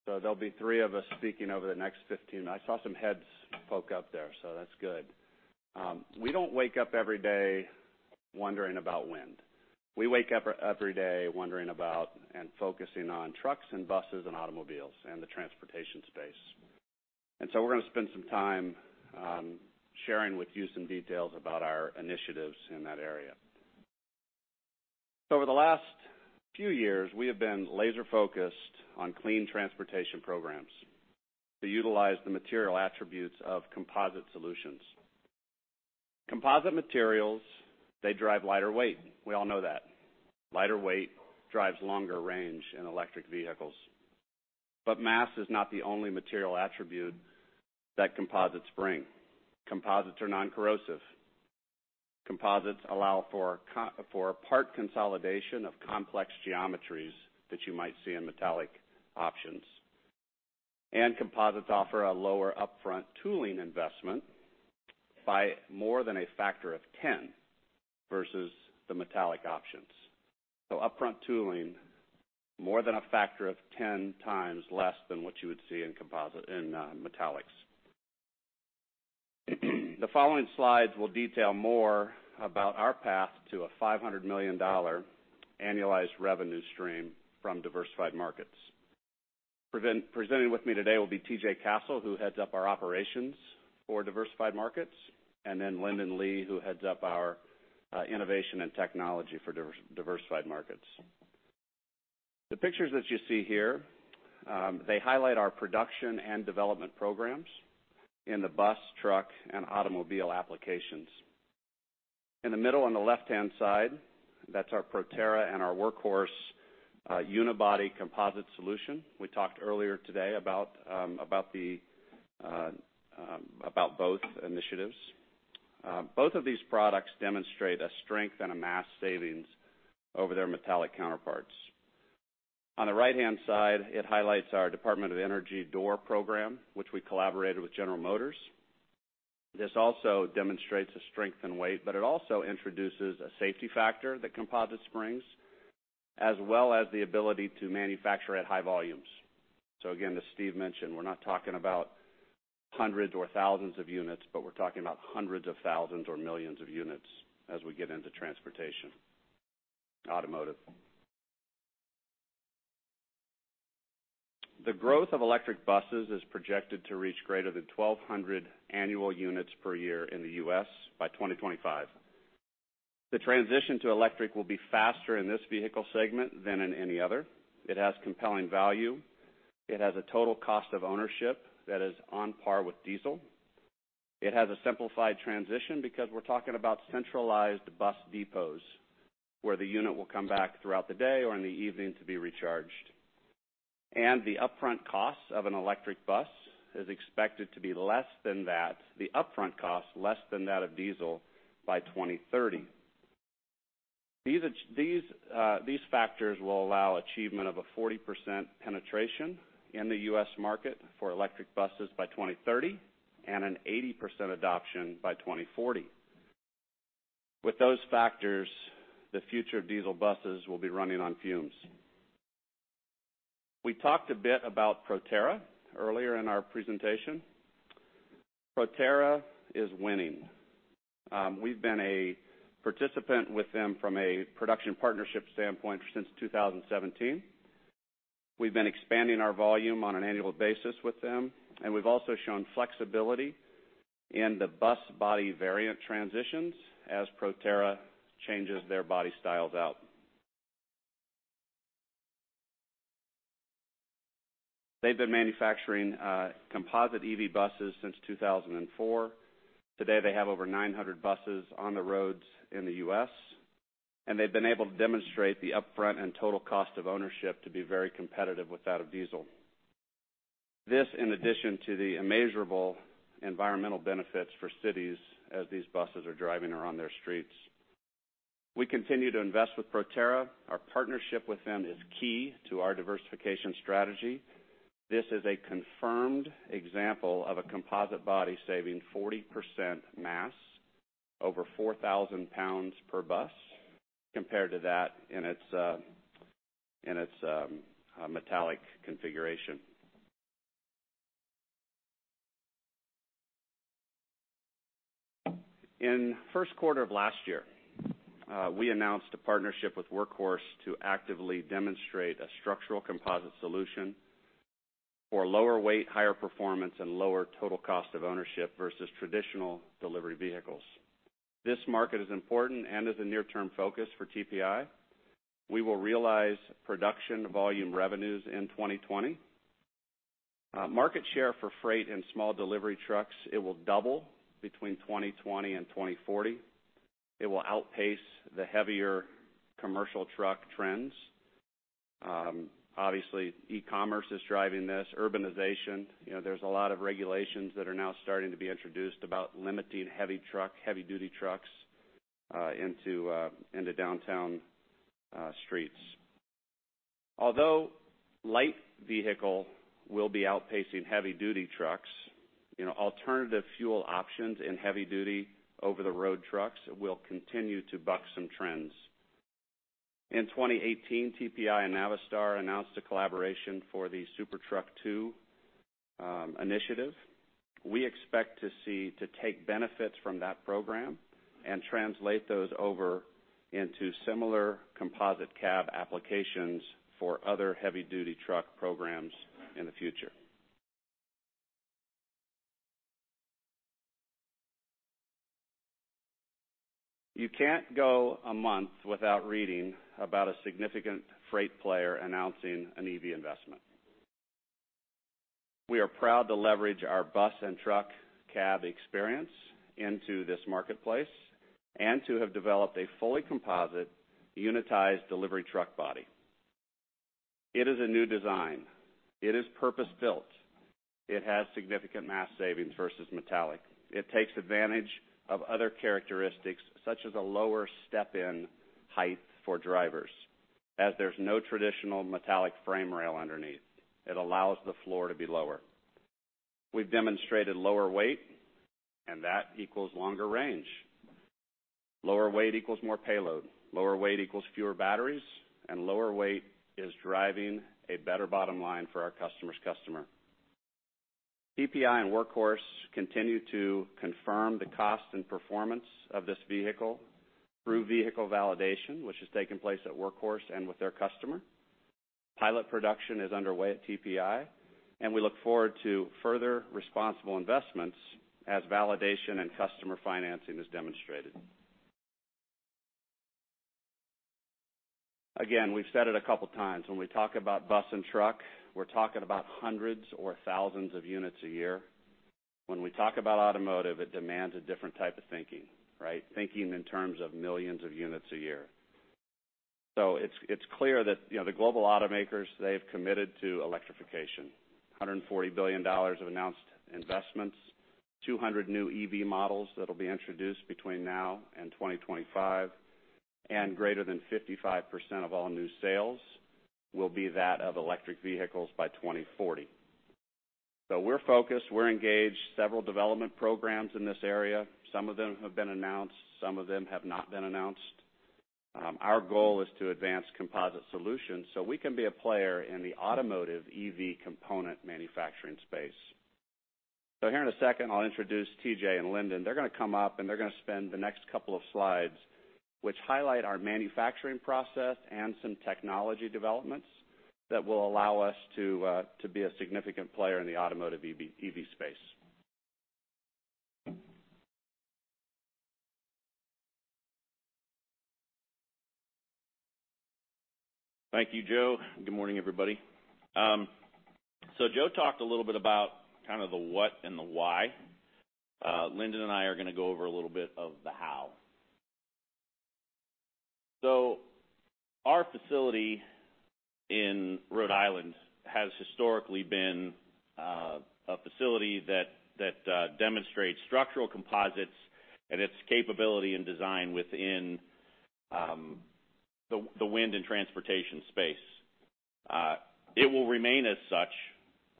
There'll be three of us speaking over the next 15. I saw some heads poke up there, so that's good. We don't wake up every day wondering about wind. We wake up every day wondering about and focusing on trucks and buses and automobiles and the transportation space. We're going to spend some time sharing with you some details about our initiatives in that area. Over the last few years, we have been laser-focused on clean transportation programs to utilize the material attributes of composite solutions. Composite materials, they drive lighter weight. We all know that. Lighter weight drives longer range in electric vehicles. Mass is not the only material attribute that composites bring. Composites are non-corrosive. Composites allow for part consolidation of complex geometries that you might see in metallic options. Composites offer a lower upfront tooling investment by more than a factor of 10 versus the metallic options. Upfront tooling, more than a factor of 10x less than what you would see in metallics. The following slides will detail more about our path to a $500 million annualized revenue stream from diversified markets. Presenting with me today will be TJ Castle, who heads up our operations for diversified markets, Lyndon Lee, who heads up our innovation and technology for diversified markets. The pictures that you see here, they highlight our production and development programs in the bus, truck, and automobile applications. In the middle, on the left-hand side, that's our Proterra and our Workhorse unibody composite solution. We talked earlier today about both initiatives. Both of these products demonstrate a strength and a mass savings over their metallic counterparts. On the right-hand side, it highlights our Department of Energy door program, which we collaborated with General Motors. This also demonstrates a strength in weight, it also introduces a safety factor, the composite springs, as well as the ability to manufacture at high volumes. Again, as Steve mentioned, we're not talking about hundreds or thousands of units, we're talking about hundreds of thousands or millions of units as we get into transportation, automotive. The growth of electric buses is projected to reach greater than 1,200 annual units per year in the U.S. by 2025. The transition to electric will be faster in this vehicle segment than in any other. It has compelling value. It has a total cost of ownership that is on par with diesel. It has a simplified transition because we're talking about centralized bus depots, where the unit will come back throughout the day or in the evening to be recharged. The upfront cost of an electric bus is expected to be less than that of diesel by 2030. These factors will allow achievement of a 40% penetration in the U.S. market for electric buses by 2030 and an 80% adoption by 2040. With those factors, the future diesel buses will be running on fumes. We talked a bit about Proterra earlier in our presentation. Proterra is winning. We've been a participant with them from a production partnership standpoint since 2017. We've been expanding our volume on an annual basis with them, and we've also shown flexibility in the bus body variant transitions as Proterra changes their body styles out. They've been manufacturing composite EV buses since 2004. Today, they have over 900 buses on the roads in the U.S., they've been able to demonstrate the upfront and total cost of ownership to be very competitive with that of diesel. This, in addition to the immeasurable environmental benefits for cities as these buses are driving around their streets. We continue to invest with Proterra. Our partnership with them is key to our diversification strategy. This is a confirmed example of a composite body saving 40% mass, over 4,000 pounds per bus, compared to that in its metallic configuration. In the first quarter of last year, we announced a partnership with Workhorse to actively demonstrate a structural composite solution for lower weight, higher performance, and lower total cost of ownership versus traditional delivery vehicles. This market is important and is a near-term focus for TPI. We will realize production volume revenues in 2020. Market share for freight and small delivery trucks, it will double between 2020 and 2040. It will outpace the heavier commercial truck trends. Obviously, e-commerce is driving this. Urbanization. There's a lot of regulations that are now starting to be introduced about limiting heavy-duty trucks into downtown streets. Although light vehicle will be outpacing heavy-duty trucks, alternative fuel options in heavy-duty over-the-road trucks will continue to buck some trends. In 2018, TPI and Navistar announced a collaboration for the SuperTruck II initiative. We expect to take benefits from that program and translate those over into similar composite cab applications for other heavy-duty truck programs in the future. You can't go a month without reading about a significant freight player announcing an EV investment. We are proud to leverage our bus and truck cab experience into this marketplace and to have developed a fully composite unitized delivery truck body. It is a new design. It is purpose-built. It has significant mass savings versus metallic. It takes advantage of other characteristics, such as a lower step-in height for drivers, as there's no traditional metallic frame rail underneath. It allows the floor to be lower. We've demonstrated lower weight, and that equals longer range. Lower weight equals more payload. Lower weight equals fewer batteries, and lower weight is driving a better bottom line for our customer's customer. TPI and Workhorse continue to confirm the cost and performance of this vehicle through vehicle validation, which has taken place at Workhorse and with their customer. Pilot production is underway at TPI, and we look forward to further responsible investments as validation and customer financing is demonstrated. Again, we've said it a couple times. When we talk about bus and truck, we're talking about hundreds or thousands of units a year. When we talk about automotive, it demands a different type of thinking. Right. Thinking in terms of millions of units a year. It's clear that the global automakers, they have committed to electrification. $140 billion of announced investments, 200 new EV models that'll be introduced between now and 2025, and greater than 55% of all new sales will be that of electric vehicles by 2040. We're focused, we're engaged, several development programs in this area. Some of them have been announced, some of them have not been announced. Our goal is to advance composite solutions so we can be a player in the automotive EV component manufacturing space. Here in a second, I'll introduce TJ and Lyndon. They're going to come up, and they're going to spend the next couple of slides, which highlight our manufacturing process and some technology developments that will allow us to be a significant player in the automotive EV space. Thank you, Joe. Good morning, everybody. Joe talked a little bit about kind of the what and the why. Lyndon and I are going to go over a little bit of the how. Our facility in Rhode Island has historically been a facility that demonstrates structural composites and its capability and design within the wind and transportation space. It will remain as such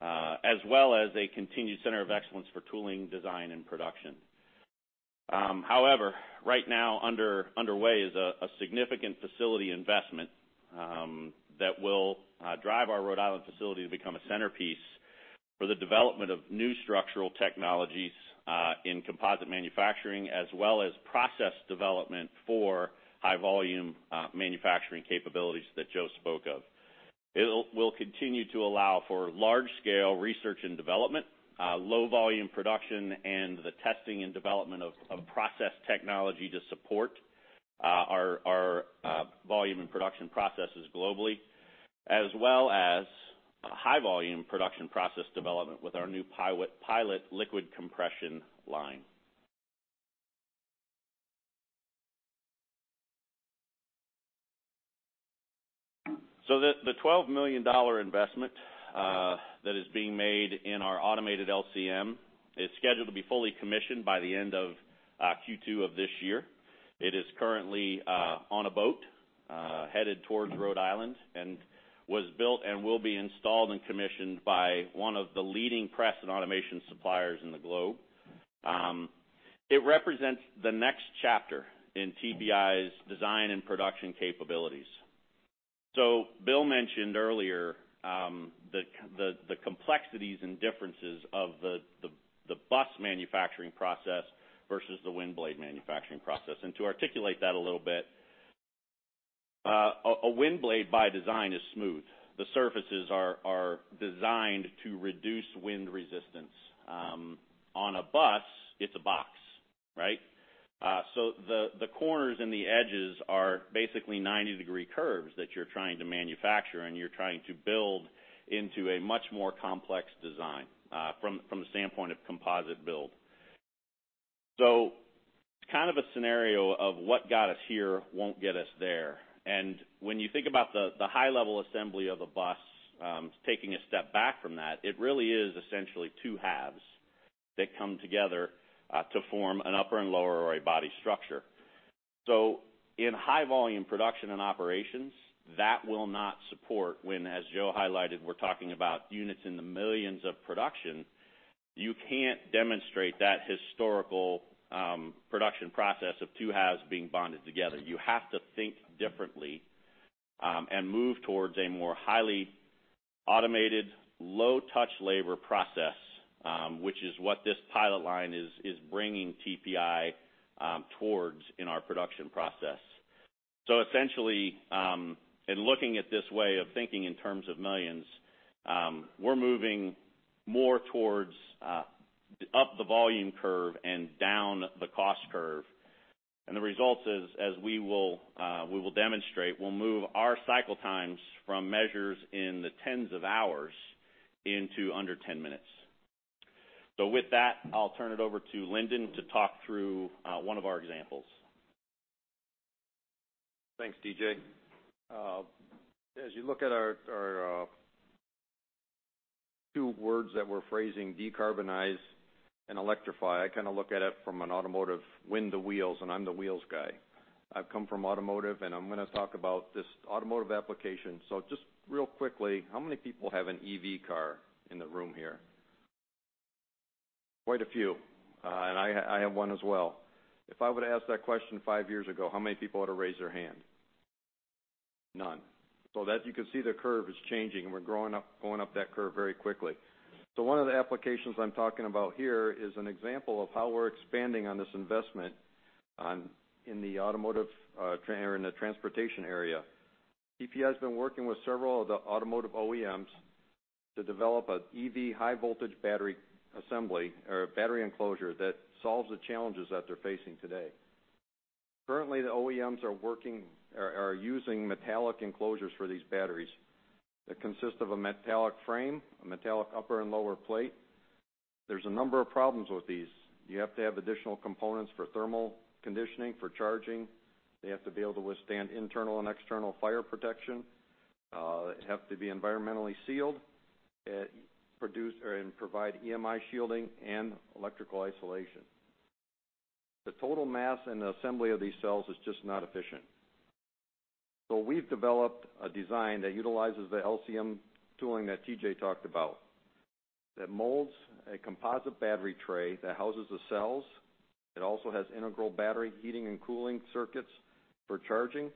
as well as a continued center of excellence for tooling, design, and production. However, right now underway is a significant facility investment that will drive our Rhode Island facility to become a centerpiece for the development of new structural technologies in composite manufacturing, as well as process development for high volume manufacturing capabilities that Joe spoke of. It will continue to allow for large scale research and development, low volume production, and the testing and development of process technology to support our volume and production processes globally, as well as high volume production process development with our new pilot liquid compression line. The $12 million investment that is being made in our automated LCM is scheduled to be fully commissioned by the end of Q2 of this year. It is currently on a boat headed towards Rhode Island, and was built and will be installed and commissioned by one of the leading press and automation suppliers in the globe. It represents the next chapter in TPI's design and production capabilities. Bill mentioned earlier the complexities and differences of the bus manufacturing process versus the wind blade manufacturing process. To articulate that a little bit, a wind blade by design is smooth. The surfaces are designed to reduce wind resistance. On a bus, it's a box, right? The corners and the edges are basically 90-degree curves that you're trying to manufacture, and you're trying to build into a much more complex design from the standpoint of composite build. It's kind of a scenario of what got us here won't get us there. When you think about the high level assembly of a bus, taking a step back from that, it really is essentially two halves that come together to form an upper and lower or a body structure. In high volume production and operations, that will not support when, as Joe highlighted, we're talking about units in the millions of production. You can't demonstrate that historical production process of two halves being bonded together. You have to think differently and move towards a more highly automated, low touch labor process, which is what this pilot line is bringing TPI towards in our production process. Essentially, in looking at this way of thinking in terms of millions, we're moving more towards up the volume curve and down the cost curve. The results is, as we will demonstrate, will move our cycle times from measures in the tens of hours into under 10 minutes. With that, I'll turn it over to Lyndon to talk through one of our examples. Thanks, TJ. As you look at our two words that we're phrasing, decarbonize and electrify, I kind of look at it from an automotive wind to wheels, and I'm the wheels guy. I've come from automotive. I'm going to talk about this automotive application. Just real quickly, how many people have an EV car in the room here? Quite a few. I have one as well. If I were to ask that question five years ago, how many people would have raised their hand? None. As you can see, the curve is changing, and we're going up that curve very quickly. One of the applications I'm talking about here is an example of how we're expanding on this investment in the transportation area. TPI's been working with several of the automotive OEMs to develop an EV high voltage battery enclosure that solves the challenges that they're facing today. Currently, the OEMs are using metallic enclosures for these batteries that consist of a metallic frame, a metallic upper and lower plate. There's a number of problems with these. You have to have additional components for thermal conditioning, for charging. They have to be able to withstand internal and external fire protection. They have to be environmentally sealed, and provide EMI shielding and electrical isolation. The total mass and the assembly of these cells is just not efficient. We've developed a design that utilizes the LCM tooling that TJ talked about, that molds a composite battery tray that houses the cells. It also has integral battery heating and cooling circuits for charging.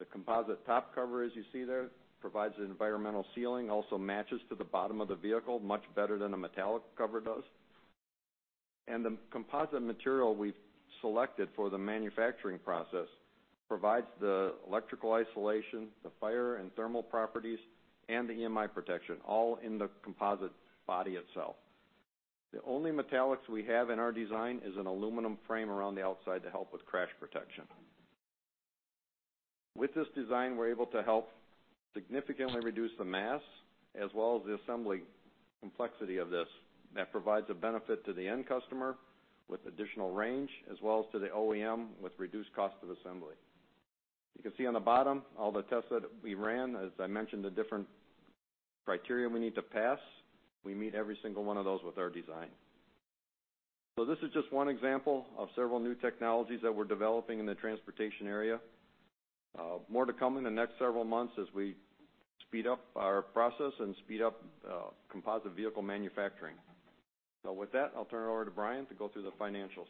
The composite top cover, as you see there, provides the environmental sealing, also matches to the bottom of the vehicle much better than a metallic cover does. The composite material we've selected for the manufacturing process provides the electrical isolation, the fire and thermal properties, and the EMI protection, all in the composite body itself. The only metallics we have in our design is an aluminum frame around the outside to help with crash protection. With this design, we're able to help significantly reduce the mass as well as the assembly complexity of this. That provides a benefit to the end customer with additional range as well as to the OEM with reduced cost of assembly. You can see on the bottom all the tests that we ran. As I mentioned, the different criteria we need to pass. We meet every single one of those with our design. This is just one example of several new technologies that we're developing in the transportation area. More to come in the next several months as we speed up our process and speed up composite vehicle manufacturing. With that, I'll turn it over to Brian to go through the financials.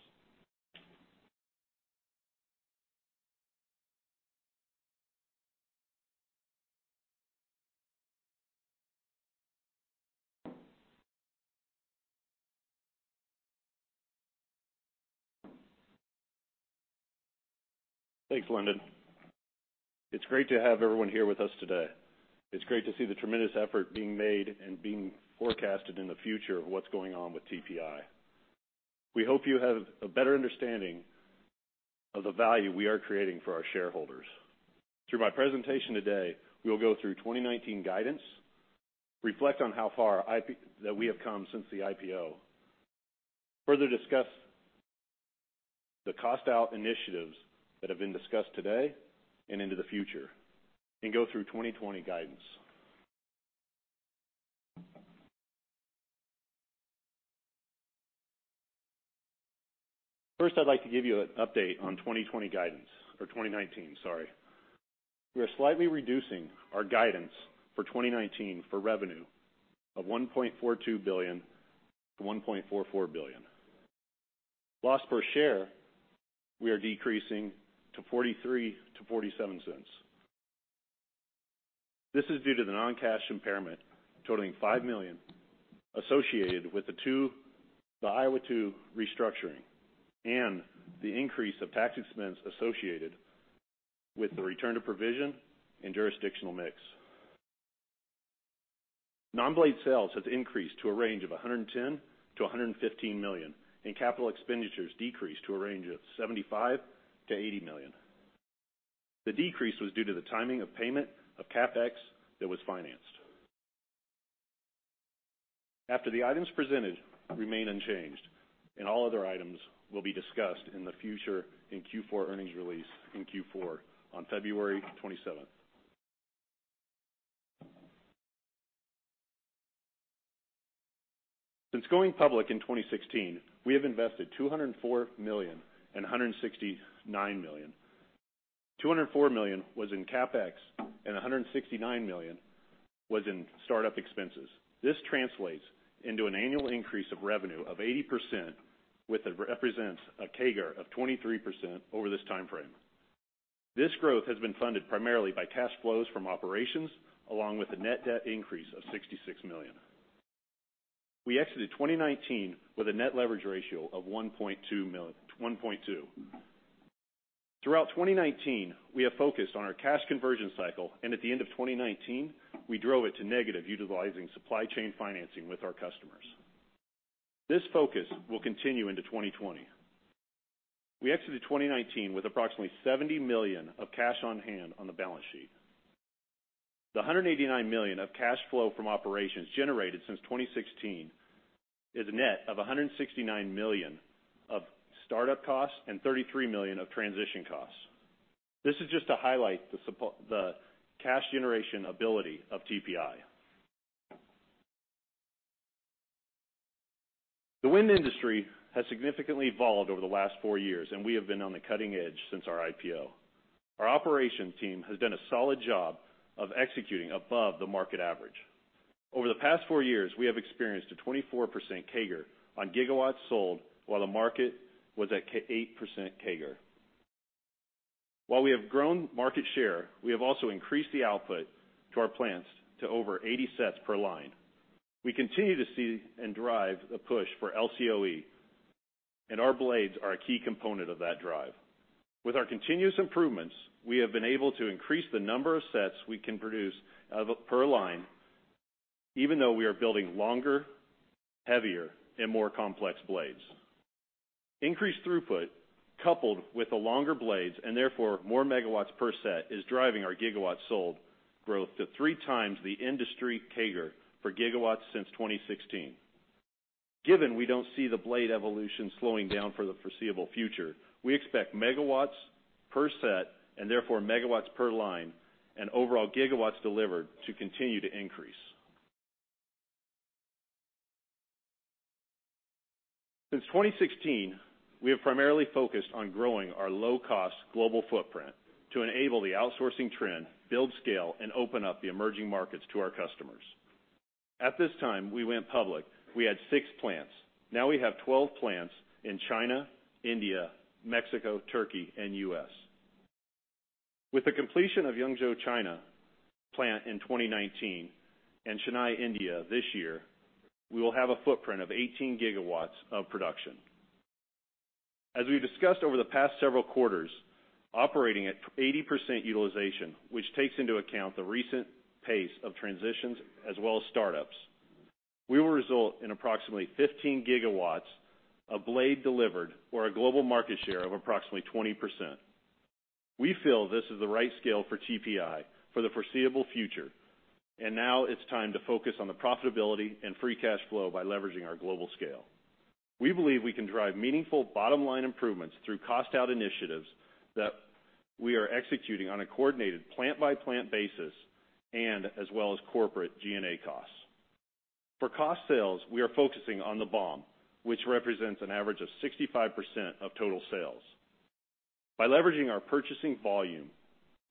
Thanks, Lyndon. It's great to have everyone here with us today. It's great to see the tremendous effort being made and being forecasted in the future of what's going on with TPI. We hope you have a better understanding of the value we are creating for our shareholders. Through my presentation today, we will go through 2019 guidance, reflect on how far that we have come since the IPO, further discuss the cost out initiatives that have been discussed today and into the future, and go through 2020 guidance. First, I'd like to give you an update on 2020 guidance, or 2019, sorry. We are slightly reducing our guidance for 2019 for revenue of $1.42 billion-$1.44 billion. Loss per share, we are decreasing to $0.43-$0.47. This is due to the non-cash impairment totaling $5 million associated with the Iowa II restructuring and the increase of tax expense associated with the return to provision and jurisdictional mix. Non-blade sales has increased to a range of $110 million-$115 million. Capital expenditures decreased to a range of $75 million-$80 million. The decrease was due to the timing of payment of CapEx that was financed. After the items presented remain unchanged, all other items will be discussed in the future in Q4 earnings release on February 27th. Since going public in 2016, we have invested $204 million and $169 million. $204 million was in CapEx, $169 million was in startup expenses. This translates into an annual increase of revenue of 80%, which represents a CAGR of 23% over this timeframe. This growth has been funded primarily by cash flows from operations, along with a net debt increase of $66 million. We exited 2019 with a net leverage ratio of 1.2. Throughout 2019, we have focused on our cash conversion cycle, and at the end of 2019, we drove it to negative utilizing supply chain financing with our customers. This focus will continue into 2020. We exited 2019 with approximately $70 million of cash on hand on the balance sheet. The $189 million of cash flow from operations generated since 2016 is a net of $169 million of startup costs and $33 million of transition costs. This is just to highlight the cash generation ability of TPI. The wind industry has significantly evolved over the last four years, and we have been on the cutting edge since our IPO. Our operations team has done a solid job of executing above the market average. Over the past four years, we have experienced a 24% CAGR on GW sold, while the market was at 8% CAGR. While we have grown market share, we have also increased the output to our plants to over 80 sets per line. We continue to see and drive a push for LCOE. Our blades are a key component of that drive. With our continuous improvements, we have been able to increase the number of sets we can produce per line, even though we are building longer, heavier, and more complex blades. Increased throughput, coupled with the longer blades, and therefore more megawatts per set, is driving our GW sold growth to three times the industry CAGR for GW since 2016. Given we don't see the blade evolution slowing down for the foreseeable future, we expect megawatts per set, and therefore megawatts per line, and overall GW delivered to continue to increase. Since 2016, we have primarily focused on growing our low-cost global footprint to enable the outsourcing trend, build scale, and open up the emerging markets to our customers. At this time we went public, we had six plants. Now we have 12 plants in China, India, Mexico, Turkey, and U.S. With the completion of Yangzhou, China plant in 2019, and Chennai, India this year, we will have a footprint of 18 GW of production. As we've discussed over the past several quarters, operating at 80% utilization, which takes into account the recent pace of transitions as well as startups, we will result in approximately 15 GW of blade delivered, or a global market share of approximately 20%. We feel this is the right scale for TPI for the foreseeable future, and now it's time to focus on the profitability and free cash flow by leveraging our global scale. We believe we can drive meaningful bottom-line improvements through cost-out initiatives that we are executing on a coordinated plant-by-plant basis, and as well as corporate G&A costs. For cost sales, we are focusing on the BOM, which represents an average of 65% of total sales. By leveraging our purchasing volume,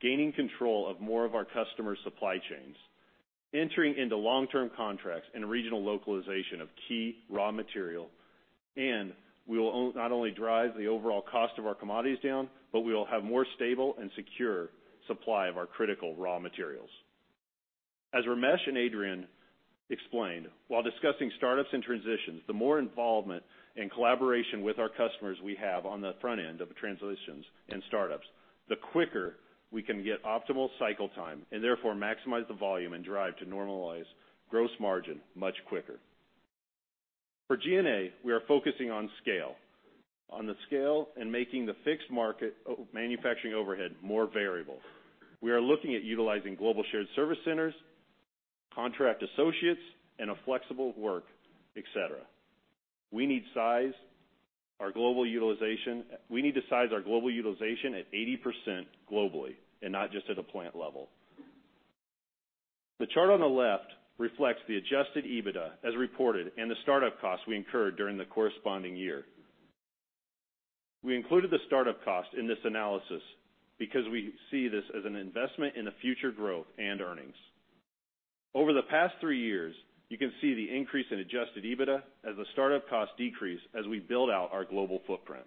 gaining control of more of our customers' supply chains, entering into long-term contracts and regional localization of key raw material, and we will not only drive the overall cost of our commodities down, but we will have more stable and secure supply of our critical raw materials. As Ramesh and Adrian explained, while discussing startups and transitions, the more involvement and collaboration with our customers we have on the front end of transitions and startups, the quicker we can get optimal cycle time, and therefore maximize the volume and drive to normalize gross margin much quicker. For G&A, we are focusing on the scale and making the fixed manufacturing overhead more variable. We are looking at utilizing global shared service centers, contract associates, and a flexible work, et cetera. We need to size our global utilization at 80% globally, and not just at a plant level. The chart on the left reflects the adjusted EBITDA as reported and the startup costs we incurred during the corresponding year. We included the startup cost in this analysis because we see this as an investment in the future growth and earnings. Over the past three years, you can see the increase in adjusted EBITDA as the startup costs decrease as we build out our global footprint.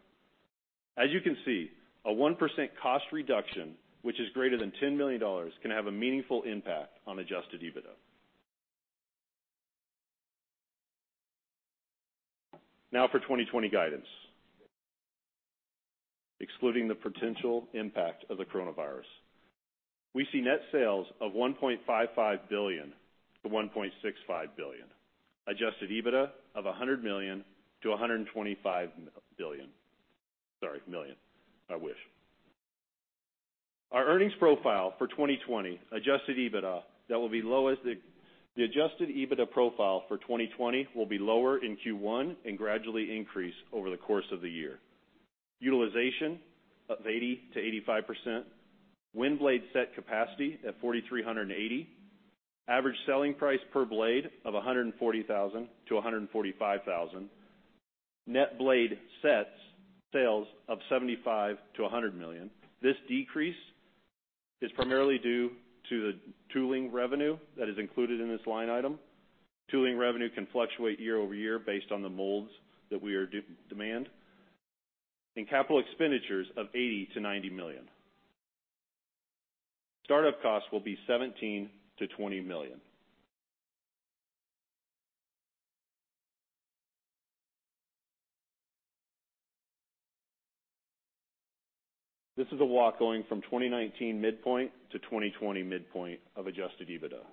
As you can see, a 1% cost reduction, which is greater than $10 million, can have a meaningful impact on adjusted EBITDA. For 2020 guidance, excluding the potential impact of the coronavirus. We see net sales of $1.55 billion-$1.65 billion, adjusted EBITDA of $100 million-$125 million. Sorry, million. I wish. Our earnings profile for 2020 adjusted EBITDA, the adjusted EBITDA profile for 2020 will be lower in Q1 and gradually increase over the course of the year. Utilization of 80%-85%. Wind blade set capacity at 4,380. Average selling price per blade of $140,000-$145,000. Net blade sets sales of $75 million-$100 million. This decrease is primarily due to the tooling revenue that is included in this line item. Tooling revenue can fluctuate year-over-year based on the molds that we are in demand. Capital expenditures of $80 million-$90 million. Startup costs will be $17 million-$20 million. This is a walk going from 2019 midpoint to 2020 midpoint of adjusted EBITDA.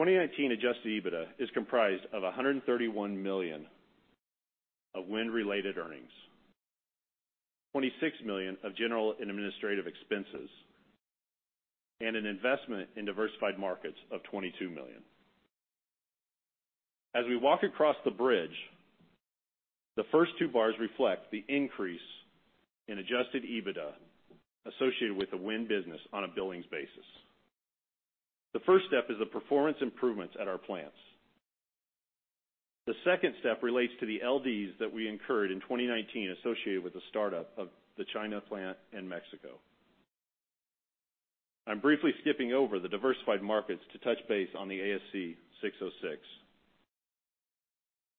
2019 adjusted EBITDA is comprised of $131 million of wind-related earnings, $26 million of G&A expenses, and an investment in diversified markets of $22 million. We walk across the bridge, the first two bars reflect the increase in adjusted EBITDA associated with the wind business on a billings basis. The first step is the performance improvements at our plants. The second step relates to the LDs that we incurred in 2019 associated with the startup of the China plant and Mexico. I'm briefly skipping over the diversified markets to touch base on the ASC 606.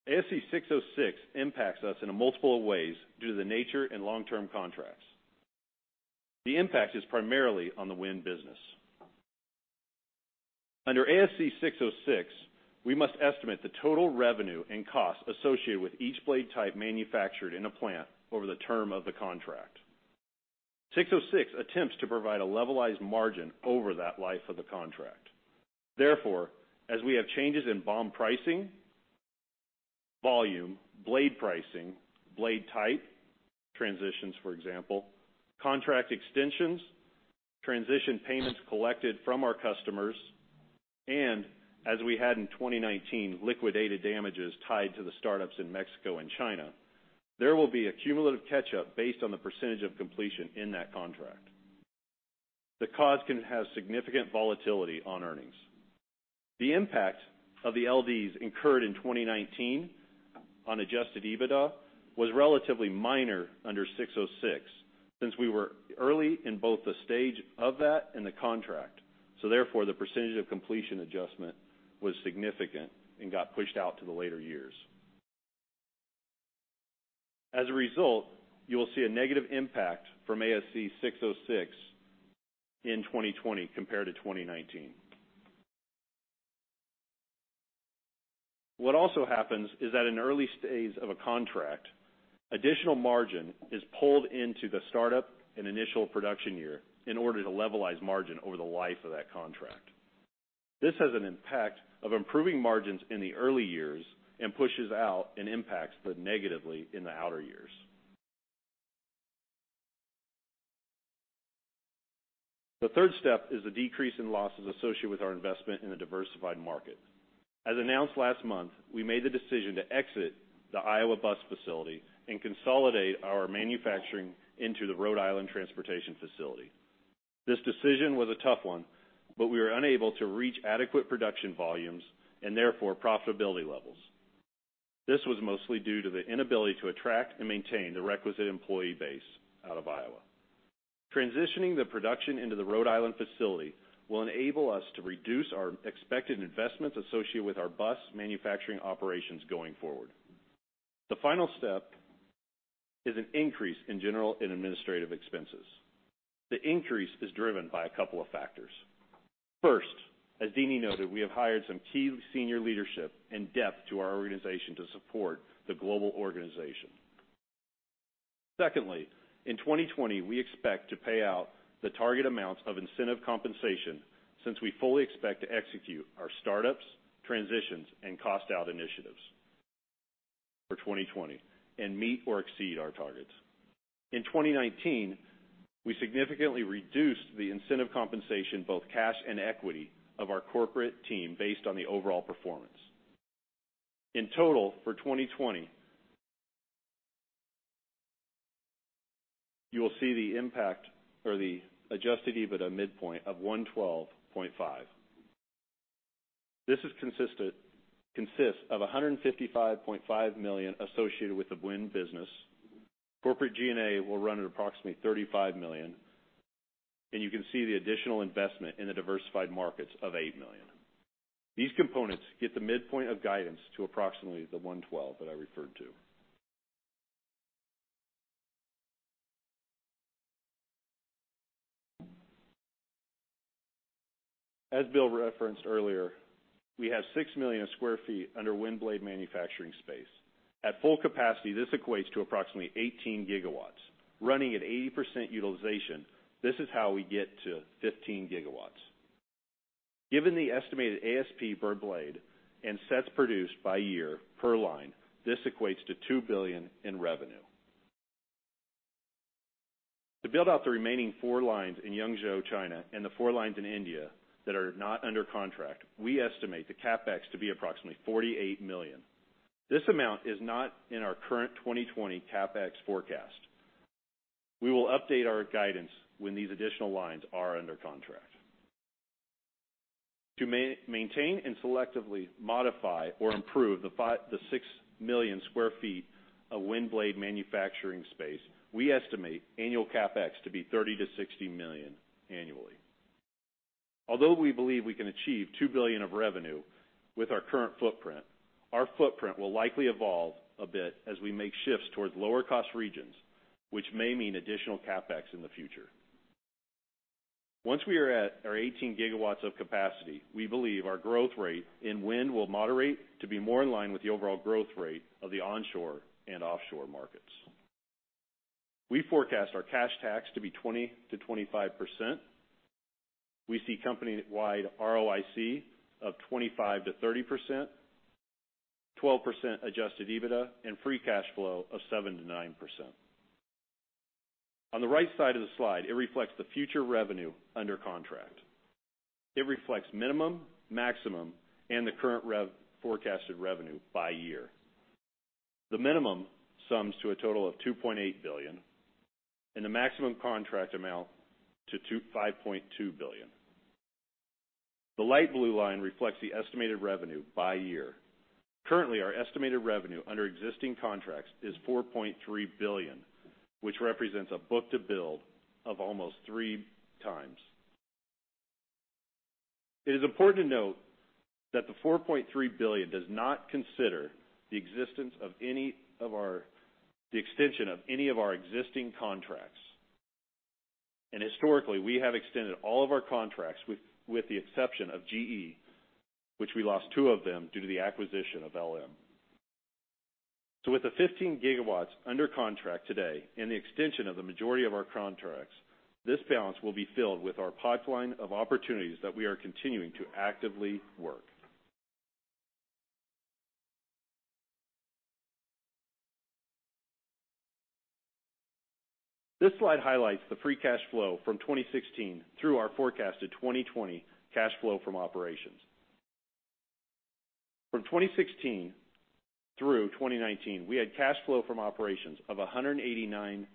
ASC 606 impacts us in a multiple of ways due to the nature and long-term contracts. The impact is primarily on the wind business. Under ASC 606, we must estimate the total revenue and cost associated with each blade type manufactured in a plant over the term of the contract. 606 attempts to provide a levelized margin over that life of the contract. As we have changes in BOM pricing, volume, blade pricing, blade type, transitions, for example, contract extensions, transition payments collected from our customers, and as we had in 2019, liquidated damages tied to the startups in Mexico and China, there will be a cumulative catch-up based on the percentage of completion in that contract. The cause can have significant volatility on earnings. The impact of the LDs incurred in 2019 on adjusted EBITDA was relatively minor under 606, since we were early in both the stage of that and the contract, so therefore, the percentage of completion adjustment was significant and got pushed out to the later years. As a result, you will see a negative impact from ASC 606 in 2020 compared to 2019. What also happens is that in early stages of a contract, additional margin is pulled into the startup and initial production year in order to levelize margin over the life of that contract. This has an impact of improving margins in the early years and pushes out and impacts but negatively in the outer years. The third step is the decrease in losses associated with our investment in a diversified market. As announced last month, we made the decision to exit the Iowa bus facility and consolidate our manufacturing into the Rhode Island transportation facility. This decision was a tough one, we were unable to reach adequate production volumes, and therefore, profitability levels. This was mostly due to the inability to attract and maintain the requisite employee base out of Iowa. Transitioning the production into the Rhode Island facility will enable us to reduce our expected investments associated with our bus manufacturing operations going forward. The final step is an increase in general and administrative expenses. The increase is driven by a couple of factors. First, as Deane noted, we have hired some key senior leadership and depth to our organization to support the global organization. In 2020, we expect to pay out the target amounts of incentive compensation since we fully expect to execute our startups, transitions, and cost-out initiatives for 2020 and meet or exceed our targets. In 2019, we significantly reduced the incentive compensation, both cash and equity, of our corporate team based on the overall performance. For 2020, you will see the impact or the adjusted EBITDA midpoint of 112.5. This consists of $155.5 million associated with the wind business. Corporate G&A will run at approximately $35 million. You can see the additional investment in the diversified markets of $8 million. These components get the midpoint of guidance to approximately the 112 that I referred to. As Bill referenced earlier, we have 6 million sq ft under wind blade manufacturing space. At full capacity, this equates to approximately 18 GW. Running at 80% utilization, this is how we get to 15 GW. Given the estimated ASP per blade and sets produced by year per line, this equates to $2 billion in revenue. To build out the remaining four lines in Yangzhou, China, and the four lines in India that are not under contract, we estimate the CapEx to be approximately $48 million. This amount is not in our current 2020 CapEx forecast. We will update our guidance when these additional lines are under contract. To maintain and selectively modify or improve the 6 million sq ft of wind blade manufacturing space, we estimate annual CapEx to be $30 million-$60 million annually. Although we believe we can achieve $2 billion of revenue with our current footprint, our footprint will likely evolve a bit as we make shifts towards lower cost regions, which may mean additional CapEx in the future. Once we are at our 18 GW of capacity, we believe our growth rate in wind will moderate to be more in line with the overall growth rate of the onshore and offshore markets. We forecast our cash tax to be 20%-25%. We see company-wide ROIC of 25%-30%, 12% adjusted EBITDA, and free cash flow of 7%-9%. On the right side of the slide, it reflects the future revenue under contract. It reflects minimum, maximum, and the current forecasted revenue by year. The minimum sums to a total of $2.8 billion and the maximum contract amount to $5.2 billion. The light blue line reflects the estimated revenue by year. Currently, our estimated revenue under existing contracts is $4.3 billion, which represents a book to build of almost three times. It is important to note that the $4.3 billion does not consider the extension of any of our existing contracts. Historically, we have extended all of our contracts, with the exception of GE, which we lost two of them due to the acquisition of LM. With the 15 GW under contract today and the extension of the majority of our contracts, this balance will be filled with our pipeline of opportunities that we are continuing to actively work. This slide highlights the free cash flow from 2016 through our forecasted 2020 cash flow from operations. From 2016 through 2019, we had cash flow from operations of $189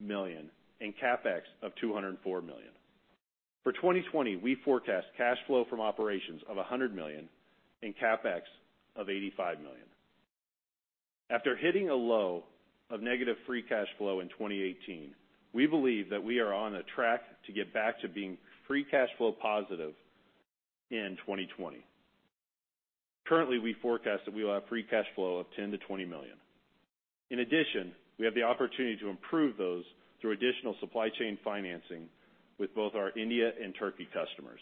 million and CapEx of $204 million. For 2020, we forecast cash flow from operations of $100 million and CapEx of $85 million. After hitting a low of negative free cash flow in 2018, we believe that we are on a track to get back to being free cash flow positive in 2020. Currently, we forecast that we will have free cash flow of $10 million-$20 million. We have the opportunity to improve those through additional supply chain financing with both our India and Turkey customers.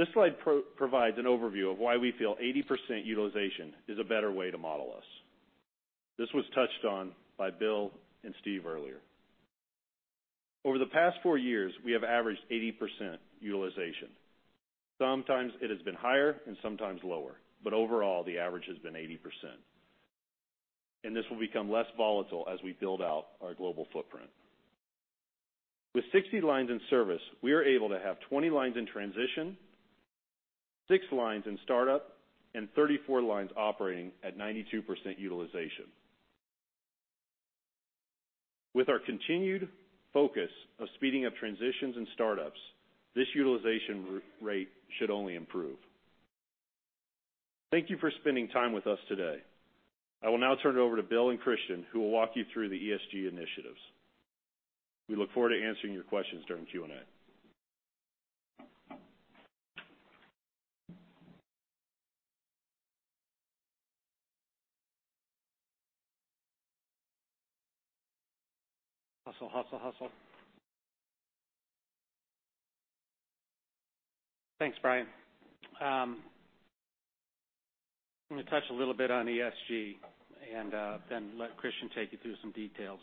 This slide provides an overview of why we feel 80% utilization is a better way to model us. This was touched on by Bill and Steve earlier. Over the past four years, we have averaged 80% utilization. Sometimes it has been higher and sometimes lower. Overall, the average has been 80%. This will become less volatile as we build out our global footprint. With 60 lines in service, we are able to have 20 lines in transition, six lines in startup, and 34 lines operating at 92% utilization. With our continued focus on speeding up transitions and startups, this utilization rate should only improve. Thank you for spending time with us today. I will now turn it over to Bill and Christian, who will walk you through the ESG initiatives. We look forward to answering your questions during Q&A. Thanks, Brian. I'm going to touch a little bit on ESG and then let Christian take you through some details.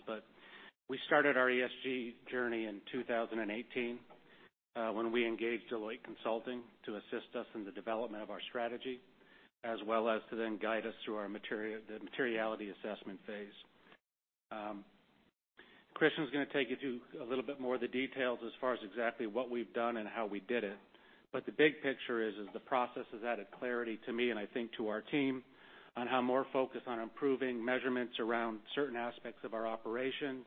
We started our ESG journey in 2018, when we engaged Deloitte Consulting to assist us in the development of our strategy, as well as to then guide us through the materiality assessment phase. Christian's going to take you through a little bit more of the details as far as exactly what we've done and how we did it. The big picture is, the process has added clarity to me and I think to our team on how more focus on improving measurements around certain aspects of our operations,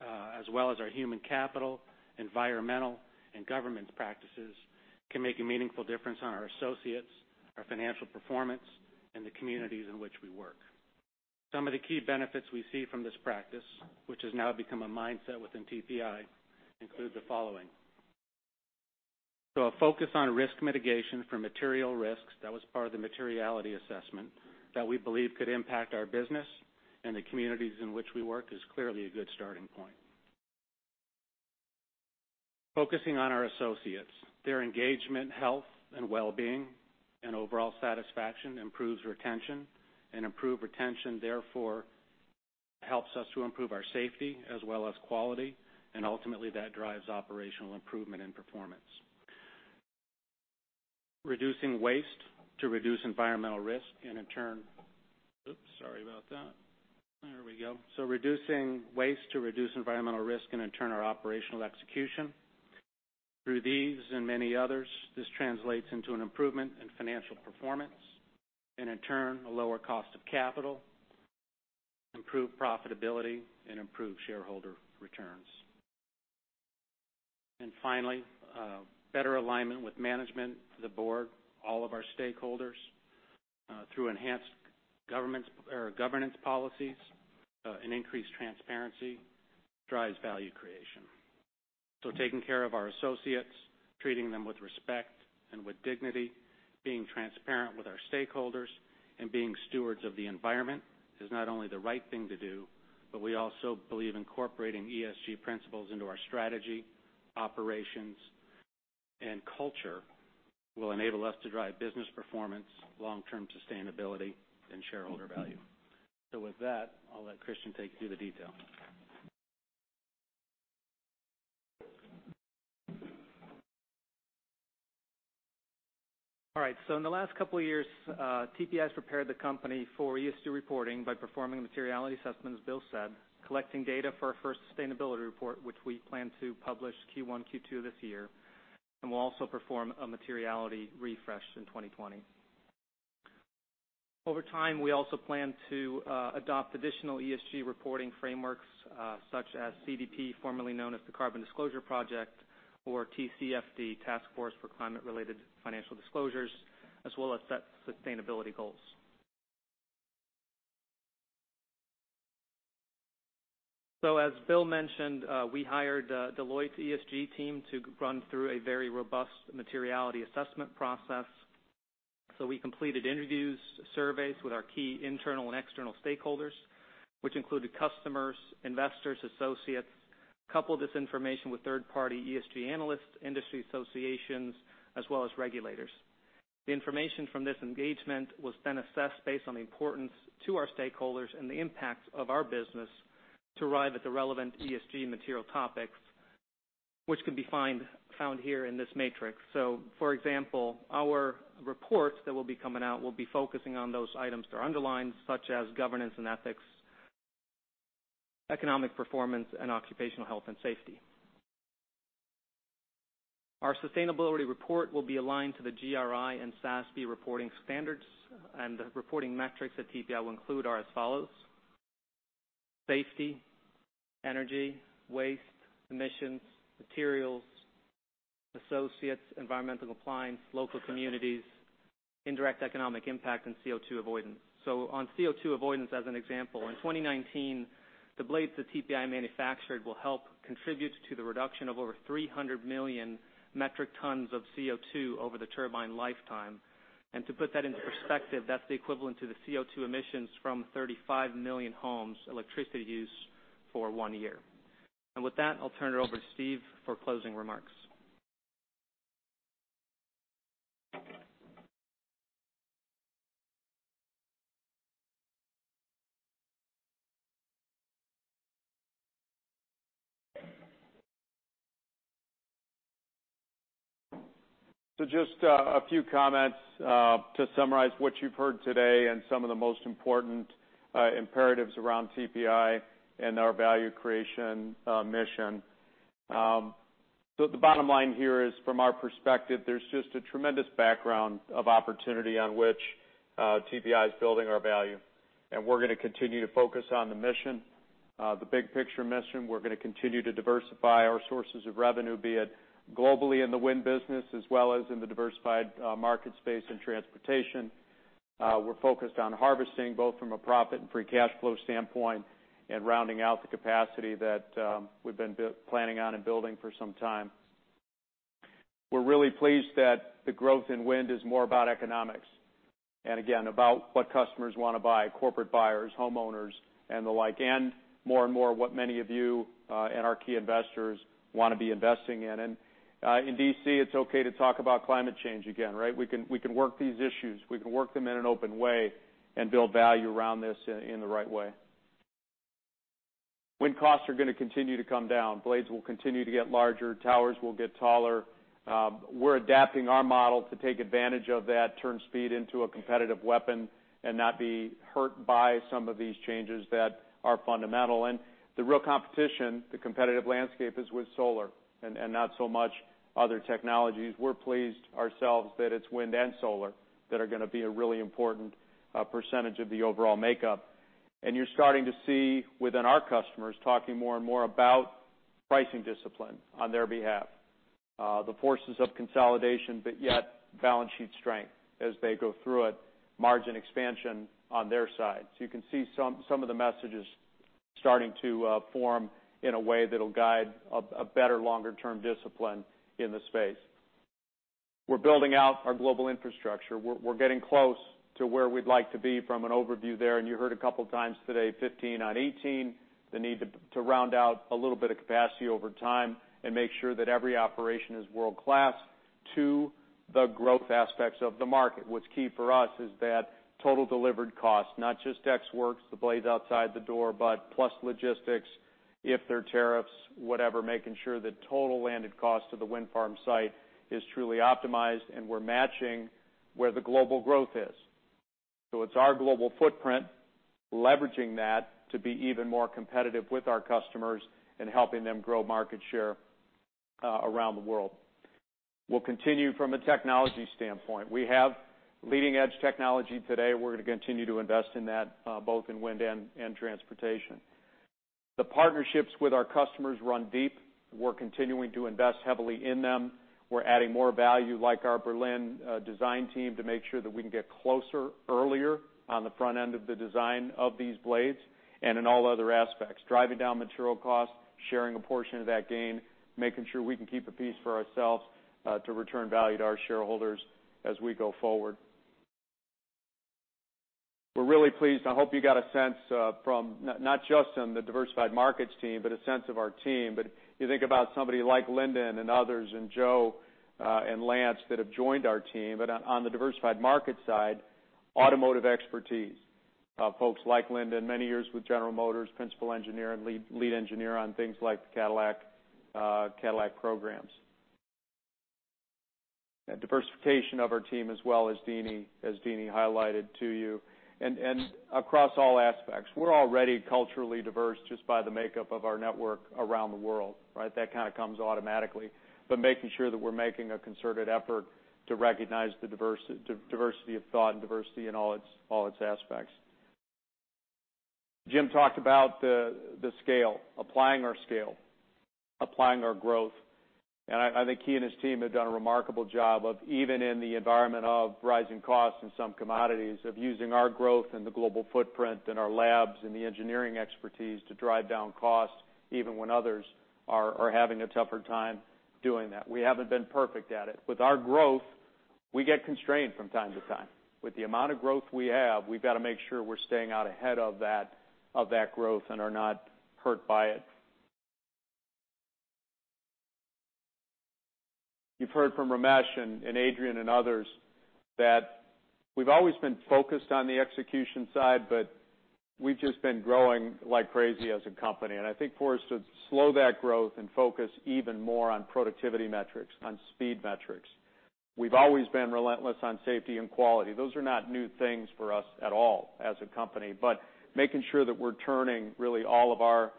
as well as our human capital, environmental, and government practices, can make a meaningful difference on our associates, our financial performance, and the communities in which we work. Some of the key benefits we see from this practice, which has now become a mindset within TPI, include the following. A focus on risk mitigation for material risks, that was part of the materiality assessment, that we believe could impact our business and the communities in which we work is clearly a good starting point. Focusing on our associates, their engagement, health, and wellbeing, and overall satisfaction improves retention. Improved retention, therefore, helps us to improve our safety as well as quality, and ultimately that drives operational improvement and performance. Reducing waste to reduce environmental risk, and in turn, our operational execution. Through these and many others, this translates into an improvement in financial performance, and in turn, a lower cost of capital, improved profitability, and improved shareholder returns. Finally, better alignment with management, the board, all of our stakeholders, through enhanced governance policies and increased transparency drives value creation. Taking care of our associates, treating them with respect and with dignity, being transparent with our stakeholders, and being stewards of the environment is not only the right thing to do, but we also believe incorporating ESG principles into our strategy, operations, and culture will enable us to drive business performance, long-term sustainability, and shareholder value. With that, I'll let Christian take you through the detail. All right. In the last couple of years, TPI's prepared the company for ESG reporting by performing a materiality assessment, as Bill said, collecting data for our first sustainability report, which we plan to publish Q1, Q2 this year, and we'll also perform a materiality refresh in 2020. Over time, we also plan to adopt additional ESG reporting frameworks, such as CDP, formerly known as the Carbon Disclosure Project, or TCFD, Task Force on Climate-related Financial Disclosures, as well as set sustainability goals. As Bill mentioned, we hired Deloitte's ESG team to run through a very robust materiality assessment process. We completed interviews, surveys with our key internal and external stakeholders, which included customers, investors, associates, coupled this information with third-party ESG analysts, industry associations, as well as regulators. The information from this engagement was then assessed based on the importance to our stakeholders and the impact of our business to arrive at the relevant ESG material topics, which can be found here in this matrix. For example, our reports that will be coming out will be focusing on those items that are underlined, such as governance and ethics, economic performance, and occupational health and safety. Our sustainability report will be aligned to the GRI and SASB reporting standards, and the reporting metrics that TPI will include are as follows: safety, energy, waste, emissions, materials, associates, environmental compliance, local communities, indirect economic impact, and CO₂ avoidance. On CO₂ avoidance, as an example, in 2019, the blades that TPI manufactured will help contribute to the reduction of over 300 million metric tons of CO₂ over the turbine lifetime. To put that into perspective, that's the equivalent to the CO₂ emissions from 35 million homes' electricity use for one year. With that, I'll turn it over to Steve for closing remarks. Just a few comments to summarize what you've heard today and some of the most important imperatives around TPI and our value creation mission. The bottom line here is, from our perspective, there's just a tremendous background of opportunity on which TPI is building our value, and we're going to continue to focus on the mission, the big picture mission. We're going to continue to diversify our sources of revenue, be it globally in the wind business as well as in the diversified market space and transportation. We're focused on harvesting, both from a profit and free cash flow standpoint, and rounding out the capacity that we've been planning on and building for some time. We're really pleased that the growth in wind is more about economics, and again, about what customers want to buy, corporate buyers, homeowners, and the like, and more and more what many of you and our key investors want to be investing in. In D.C., it's okay to talk about climate change again, right? We can work these issues. We can work them in an open way and build value around this in the right way. Wind costs are going to continue to come down. Blades will continue to get larger. Towers will get taller. We're adapting our model to take advantage of that, turn speed into a competitive weapon, and not be hurt by some of these changes that are fundamental. The real competition, the competitive landscape, is with solar and not so much other technologies. We're pleased ourselves that it's wind and solar that are going to be a really important percentage of the overall makeup. You're starting to see within our customers talking more and more about pricing discipline on their behalf. The forces of consolidation, but yet balance sheet strength as they go through it, margin expansion on their side. You can see some of the messages starting to form in a way that'll guide a better longer-term discipline in the space. We're building out our global infrastructure. We're getting close to where we'd like to be from an overview there, and you heard a couple times today, 15 on 18, the need to round out a little bit of capacity over time and make sure that every operation is world-class to the growth aspects of the market. What's key for us is that total delivered cost, not just ex works, the blades outside the door, but plus logistics, if there are tariffs, whatever, making sure the total landed cost of the wind farm site is truly optimized and we're matching where the global growth is. It's our global footprint, leveraging that to be even more competitive with our customers and helping them grow market share around the world. We'll continue from a technology standpoint. We have leading-edge technology today. We're going to continue to invest in that, both in wind and transportation. The partnerships with our customers run deep. We're continuing to invest heavily in them. We're adding more value, like our Berlin design team, to make sure that we can get closer earlier on the front end of the design of these blades and in all other aspects. Driving down material costs, sharing a portion of that gain, making sure we can keep a piece for ourselves to return value to our shareholders as we go forward. We're really pleased. I hope you got a sense from, not just from the diversified markets team, but a sense of our team. You think about somebody like Lyndon and others and Joe and Lance that have joined our team. On the diversified markets side, automotive expertise. Folks like Lyndon, many years with General Motors, principal engineer and lead engineer on things like the Cadillac programs. Diversification of our team as well, as Deane highlighted to you. Across all aspects. We're already culturally diverse just by the makeup of our network around the world, right? That kind of comes automatically. Making sure that we're making a concerted effort to recognize the diversity of thought and diversity in all its aspects. Jim talked about the scale, applying our scale, applying our growth. I think he and his team have done a remarkable job of, even in the environment of rising costs in some commodities, of using our growth and the global footprint and our labs and the engineering expertise to drive down costs, even when others are having a tougher time doing that. We haven't been perfect at it. With our growth, we get constrained from time to time. With the amount of growth we have, we've got to make sure we're staying out ahead of that growth and are not hurt by it. You've heard from Ramesh and Adrian and others that we've always been focused on the execution side, but we've just been growing like crazy as a company. I think for us to slow that growth and focus even more on productivity metrics, on speed metrics. We've always been relentless on safety and quality. Those are not new things for us at all as a company, but making sure that we're turning really all of our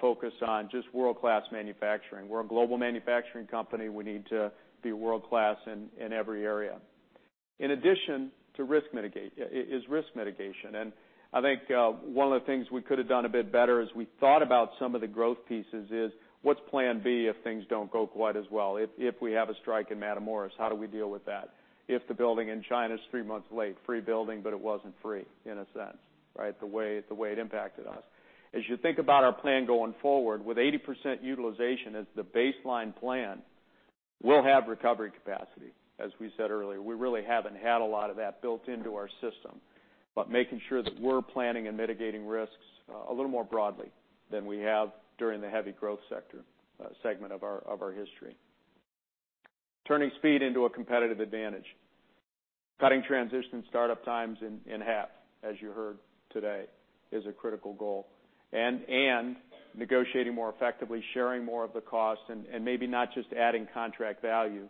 focus on just world-class manufacturing. We're a global manufacturing company. We need to be world-class in every area. In addition is risk mitigation, and I think one of the things we could have done a bit better as we thought about some of the growth pieces is, what's plan B if things don't go quite as well? If we have a strike in Matamoros, how do we deal with that? If the building in China is three months late, free building, it wasn't free in a sense. The way it impacted us, as you think about our plan going forward, with 80% utilization as the baseline plan, we'll have recovery capacity. We said earlier, we really haven't had a lot of that built into our system. Making sure that we're planning and mitigating risks a little more broadly than we have during the heavy growth segment of our history. Turning speed into a competitive advantage. Cutting transition startup times in half, as you heard today, is a critical goal. Negotiating more effectively, sharing more of the cost, and maybe not just adding contract value,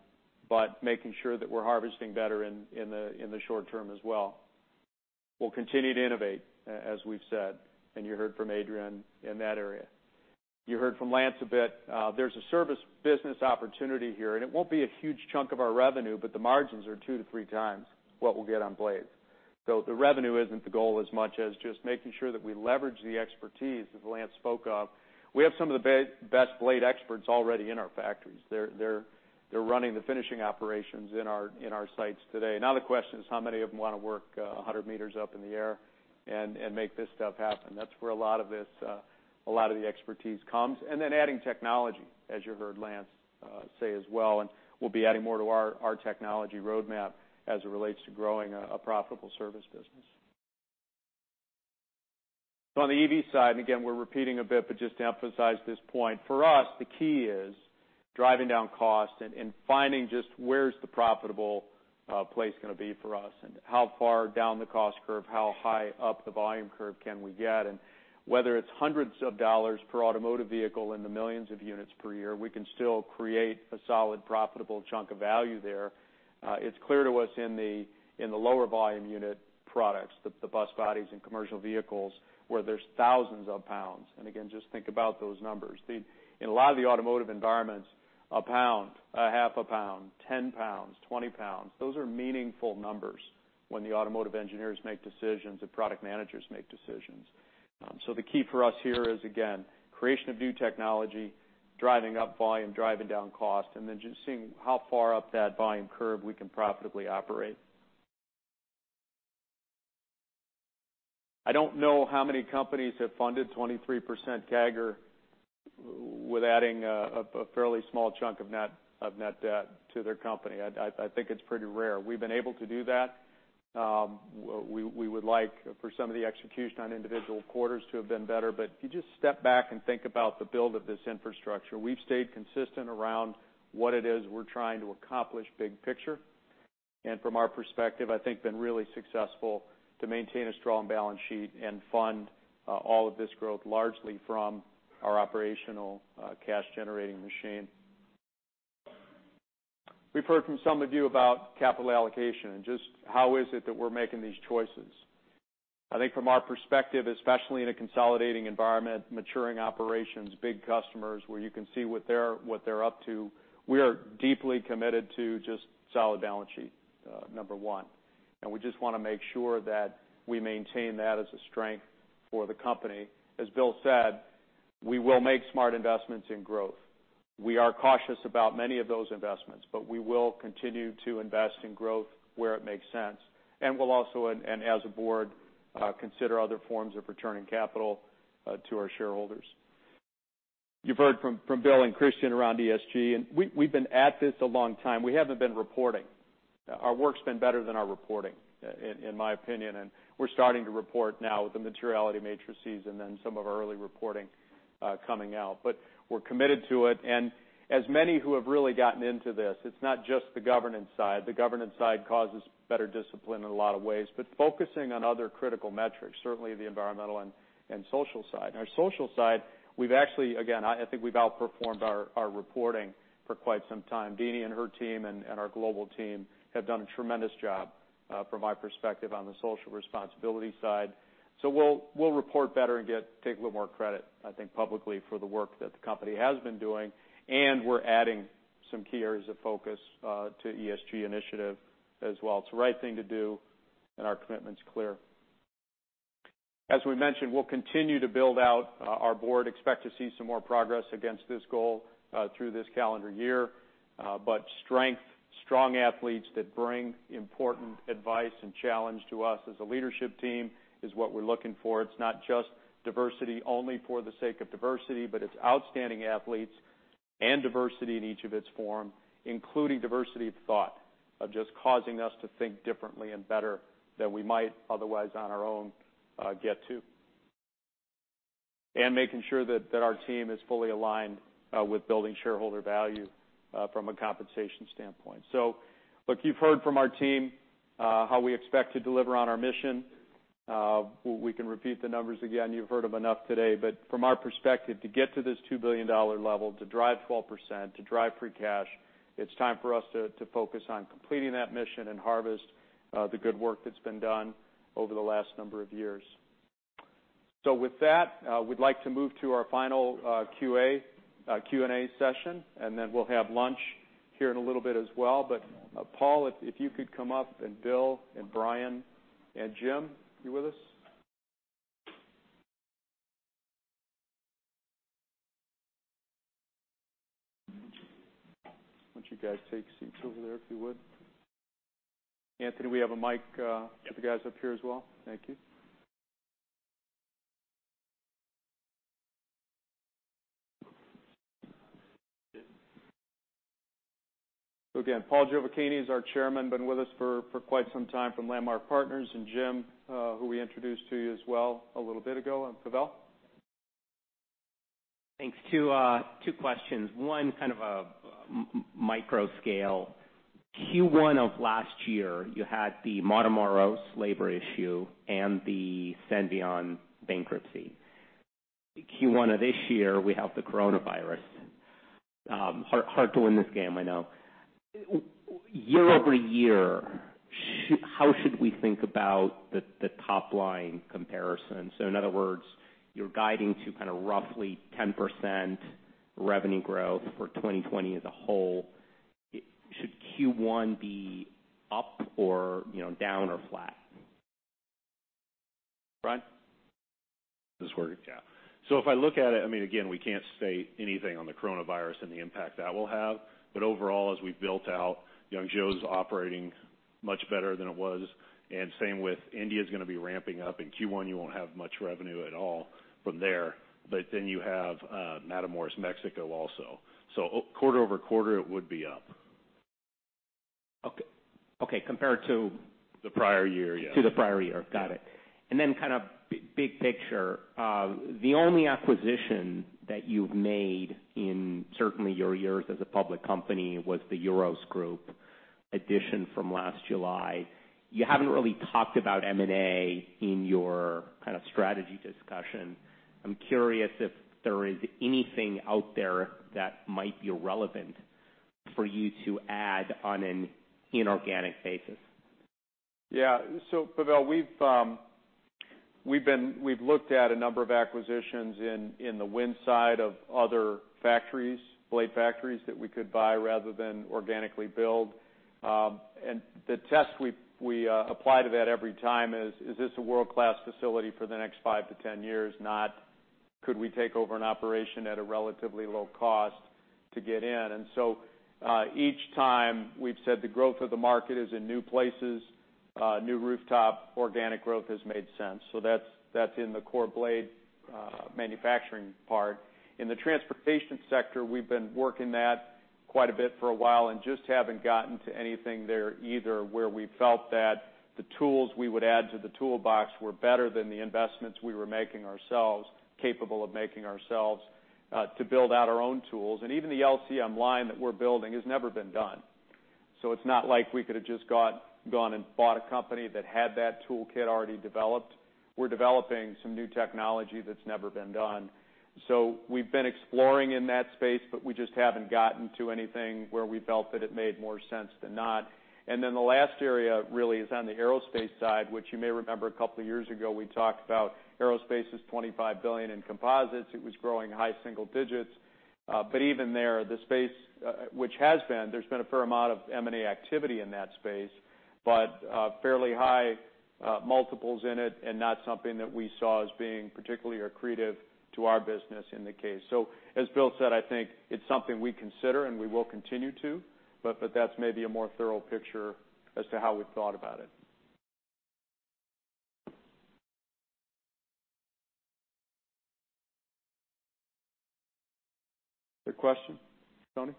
but making sure that we're harvesting better in the short term as well. We'll continue to innovate, as we've said, and you heard from Adrian in that area. You heard from Lance a bit. There's a service business opportunity here. It won't be a huge chunk of our revenue, the margins are two to three times what we'll get on blades. The revenue isn't the goal as much as just making sure that we leverage the expertise that Lance spoke of. We have some of the best blade experts already in our factories. They're running the finishing operations in our sites today. The question is, how many of them want to work 100 m up in the air and make this stuff happen? That's where a lot of the expertise comes. Adding technology, as you heard Lance say as well, we'll be adding more to our technology roadmap as it relates to growing a profitable service business. On the EV side, and again, we're repeating a bit, but just to emphasize this point, for us, the key is driving down cost and finding just where's the profitable place going to be for us and how far down the cost curve, how high up the volume curve can we get, and whether it's hundreds of dollars per automotive vehicle in the millions of units per year, we can still create a solid, profitable chunk of value there. It's clear to us in the lower volume unit products, the bus bodies and commercial vehicles, where there's thousands of pounds. Again, just think about those numbers. In a lot of the automotive environments, one pound, a half a pound, 10 pounds, 20 pounds, those are meaningful numbers when the automotive engineers make decisions, the product managers make decisions. The key for us here is, again, creation of new technology, driving up volume, driving down cost, and then just seeing how far up that volume curve we can profitably operate. I don't know how many companies have funded 23% CAGR with adding a fairly small chunk of net debt to their company. I think it's pretty rare. We've been able to do that. We would like for some of the execution on individual quarters to have been better. If you just step back and think about the build of this infrastructure, we've stayed consistent around what it is we're trying to accomplish big picture. From our perspective, I think been really successful to maintain a strong balance sheet and fund all of this growth largely from our operational cash-generating machine. We've heard from some of you about capital allocation and just how is it that we're making these choices. I think from our perspective, especially in a consolidating environment, maturing operations, big customers where you can see what they're up to, we are deeply committed to just solid balance sheet, number one. We just want to make sure that we maintain that as a strength for the company. As Bill said, we will make smart investments in growth. We are cautious about many of those investments, but we will continue to invest in growth where it makes sense, and we'll also, and as a board, consider other forms of returning capital to our shareholders. You've heard from Bill and Christian around ESG, and we've been at this a long time. We haven't been reporting. Our work's been better than our reporting, in my opinion. We're starting to report now with the materiality matrices and some of our early reporting coming out. We're committed to it. As many who have really gotten into this, it's not just the governance side. The governance side causes better discipline in a lot of ways. Focusing on other critical metrics, certainly the environmental and social side. Our social side, we've actually, again, I think we've outperformed our reporting for quite some time. Deane and her team and our global team have done a tremendous job from my perspective on the social responsibility side. We'll report better and take a little more credit, I think, publicly for the work that the company has been doing. We're adding some key areas of focus to ESG initiative as well. It's the right thing to do, and our commitment's clear. As we mentioned, we'll continue to build out our board, expect to see some more progress against this goal through this calendar year. Strength, strong athletes that bring important advice and challenge to us as a leadership team is what we're looking for. It's not just diversity only for the sake of diversity, but it's outstanding athletes and diversity in each of its form, including diversity of thought, of just causing us to think differently and better than we might otherwise on our own get to. Making sure that our team is fully aligned with building shareholder value from a compensation standpoint. Look, you've heard from our team how we expect to deliver on our mission. We can repeat the numbers again. You've heard them enough today. From our perspective, to get to this $2 billion level, to drive 12%, to drive free cash, it's time for us to focus on completing that mission and harvest the good work that's been done over the last number of years. With that, we'd like to move to our final Q&A session, and then we'll have lunch here in a little bit as well. Paul, if you could come up, and Bill, and Brian, and Jim, you with us? Why don't you guys take seats over there, if you would. Anthony, we have a mic for the guys up here as well. Thank you. Again, Paul Giovacchini is our Chairman, been with us for quite some time from Landmark Partners, and Jim, who we introduced to you as well a little bit ago, Pavel? Thanks. Two questions. One, kind of a micro scale. Q1 of last year, you had the Matamoros labor issue and the Senvion bankruptcy. Q1 of this year, we have the coronavirus. Hard to win this game, I know. Year-over-year, how should we think about the top line comparison? In other words, you're guiding to roughly 10% revenue growth for 2020 as a whole. Should Q1 be up or down or flat? Brian? This working? Yeah. If I look at it, again, we can't say anything on the coronavirus and the impact that will have. Overall, as we've built out, Yangzhou is operating much better than it was, and same with India's going to be ramping up. In Q1, you won't have much revenue at all from there. Then you have Matamoros, Mexico also. Quarter-over-quarter, it would be up. Okay. The prior year, yeah. To the prior year. Got it. Big picture, the only acquisition that you've made in certainly your years as a public company was the EUROS group addition from last July. You haven't really talked about M&A in your strategy discussion. I'm curious if there is anything out there that might be relevant for you to add on an inorganic basis. Pavel, we've looked at a number of acquisitions in the wind side of other blade factories that we could buy rather than organically build. The test we apply to that every time is this a world-class facility for the next 5 to 10 years, not could we take over an operation at a relatively low cost to get in? Each time we've said the growth of the market is in new places, new rooftop, organic growth has made sense. That's in the core blade manufacturing part. In the transportation sector, we've been working that quite a bit for a while and just haven't gotten to anything there either, where we felt that the tools we would add to the toolbox were better than the investments we were making ourselves, capable of making ourselves, to build out our own tools. Even the LCM line that we're building has never been done. It's not like we could have just gone and bought a company that had that toolkit already developed. We're developing some new technology that's never been done. We've been exploring in that space, but we just haven't gotten to anything where we felt that it made more sense than not. The last area really is on the aerospace side, which you may remember a couple of years ago, we talked about aerospace is $25 billion in composites. It was growing high single digits. Even there, which has been, there's been a fair amount of M&A activity in that space, but fairly high multiples in it and not something that we saw as being particularly accretive to our business in the case. As Bill said, I think it's something we consider and we will continue to, but that's maybe a more thorough picture as to how we've thought about it. Other question, Tony?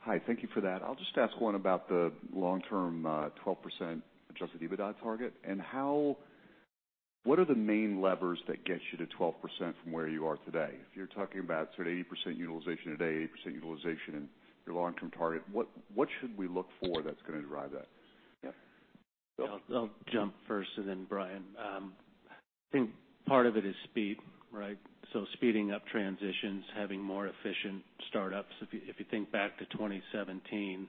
Hi, thank you for that. I'll just ask one about the long-term 12% adjusted EBITDA target. What are the main levers that get you to 12% from where you are today? If you're talking about sort of 80% utilization today, 80% utilization in your long-term target, what should we look for that's going to drive that? Yeah. Bill? I'll jump first and then Brian. I think part of it is speed, right? Speeding up transitions, having more efficient startups. If you think back to 2017,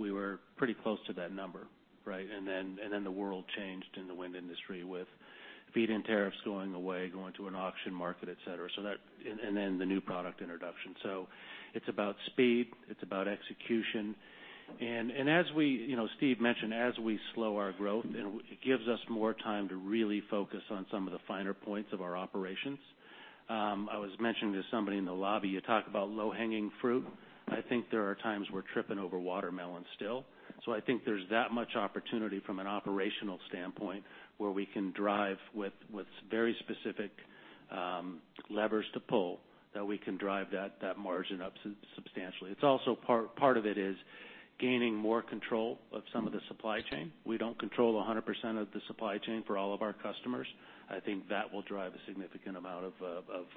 we were pretty close to that number, right? The world changed in the wind industry with feed-in tariffs going away, going to an auction market, et cetera, and then the new product introduction. It's about speed, it's about execution. As Steve mentioned, as we slow our growth, it gives us more time to really focus on some of the finer points of our operations. I was mentioning to somebody in the lobby, you talk about low-hanging fruit. I think there are times we're tripping over watermelon still. I think there's that much opportunity from an operational standpoint where we can drive with very specific levers to pull, that we can drive that margin up substantially. Also, part of it is gaining more control of some of the supply chain. We don't control 100% of the supply chain for all of our customers. I think that will drive a significant amount of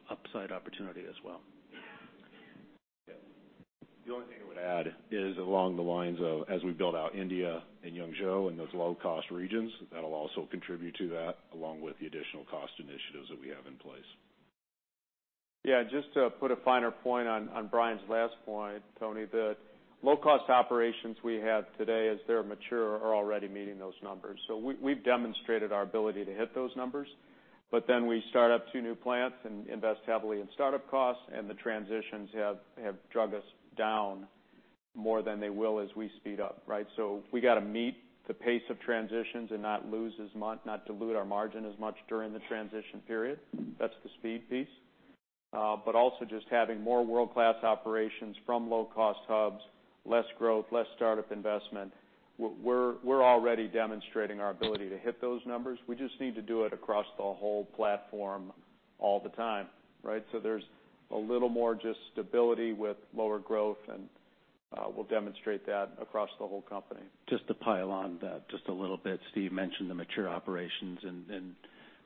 upside opportunity as well. The only thing I would add is along the lines of, as we build out India and Yangzhou and those low-cost regions, that'll also contribute to that, along with the additional cost initiatives that we have in place. Yeah, just to put a finer point on Brian's last point, Tony, the low-cost operations we have today, as they're mature, are already meeting those numbers. We've demonstrated our ability to hit those numbers. We start up two new plants and invest heavily in start-up costs, and the transitions have drug us down more than they will as we speed up. Right? We got to meet the pace of transitions and not dilute our margin as much during the transition period. That's the speed piece. Also just having more world-class operations from low-cost hubs, less growth, less start-up investment. We're already demonstrating our ability to hit those numbers. We just need to do it across the whole platform all the time. Right? There's a little more just stability with lower growth, and we'll demonstrate that across the whole company. Just to pile on that just a little bit. Steve mentioned the mature operations and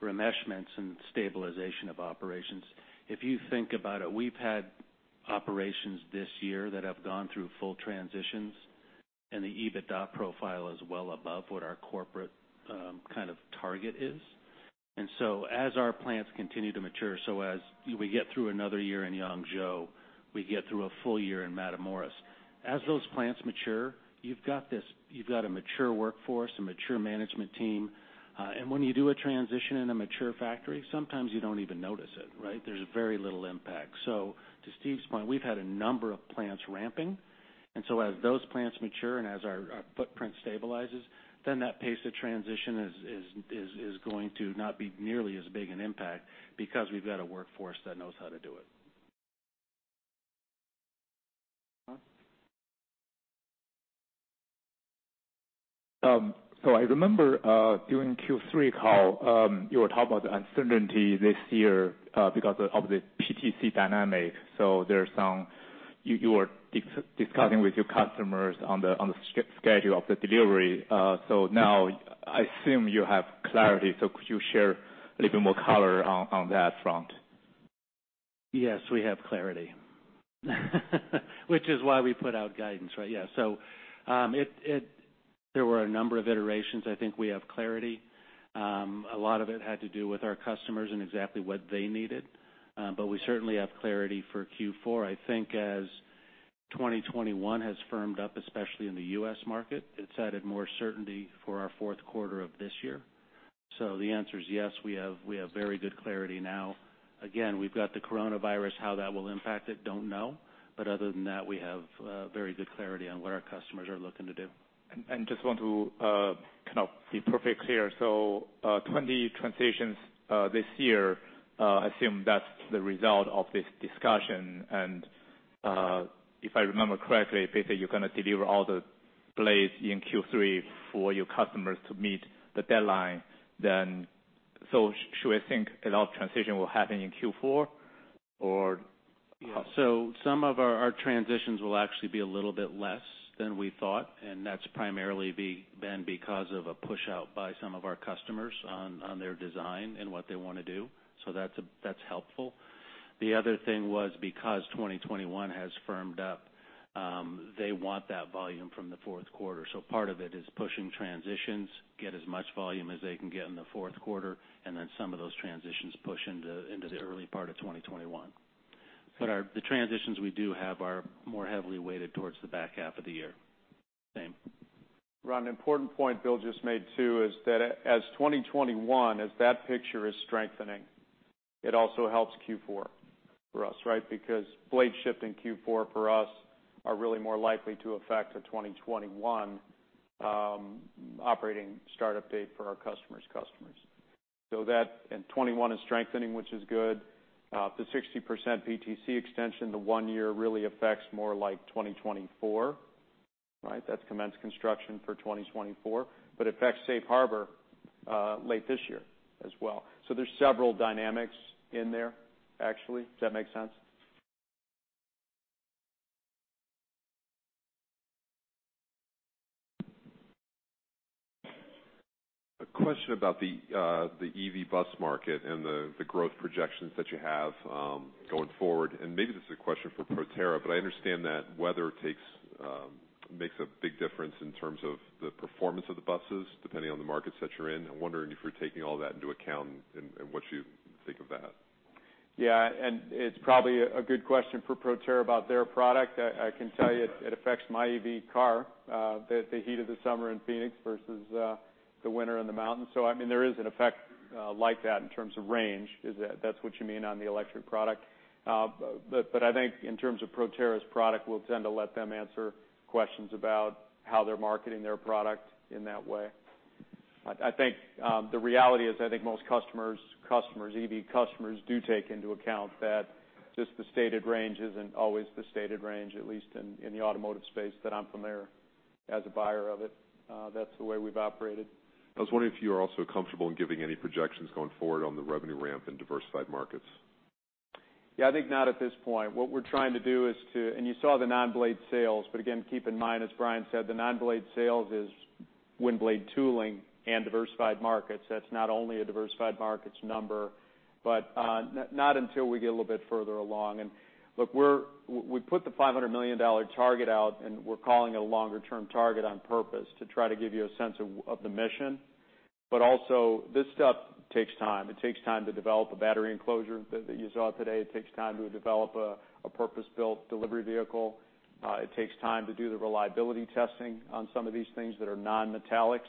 remeshments and stabilization of operations. If you think about it, we've had operations this year that have gone through full transitions. The EBITDA profile is well above what our corporate kind of target is. As our plants continue to mature, so as we get through another year in Yangzhou, we get through a full year in Matamoros. As those plants mature, you've got a mature workforce, a mature management team. When you do a transition in a mature factory, sometimes you don't even notice it, right? There's very little impact. To Steve's point, we've had a number of plants ramping, and so as those plants mature and as our footprint stabilizes, then that pace of transition is going to not be nearly as big an impact because we've got a workforce that knows how to do it. Ron? I remember during Q3 call, you were talking about the uncertainty this year because of the PTC dynamic. You were discussing with your customers on the schedule of the delivery. Now I assume you have clarity. Could you share a little bit more color on that front? Yes, we have clarity. Which is why we put out guidance, right? Yeah. There were a number of iterations. I think we have clarity. A lot of it had to do with our customers and exactly what they needed. We certainly have clarity for Q4. I think as 2021 has firmed up, especially in the U.S. market, it's added more certainty for our fourth quarter of this year. The answer is yes, we have very good clarity now. Again, we've got the coronavirus, how that will impact it, don't know. Other than that, we have very good clarity on what our customers are looking to do. Just want to kind of be perfectly clear. 20 transitions this year, I assume that's the result of this discussion, and, if I remember correctly, basically you're going to deliver all the blades in Q3 for your customers to meet the deadline then. Should we think that all transition will happen in Q4? Some of our transitions will actually be a little bit less than we thought, and that's primarily been because of a push-out by some of our customers on their design and what they want to do. That's helpful. The other thing was because 2021 has firmed up, they want that volume from the fourth quarter. Part of it is pushing transitions, get as much volume as they can get in the fourth quarter, and then some of those transitions push into the early part of 2021. The transitions we do have are more heavily weighted towards the back half of the year. Same. Ron, an important point Bill just made, too, is that as 2021, as that picture is strengthening, it also helps Q4 for us, right? Blade shift in Q4 for us are really more likely to affect a 2021 operating start-up date for our customers' customers. That and 2021 is strengthening, which is good. The 60% PTC extension to one year really affects more like 2024, right? That's commence construction for 2024, affects safe harbor late this year as well. There's several dynamics in there, actually. Does that make sense? A question about the EV bus market and the growth projections that you have going forward, and maybe this is a question for Proterra, but I understand that weather makes a big difference in terms of the performance of the buses, depending on the markets that you're in. I'm wondering if you're taking all that into account and what you think of that. Yeah, it's probably a good question for Proterra about their product. I can tell you it affects my EV car, the heat of the summer in Phoenix versus the winter in the mountains. There is an effect like that in terms of range, if that's what you mean on the electric product. I think in terms of Proterra's product, we'll tend to let them answer questions about how they're marketing their product in that way. I think the reality is, I think most EV customers do take into account that just the stated range isn't always the stated range, at least in the automotive space that I'm familiar, as a buyer of it. That's the way we've operated. I was wondering if you are also comfortable in giving any projections going forward on the revenue ramp in diversified markets? Yeah, I think not at this point. What we're trying to do is you saw the non-blade sales, again, keep in mind, as Brian said, the non-blade sales is wind blade tooling and diversified markets. That's not only a diversified markets number. Not until we get a little bit further along. Look, we put the $500 million target out, we're calling it a longer-term target on purpose to try to give you a sense of the mission. Also, this stuff takes time. It takes time to develop a battery enclosure that you saw today. It takes time to develop a purpose-built delivery vehicle. It takes time to do the reliability testing on some of these things that are non-metallics,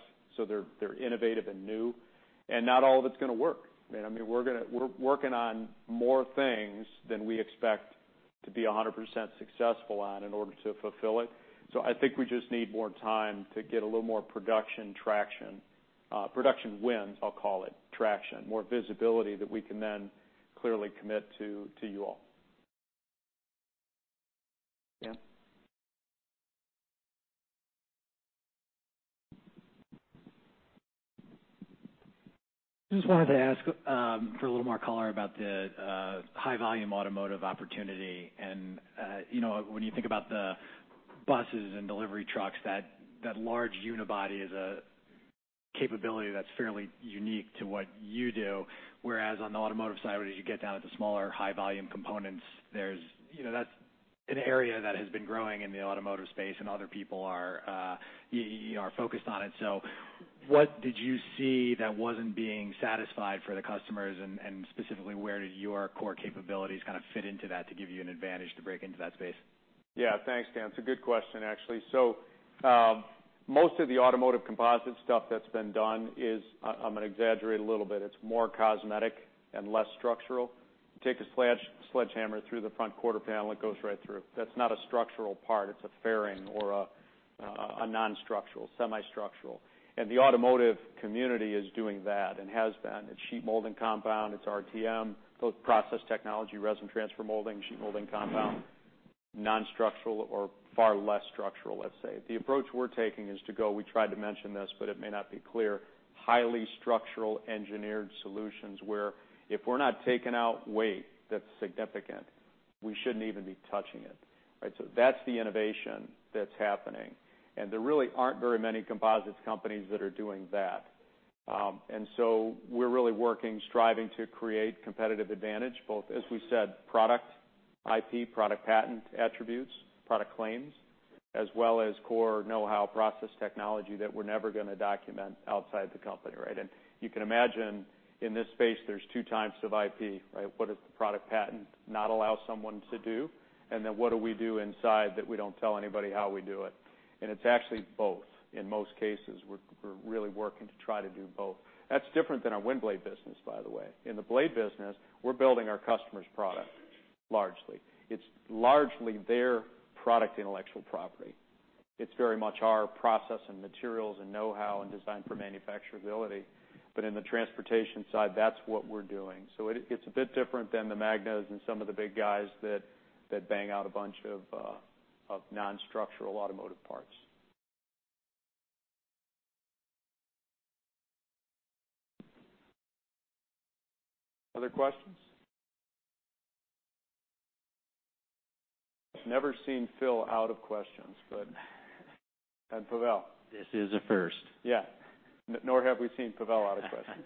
they're innovative and new. Not all of it's going to work. We're working on more things than we expect to be 100% successful on in order to fulfill it. I think we just need more time to get a little more production traction. Production wins, I'll call it, traction, more visibility that we can then clearly commit to you all. Dan? Just wanted to ask for a little more color about the high-volume automotive opportunity. When you think about the buses and delivery trucks, that large unibody is a capability that's fairly unique to what you do, whereas on the automotive side, as you get down to smaller high-volume components, that's an area that has been growing in the automotive space and other people are focused on it. What did you see that wasn't being satisfied for the customers? Specifically, where did your core capabilities fit into that to give you an advantage to break into that space? Yeah, thanks, Dan. It's a good question, actually. Most of the automotive composite stuff that's been done is, I'm going to exaggerate a little bit, it's more cosmetic and less structural. Take a sledgehammer through the front quarter panel, it goes right through. That's not a structural part. It's a fairing or a non-structural, semi-structural. The automotive community is doing that and has been. It's sheet molding compound, it's RTM, both process technology, resin transfer molding, sheet molding compound, non-structural or far less structural, let's say. The approach we're taking, we tried to mention this, but it may not be clear, highly structural engineered solutions where if we're not taking out weight that's significant, we shouldn't even be touching it. Right. That's the innovation that's happening. There really aren't very many composites companies that are doing that. We're really working, striving to create competitive advantage, both, as we said, product IP, product patent attributes, product claims, as well as core know-how process technology that we're never going to document outside the company. Right? You can imagine in this space, there's two types of IP. What does the product patent not allow someone to do? Then what do we do inside that we don't tell anybody how we do it? It's actually both. In most cases, we're really working to try to do both. That's different than our wind blade business, by the way. In the blade business, we're building our customer's product largely. It's largely their product intellectual property. It's very much our process and materials and know-how and design for manufacturability. In the transportation side, that's what we're doing. It's a bit different than the Magnas and some of the big guys that bang out a bunch of non-structural automotive parts. Other questions? I've never seen Phil out of questions, and Pavel. This is a first. Yeah. Nor have we seen Pavel out of questions.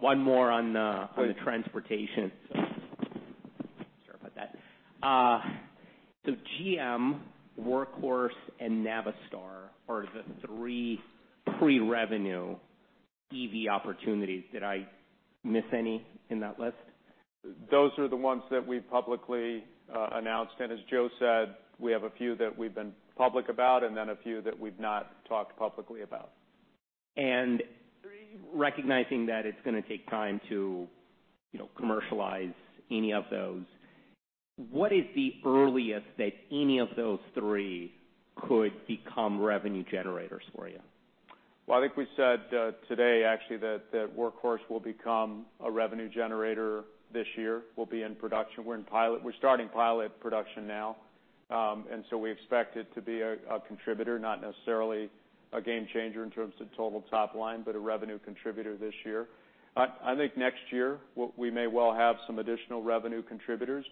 One more on the transportation. Sorry about that. GM, Workhorse, and Navistar are the three pre-revenue EV opportunities. Did I miss any in that list? Those are the ones that we've publicly announced. As Joe said, we have a few that we've been public about, and then a few that we've not talked publicly about. Recognizing that it's going to take time to commercialize any of those, what is the earliest that any of those three could become revenue generators for you? Well, I think we said today actually that Workhorse will become a revenue generator this year. We'll be in production. We're starting pilot production now. We expect it to be a contributor, not necessarily a game changer in terms of total top line, but a revenue contributor this year. I think next year we may well have some additional revenue contributors,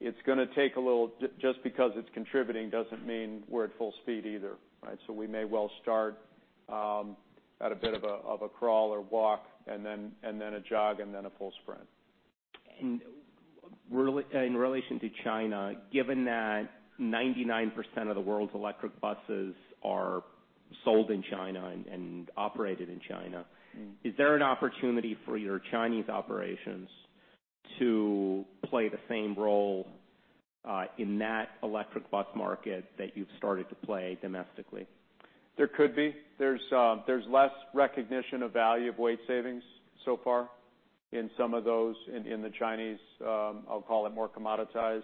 it's going to take a little just because it's contributing doesn't mean we're at full speed either. Right? We may well start at a bit of a crawl or walk, and then a jog, and then a full sprint. In relation to China, given that 99% of the world's electric buses are sold in China and operated in China. Is there an opportunity for your Chinese operations to play the same role in that electric bus market that you've started to play domestically? There could be. There's less recognition of value of weight savings so far in some of those in the Chinese, I'll call it more commoditized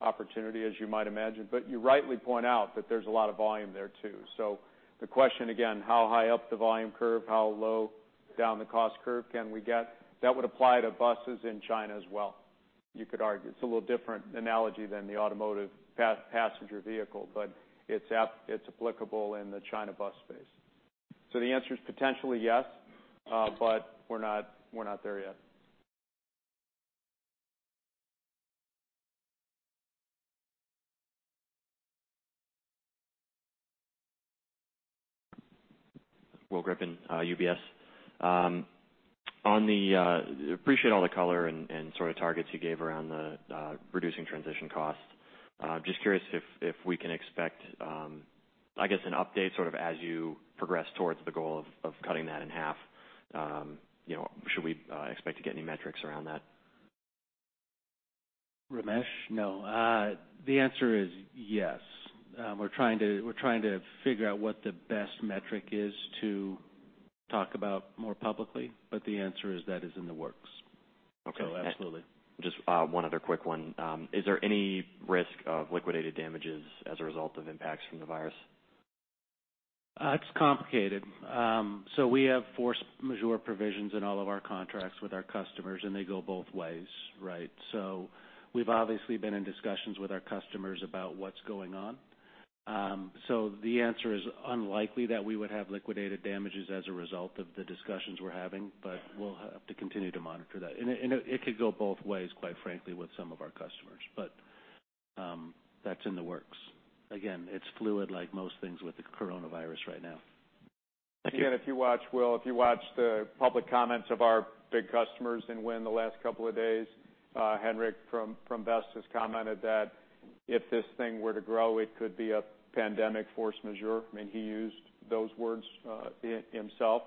opportunity, as you might imagine. You rightly point out that there's a lot of volume there, too. The question again, how high up the volume curve, how low down the cost curve can we get? That would apply to buses in China as well, you could argue. It's a little different analogy than the automotive passenger vehicle, but it's applicable in the China bus space. The answer is potentially yes, but we're not there yet. William Griffin, UBS. Appreciate all the color and sort of targets you gave around the reducing transition costs. Just curious if we can expect, I guess, an update sort of as you progress towards the goal of cutting that in half. Should we expect to get any metrics around that? Ramesh? No. The answer is yes. We're trying to figure out what the best metric is to talk about more publicly, but the answer is that is in the works. Okay. Absolutely. Just one other quick one. Is there any risk of liquidated damages as a result of impacts from the virus? It's complicated. We have force majeure provisions in all of our contracts with our customers, and they go both ways, right? We've obviously been in discussions with our customers about what's going on. The answer is unlikely that we would have liquidated damages as a result of the discussions we're having, but we'll have to continue to monitor that. It could go both ways, quite frankly, with some of our customers. That's in the works. Again, it's fluid like most things with the coronavirus right now. Thank you. If you watch, Will, if you watch the public comments of our big customers in wind the last couple of days, Henrik from Vestas commented that if this thing were to grow, it could be a pandemic force majeure. He used those words himself.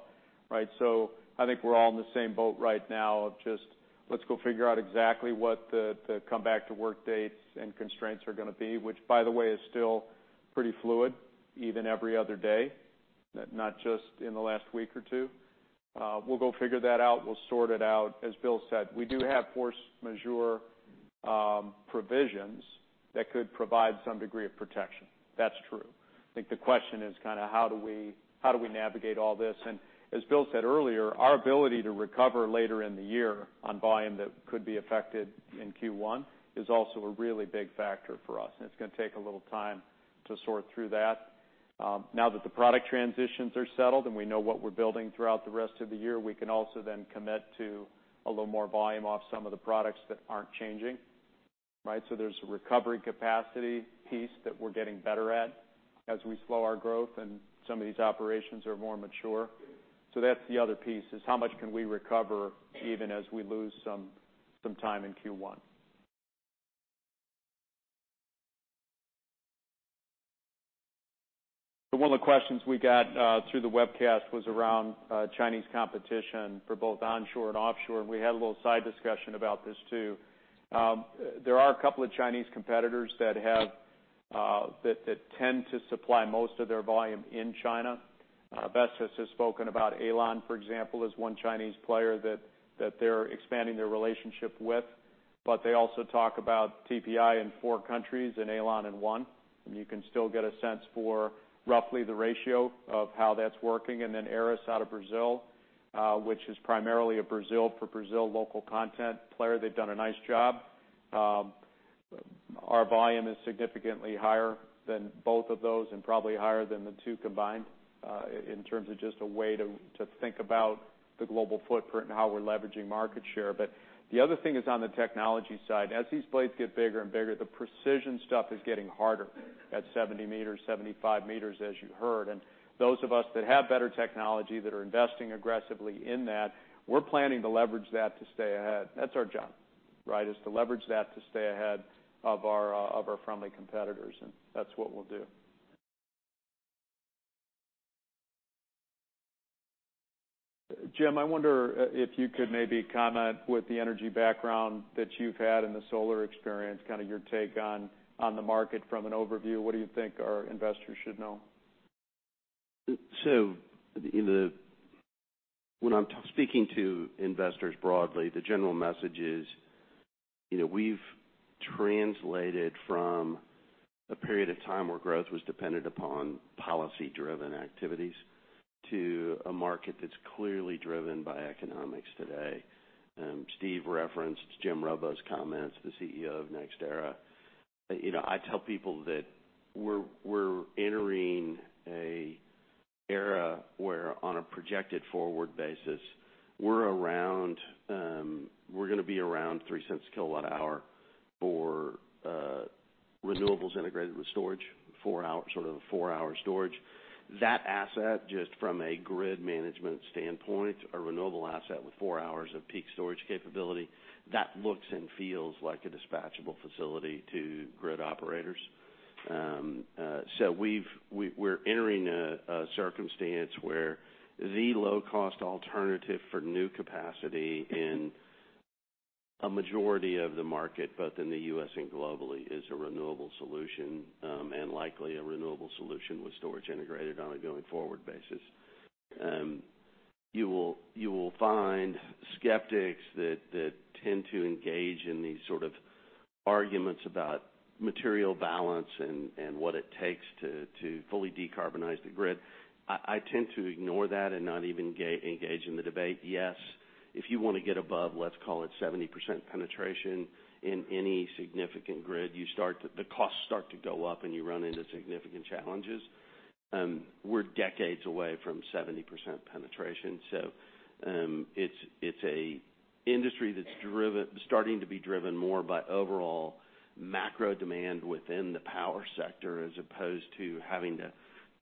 I think we're all in the same boat right now of just, let's go figure out exactly what the come-back-to-work dates and constraints are going to be, which by the way, is still pretty fluid, even every other day, not just in the last week or two. We'll go figure that out. We'll sort it out. As Bill said, we do have force majeure provisions that could provide some degree of protection. That's true. I think the question is kind of how do we navigate all this? As Bill said earlier, our ability to recover later in the year on volume that could be affected in Q1 is also a really big factor for us. It's going to take a little time to sort through that. Now that the product transitions are settled and we know what we're building throughout the rest of the year, we can also then commit to a little more volume off some of the products that aren't changing. There's a recovery capacity piece that we're getting better at as we slow our growth and some of these operations are more mature. That's the other piece, is how much can we recover even as we lose some time in Q1. One of the questions we got through the webcast was around Chinese competition for both onshore and offshore. We had a little side discussion about this, too. There are a couple of Chinese competitors that tend to supply most of their volume in China. Vestas has spoken about Aeolon, for example, as one Chinese player that they're expanding their relationship with. They also talk about TPI in four countries and Aeolon in one. You can still get a sense for roughly the ratio of how that's working. Aeris out of Brazil, which is primarily a Brazil for Brazil local content player. They've done a nice job. Our volume is significantly higher than both of those and probably higher than the two combined in terms of just a way to think about the global footprint and how we're leveraging market share. The other thing is on the technology side. As these blades get bigger and bigger, the precision stuff is getting harder at 70 m, 75 m, as you heard. Those of us that have better technology that are investing aggressively in that, we're planning to leverage that to stay ahead. That's our job, is to leverage that to stay ahead of our friendly competitors, and that's what we'll do. Jim, I wonder if you could maybe comment with the energy background that you've had and the solar experience, kind of your take on the market from an overview. What do you think our investors should know? When I'm speaking to investors broadly, the general message is we've translated from a period of time where growth was dependent upon policy-driven activities to a market that's clearly driven by economics today. Steve referenced Jim Robo's comments, the CEO of NextEra. I tell people that we're entering an era where on a projected forward basis, we're going to be around $0.03 a kilowatt hour for renewables integrated with storage, sort of a four-hour storage. That asset, just from a grid management standpoint, a renewable asset with four hours of peak storage capability, that looks and feels like a dispatchable facility to grid operators. We're entering a circumstance where the low-cost alternative for new capacity in a majority of the market, both in the U.S. and globally, is a renewable solution, and likely a renewable solution with storage integrated on a going forward basis. You will find skeptics that tend to engage in these sort of arguments about material balance and what it takes to fully decarbonize the grid. I tend to ignore that and not even engage in the debate. Yes, if you want to get above, let's call it 70% penetration in any significant grid, the costs start to go up, and you run into significant challenges. We're decades away from 70% penetration. It's a industry that's starting to be driven more by overall macro demand within the power sector, as opposed to having to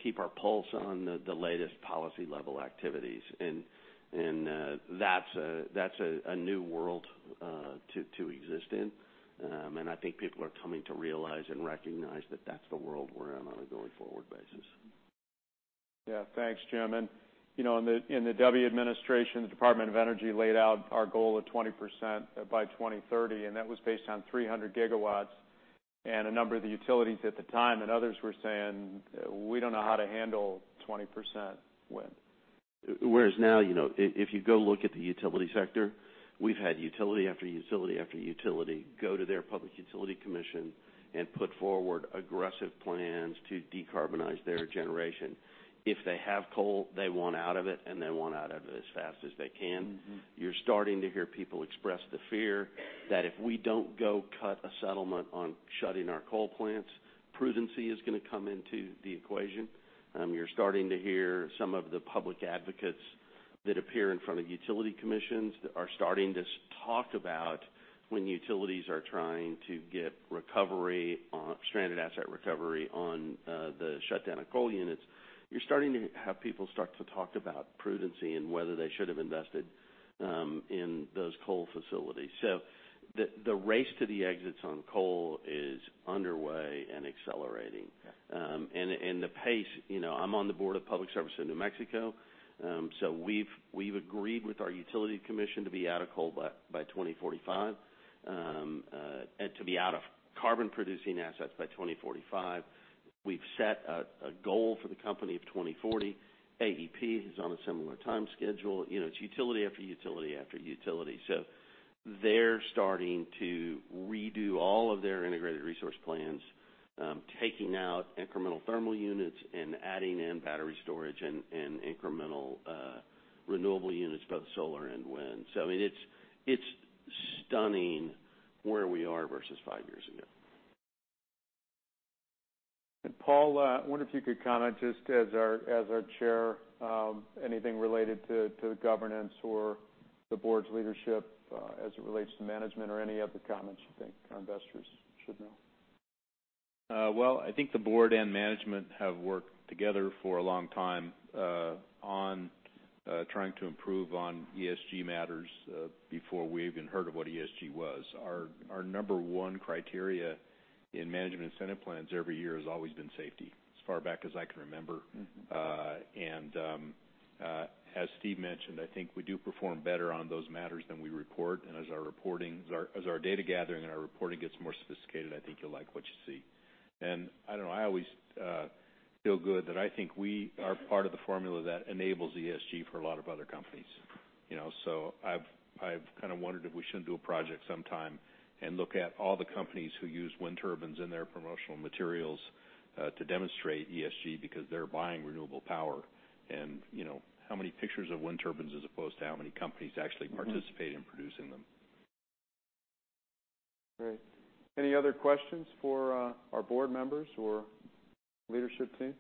keep our pulse on the latest policy-level activities. That's a new world to exist in. I think people are coming to realize and recognize that that's the world we're in on a going forward basis. Yeah. Thanks, Jim. In the W administration, the Department of Energy laid out our goal of 20% by 2030, and that was based on 300 GW. A number of the utilities at the time, and others, were saying, "We don't know how to handle 20% wind. Now, if you go look at the utility sector, we've had utility after utility after utility go to their Public Utility Commission and put forward aggressive plans to decarbonize their generation. If they have coal, they want out of it, and they want out of it as fast as they can. You're starting to hear people express the fear that if we don't go cut a settlement on shutting our coal plants, prudency is going to come into the equation. You're starting to hear some of the public advocates that appear in front of utility commissions are starting to talk about when utilities are trying to get stranded asset recovery on the shutdown of coal units. You're starting to have people start to talk about prudency and whether they should've invested in those coal facilities. The race to the exits on coal is underway and accelerating. Yeah. The pace, I'm on the board of Public Service in New Mexico, We've agreed with our Utility Commission to be out of coal by 2045, and to be out of carbon-producing assets by 2045. We've set a goal for the company of 2040. AEP is on a similar time schedule. It's utility after utility after utility. They're starting to redo all of their integrated resource plans, taking out incremental thermal units and adding in battery storage and incremental renewable units, both solar and wind. I mean, it's stunning where we are versus five years ago. Paul, I wonder if you could comment just as our Chair, anything related to governance or the board's leadership as it relates to management or any other comments you think our investors should know. Well, I think the board and management have worked together for a long time on trying to improve on ESG matters before we even heard of what ESG was. Our number one criteria in management incentive plans every year has always been safety, as far back as I can remember. As Steve mentioned, I think we do perform better on those matters than we report. As our data gathering and our reporting gets more sophisticated, I think you'll like what you see. I don't know, I always feel good that I think we are part of the formula that enables ESG for a lot of other companies. I've kind of wondered if we shouldn't do a project sometime and look at all the companies who use wind turbines in their promotional materials to demonstrate ESG because they're buying renewable power. How many pictures of wind turbines as opposed to how many companies actually participate in producing them. Great. Any other questions for our board members or leadership team?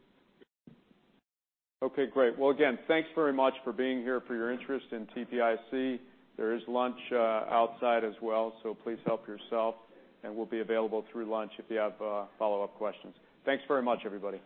Okay, great. Well, again, thanks very much for being here, for your interest in TPIC. There is lunch outside as well, so please help yourself, and we'll be available through lunch if you have follow-up questions. Thanks very much, everybody.